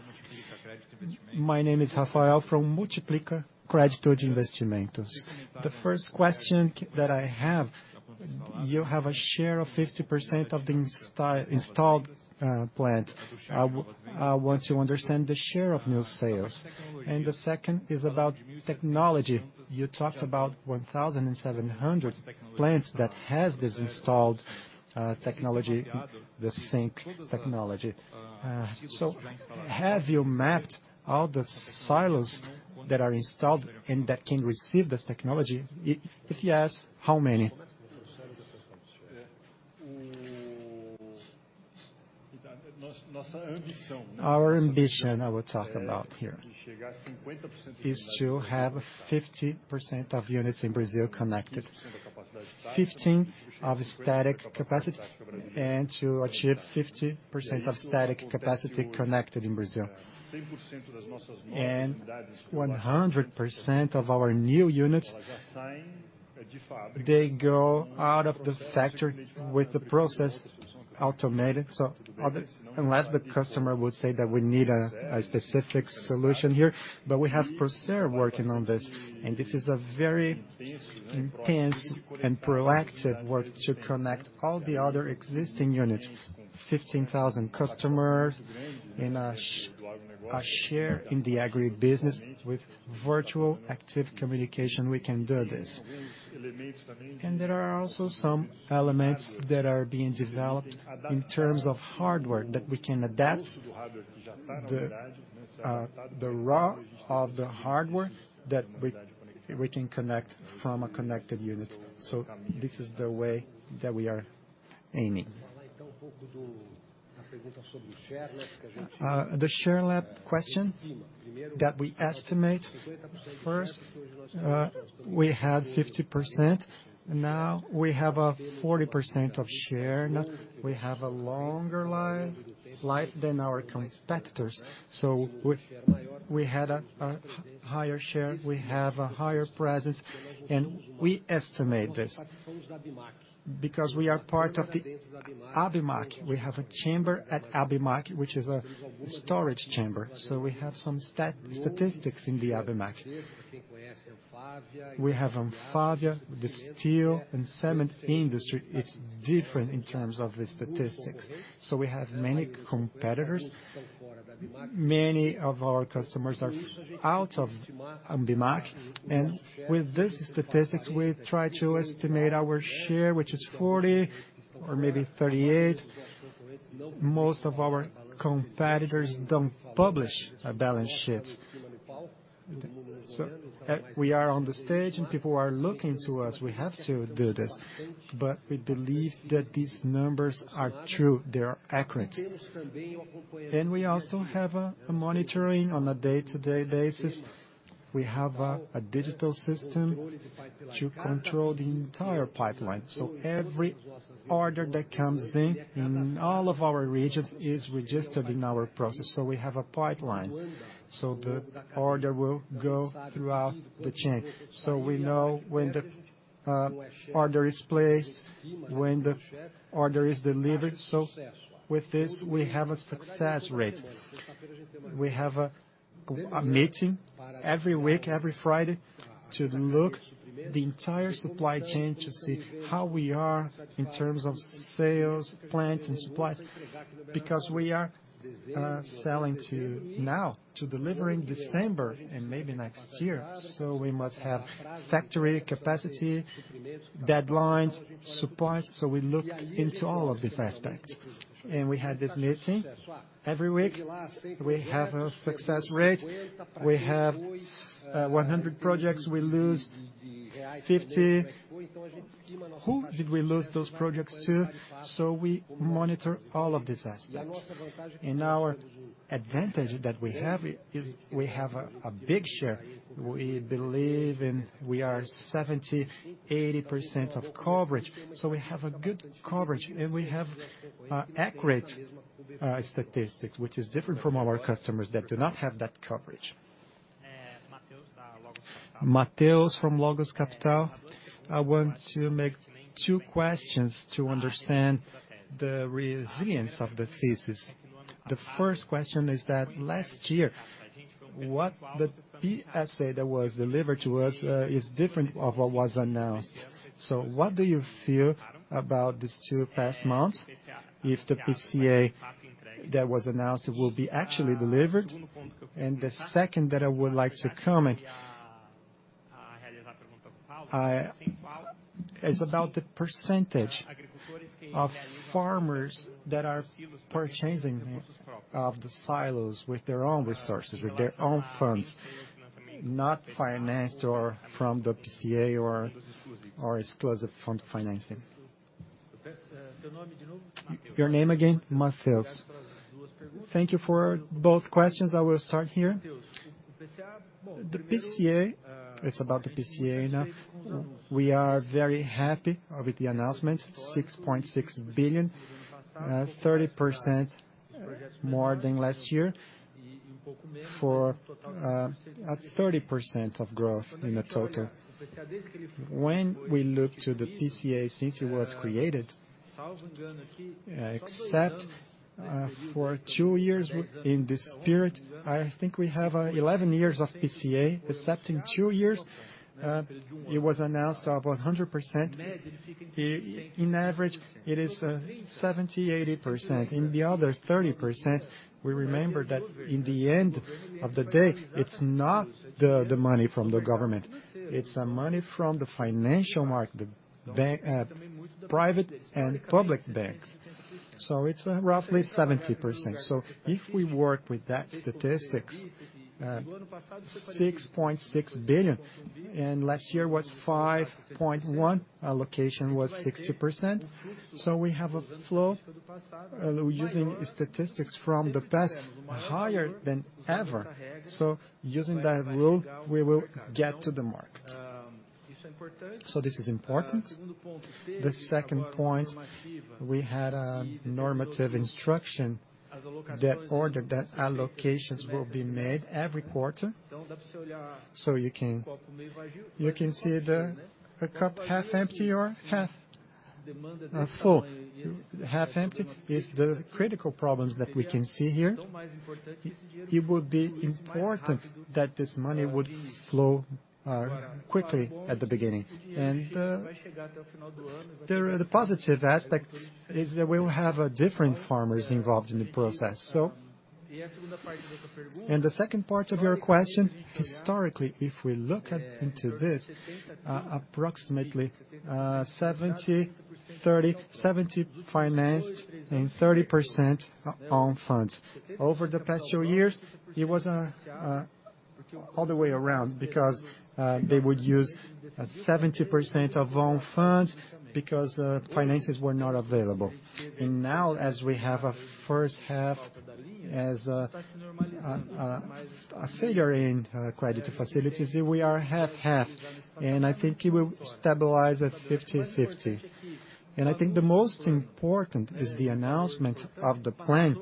My name is Rafael from Multiplica Credit Investment. The first question that I have, you have a share of 50% of the installed plant. I want to understand the share of new sales. And the second is about technology. You talked about 1,700 plants that has this installed technology, the sync technology. So have you mapped all the silos that are installed and that can receive this technology? If yes, how many? Our ambition, I will talk about here, is to have 50% of units in Brazil connected. 15 of static capacity, and to achieve 50% of static capacity connected in Brazil. 100% of our new units they go out of the factory with the process automated. So other, unless the customer would say that we need a specific solution here, but we have Procer working on this, and this is a very intense and proactive work to connect all the other existing units. 15,000 customer in a share in the agri business. With virtual active communication, we can do this. And there are also some elements that are being developed in terms of hardware, that we can adapt the, the raw of the hardware that we, we can connect from a connected unit. So this is the way that we are aiming. The market share question, that we estimate first, we had 50%, now we have a 40% share. Now, we have a longer life than our competitors. So we had a higher share, we have a higher presence, and we estimate this. Because we are part of the ABIMAQ. We have a chamber at ABIMAQ, which is a storage chamber, so we have some statistics in the ABIMAQ. We have ANFAVEA, the steel and cement industry, it's different in terms of the statistics. So we have many competitors, many of our customers are out of ABIMAQ, and with this statistics, we try to estimate our share, which is 40 or maybe 38. Most of our competitors don't publish our balance sheets. So, we are on the stage and people are looking to us, we have to do this, but we believe that these numbers are true, they are accurate. Then we also have a monitoring on a day-to-day basis. We have a digital system to control the entire pipeline, so every order that comes in, in all of our regions, is registered in our process, so we have a pipeline. So the order will go throughout the chain. So we know when the order is placed, when the order is delivered, so with this, we have a success rate. We have a meeting every week, every Friday, to look at the entire supply chain, to see how we are in terms of sales, plant, and supply. Because we are selling to now, to deliver in December and maybe next year, so we must have factory capacity, deadlines, support, so we look into all of these aspects. We have this meeting every week. We have a success rate. We have 100 projects, we lose 50. Who did we lose those projects to? So we monitor all of these aspects. Our advantage that we have is we have a big share. We believe in we are 70%-80% of coverage, so we have a good coverage, and we have accurate statistics, which is different from our customers that do not have that coverage. Mateus from Logos Capital. I want to make two questions to understand the resilience of the thesis. The first question is that last year, what the PCA that was delivered to us is different from what was announced. So what do you feel about these two past months, if the PCA that was announced will be actually delivered? And the second that I would like to comment is about the percentage of farmers that are purchasing the silos with their own resources, with their own funds, not financed or from the PCA or exclusive fund financing. Your name again? Mateus. Thank you for both questions. I will start here. The PCA, it's about the PCA now. We are very happy with the announcement, 6.6 billion, 30% more than last year, for at 30% of growth in the total. When we look to the PCA, since it was created, except for two years in this period, I think we have 11 years of PCA, except in two years, it was announced of 100%. In average, it is 70%-80%. In the other 30%, we remember that in the end of the day, it's not the money from the government, it's the money from the financial market, the bank, private and public banks. So it's roughly 70%. So if we work with that statistics, 6.6 billion, and last year was 5.1 billion, allocation was 60%, so we have a flow, using statistics from the past, higher than ever. So using that rule, we will get to the market. So this is important. The second point, we had a normative instruction that ordered that allocations will be made every quarter. So you can see the, a cup half empty or half full? Half empty is the critical problems that we can see here. It would be important that this money would flow quickly at the beginning. And the positive aspect is that we will have different farmers involved in the process. So, and the second part of your question, historically, if we look into this, approximately, 70-30 – 70 financed and 30% own funds. Over the past few years, it was all the way around because they would use 70% of own funds because finances were not available. And now, as we have a H1, as a failure in credit facilities, we are half-half, and I think it will stabilize at 50/50. And I think the most important is the announcement of the plan,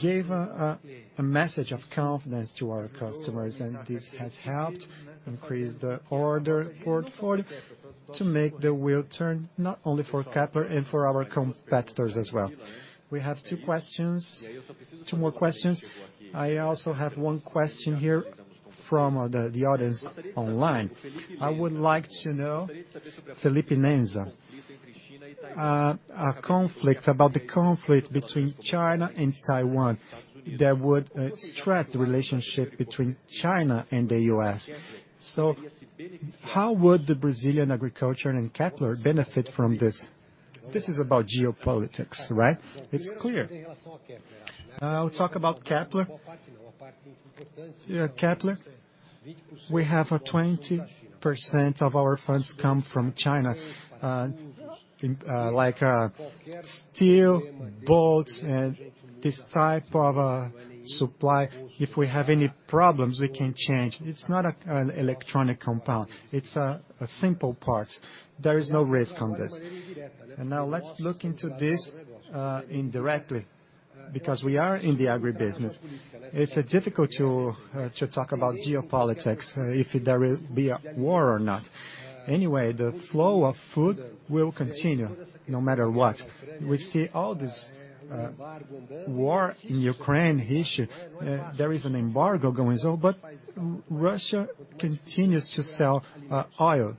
gave a message of confidence to our customers, and this has helped increase the order portfolio to make the wheel turn, not only for Kepler and for our competitors as well. We have two questions, two more questions. I also have one question here from the audience online. I would like to know, Felipe Nenza, a conflict, about the conflict between China and Taiwan, that would stretch the relationship between China and the U.S. So how would the Brazilian agriculture and Kepler benefit from this? This is about geopolitics, right? It's clear. I'll talk about Kepler. Yeah, Kepler, we have 20% of our funds come from China, in, like, steel, bolts, and this type of supply. If we have any problems, we can change. It's not an electronic compound, it's a simple part. There is no risk on this. And now let's look into this indirectly, because we are in the agribusiness. It's difficult to talk about geopolitics, if there will be a war or not. Anyway, the flow of food will continue, no matter what. We see all this war in Ukraine issue. There is an embargo going on, but Russia continues to sell oil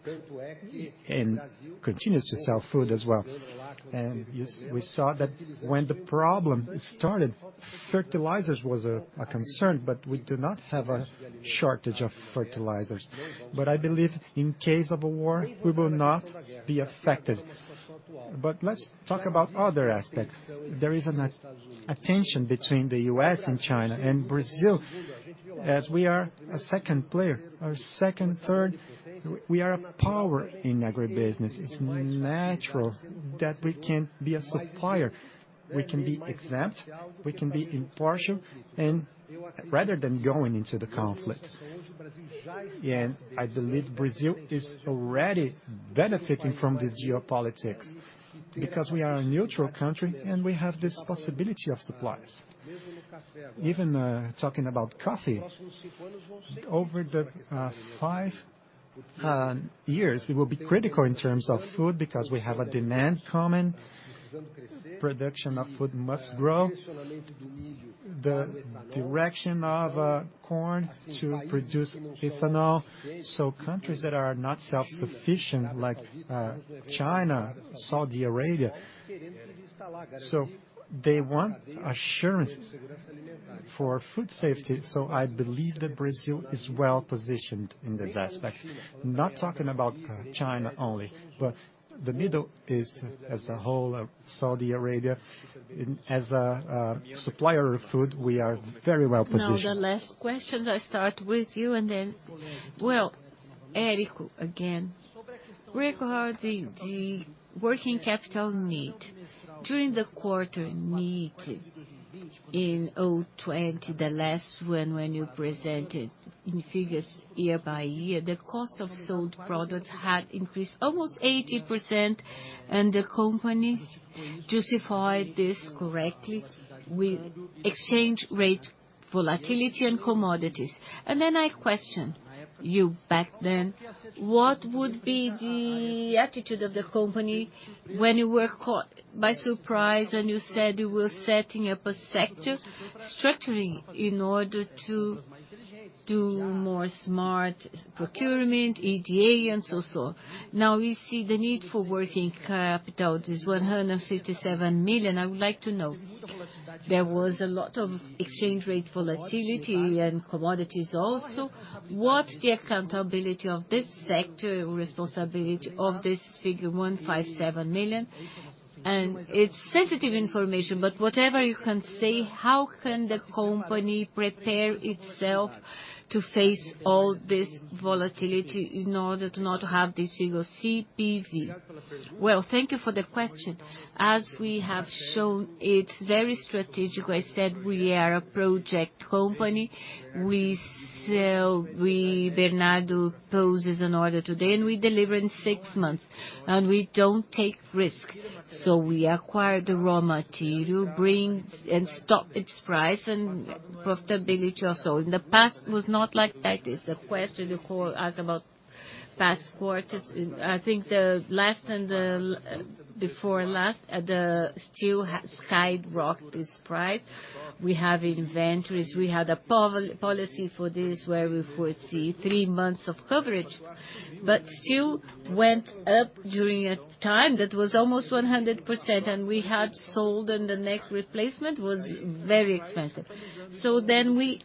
and continues to sell food as well. And yes, we saw that when the problem started, fertilizers was a concern, but we do not have a shortage of fertilizers. But I believe in case of a war, we will not be affected. But let's talk about other aspects. There is a tension between the U.S. and China and Brazil, as we are a second player, or second, third, we are a power in agribusiness. It's natural that we can be a supplier, we can be exempt, we can be impartial, and rather than going into the conflict. And I believe Brazil is already benefiting from this geopolitics, because we are a neutral country, and we have this possibility of supplies. Even, talking about coffee, over the five years, it will be critical in terms of food, because we have a demand coming, production of food must grow, the direction of corn to produce ethanol. So countries that are not self-sufficient, like, China, Saudi Arabia, so they want assurance for food safety. So I believe that Brazil is well-positioned in this aspect. Not talking about China only, but the Middle East as a whole, Saudi Arabia, as a supplier of food, we are very well positioned. Now, the last questions, I start with you, and then well, Érico, again, regarding the working capital need. During the quarter in 2Q20, the last one, when you presented in figures year by year, the cost of sold products had increased almost 80%, and the company justified this correctly with exchange rate volatility and commodities. Then I questioned you back then, what would be the attitude of the company when you were caught by surprise, and you said you were setting up a sector structuring in order to do more smart procurement, EDA, and so on. Now, you see the need for working capital is 157 million. I would like to know, there was a lot of exchange rate volatility and commodities also. What's the accountability of this sector or responsibility of this figure, 157 million? It's sensitive information, but whatever you can say, how can the company prepare itself to face all this volatility in order to not have this figure CPV? Well, thank you for the question. As we have shown, it's very strategic. I said we are a project company. We sell. Bernardo places an order today, and we deliver in six months, and we don't take risk. So we acquire the raw material, buy and lock its price and profitability also. In the past, it was not like that. The question you call us about- Past quarters, I think the last and the before last, the steel skyrocket this price. We have inventories. We had a policy for this, where we foresee three months of coverage, but still went up during a time that was almost 100%, and we had sold, and the next replacement was very expensive. So then we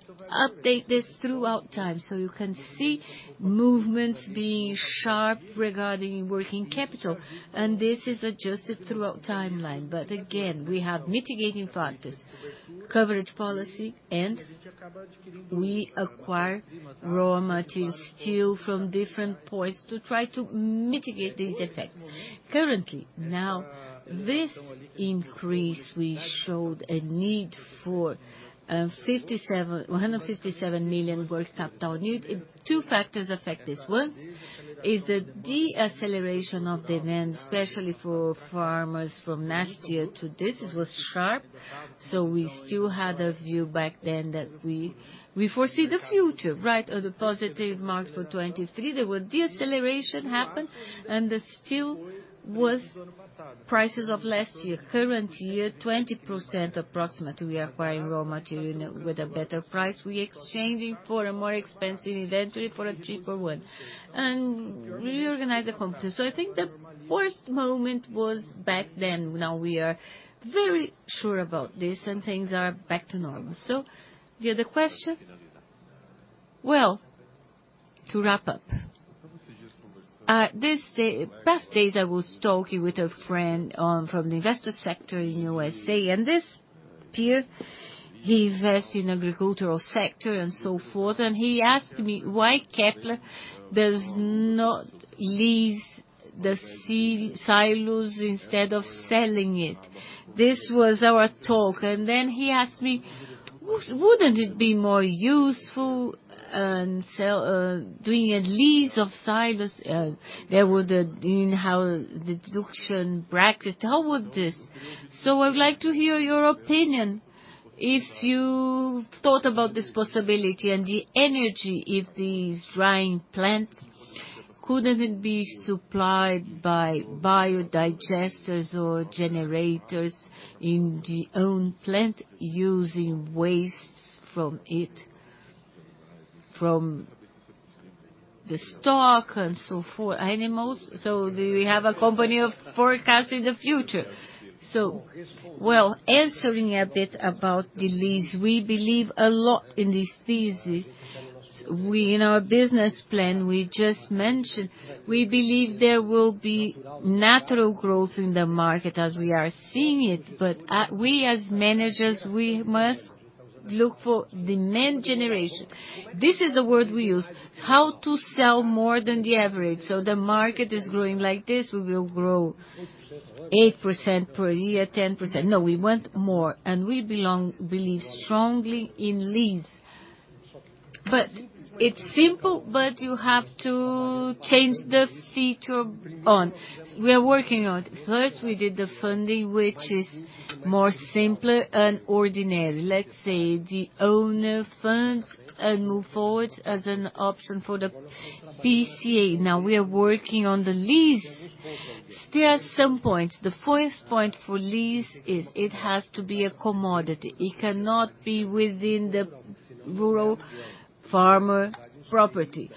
update this throughout time, so you can see movements being sharp regarding working capital, and this is adjusted throughout timeline. But again, we have mitigating factors, coverage policy, and we acquire raw materials, steel from different points to try to mitigate these effects. Currently, now, this increase, we showed a need for one hundred and fifty-seven million worth capital. Two factors affect this. One is the deceleration of demand, especially for farmers from last year to this, it was sharp. So we still had a view back then that we, we foresee the future, right? Oh, the positive market for 2023, there was deceleration that happened, and the steel was prices of last year. Current year, 20% approximately, we acquiring raw material with a better price. We exchanging for a more expensive inventory for a cheaper one, and reorganize the company. So I think the worst moment was back then. Now, we are very sure about this, and things are back to normal. So the other question? Well, to wrap up, this past days, I was talking with a friend from the investor sector in USA, and this peer, he invests in agricultural sector and so forth, and he asked me: Why Kepler does not lease the silos instead of selling it? This was our talk, and then he asked me: Wouldn't it be more useful, sell doing a lease of silos, there would in-house deduction bracket, how would this? So I would like to hear your opinion. If you thought about this possibility and the energy, if these drying plants, couldn't it be supplied by biodigesters or generators in the own plant using wastes from it, from the stock and so forth, animals? So do we have a company of forecasting the future? So, well, answering a bit about the lease, we believe a lot in this thesis. We, in our business plan, we just mentioned, we believe there will be natural growth in the market as we are seeing it, but we as managers, we must look for demand generation. This is the word we use, how to sell more than the average. So the market is growing like this, we will grow 8% per year, 10%. No, we want more, and we believe strongly in lease. But it's simple, but you have to change the feature on. We are working on. First, we did the funding, which is more simpler and ordinary. Let's say, the owner funds and move forward as an option for the PCA. Now, we are working on the lease. Still, some points. The first point for lease is it has to be a commodity. It cannot be within the rural farmer property.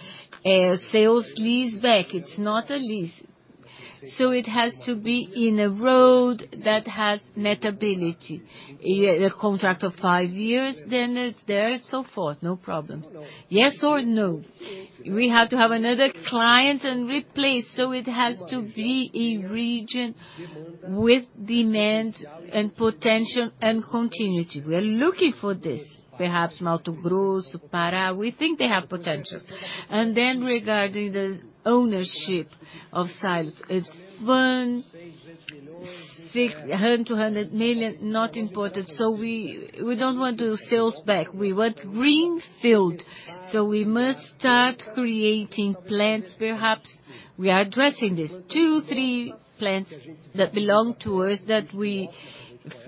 Sale-leaseback, it's not a lease. So it has to be in a yard that has navigability. A contract of 5 years, then it's there, so forth, no problems. Yes or no? We have to have another client and replace, so it has to be a region with demand and potential and continuity. We are looking for this, perhaps, Mato Grosso, Pará, we think they have potentials. And then regarding the ownership of silos, it's 100 to 100 million, not important. So we, we don't want to sales back. We want greenfield, so we must start creating plants, perhaps. We are addressing this, two, three plants that belong to us, that we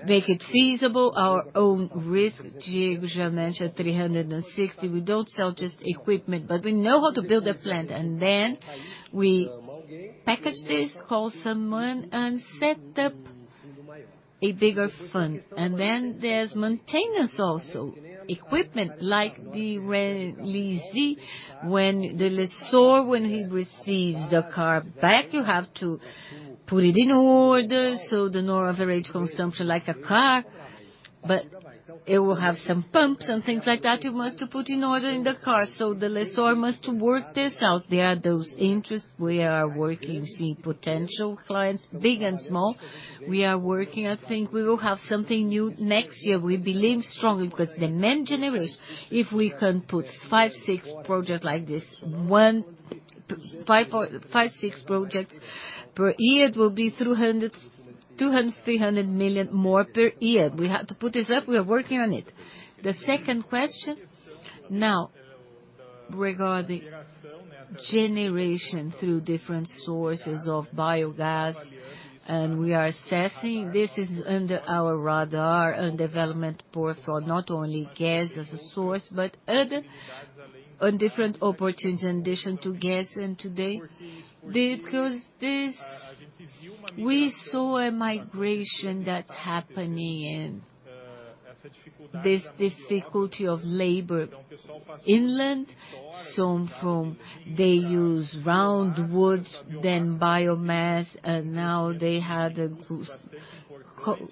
make it feasible, our own risk. Diego already mentioned 360. We don't sell just equipment, but we know how to build a plant, and then we package this, call someone, and set up a bigger fund. And then there's maintenance also. Equipment like the leasing, when the lessor, when he receives the car back, you have to put it in order, so the normal average consumption like a car, but it will have some pumps and things like that, you must to put in order in the car. So the lessor must work this out. There are those interests. We are working, seeing potential clients, big and small. We are working. I think we will have something new next year. We believe strongly, because demand generation, if we can put 5, 6 projects like this, 5-6 projects per year, it will be 200 million-300 million more per year. We have to put this up. We are working on it. The second question? Now, regarding generation through different sources of biogas.... And we are assessing; this is under our radar and development portfolio, not only gas as a source, but other, on different opportunities in addition to gas and today. Because this, we saw a migration that's happening and this difficulty of labor inland. So from they use round woods, then biomass, and now they have the growing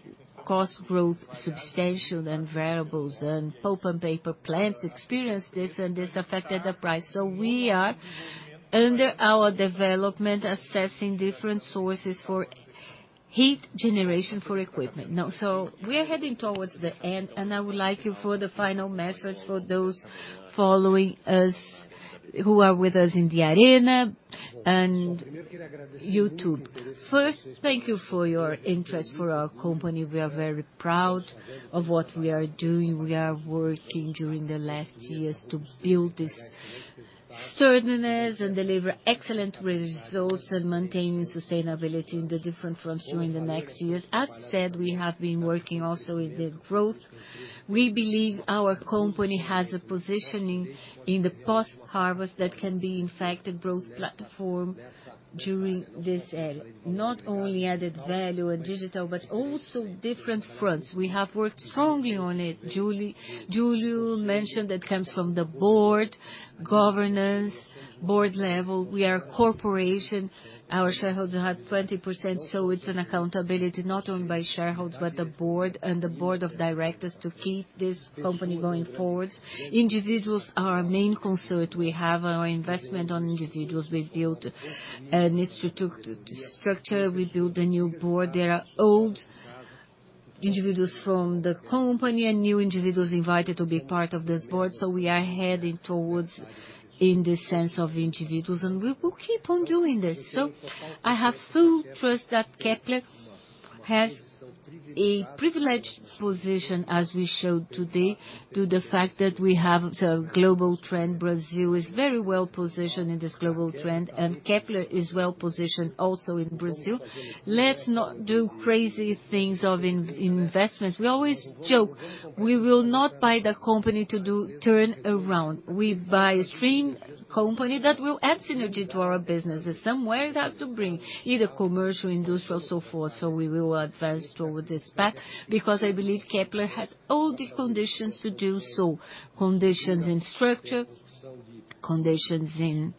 cost growth substantial and variables, and pulp and paper plants experience this, and this affected the price. So we are under our development, assessing different sources for heat generation for equipment. Now, so we are heading towards the end, and I would like you for the final message for those following us, who are with us in the arena and YouTube. First, thank you for your interest for our company. We are very proud of what we are doing. We are working during the last years to build this sturdiness and deliver excellent results, and maintaining sustainability in the different fronts during the next years. As said, we have been working also with the growth. We believe our company has a positioning in the post-harvest that can be, in fact, a growth platform during this era. Not only added value and digital, but also different fronts. We have worked strongly on it. Júlio mentioned that comes from the board, governance, board level. We are a corporation. Our shareholders have 20%, so it's an accountability not only by shareholders, but the board and the board of directors to keep this company going forward. Individuals are our main concern. We have our investment on individuals. We built an institutional structure. We built a new board. There are old individuals from the company and new individuals invited to be part of this board, so we are heading towards in the sense of individuals, and we will keep on doing this. So I have full trust that Kepler has a privileged position, as we showed today, to the fact that we have a global trend. Brazil is very well positioned in this global trend, and Kepler is well positioned also in Brazil. Let's not do crazy things of in-investments. We always joke, we will not buy the company to do turn around. We buy a stream company that will add synergy to our businesses. Somewhere, it has to bring either commercial, industrial, so forth. So we will advance toward this path, because I believe Kepler has all the conditions to do so. Conditions in structure, conditions in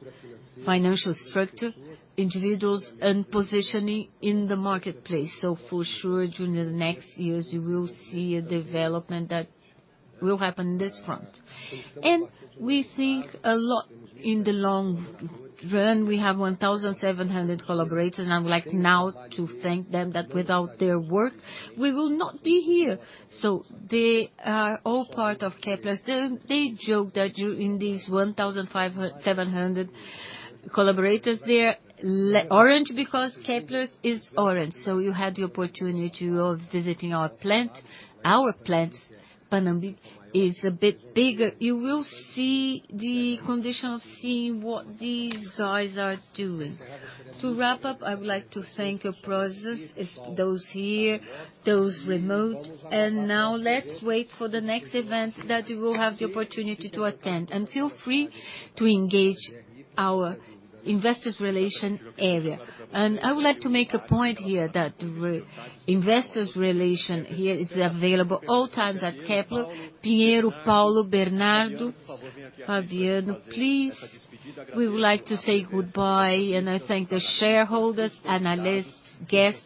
financial structure, individuals, and positioning in the marketplace. So for sure, during the next years, you will see a development that will happen in this front. And we think a lot in the long run. We have 1,700 collaborators, and I would like now to thank them, that without their work, we will not be here. So they are all part of Kepler. They, they joke that you're in these 1,700 collaborators, they are orange because Kepler is orange. So you had the opportunity of visiting our plant. Our plants, Panambi, is a bit bigger. You will see the condition of seeing what these guys are doing. To wrap up, I would like to thank your process, it's those here, those remote. And now let's wait for the next events that you will have the opportunity to attend. And feel free to engage our investors relation area. I would like to make a point here that the investor relations here is available all times at Kepler. Piero, Paulo, Bernardo, Fabiano, please, we would like to say goodbye, and I thank the shareholders, analysts, guests,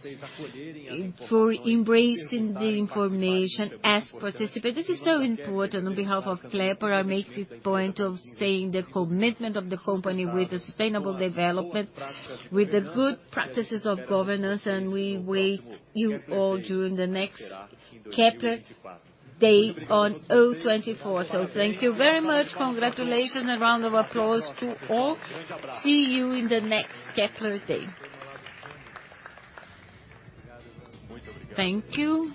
for embracing the information as participants. This is so important. On behalf of Kepler, I make the point of saying the commitment of the company with the sustainable development, with the good practices of governance, and we wait you all during the next Kepler Day on 2024. So thank you very much. Congratulations, and round of applause to all. See you in the next Kepler Day. Thank you.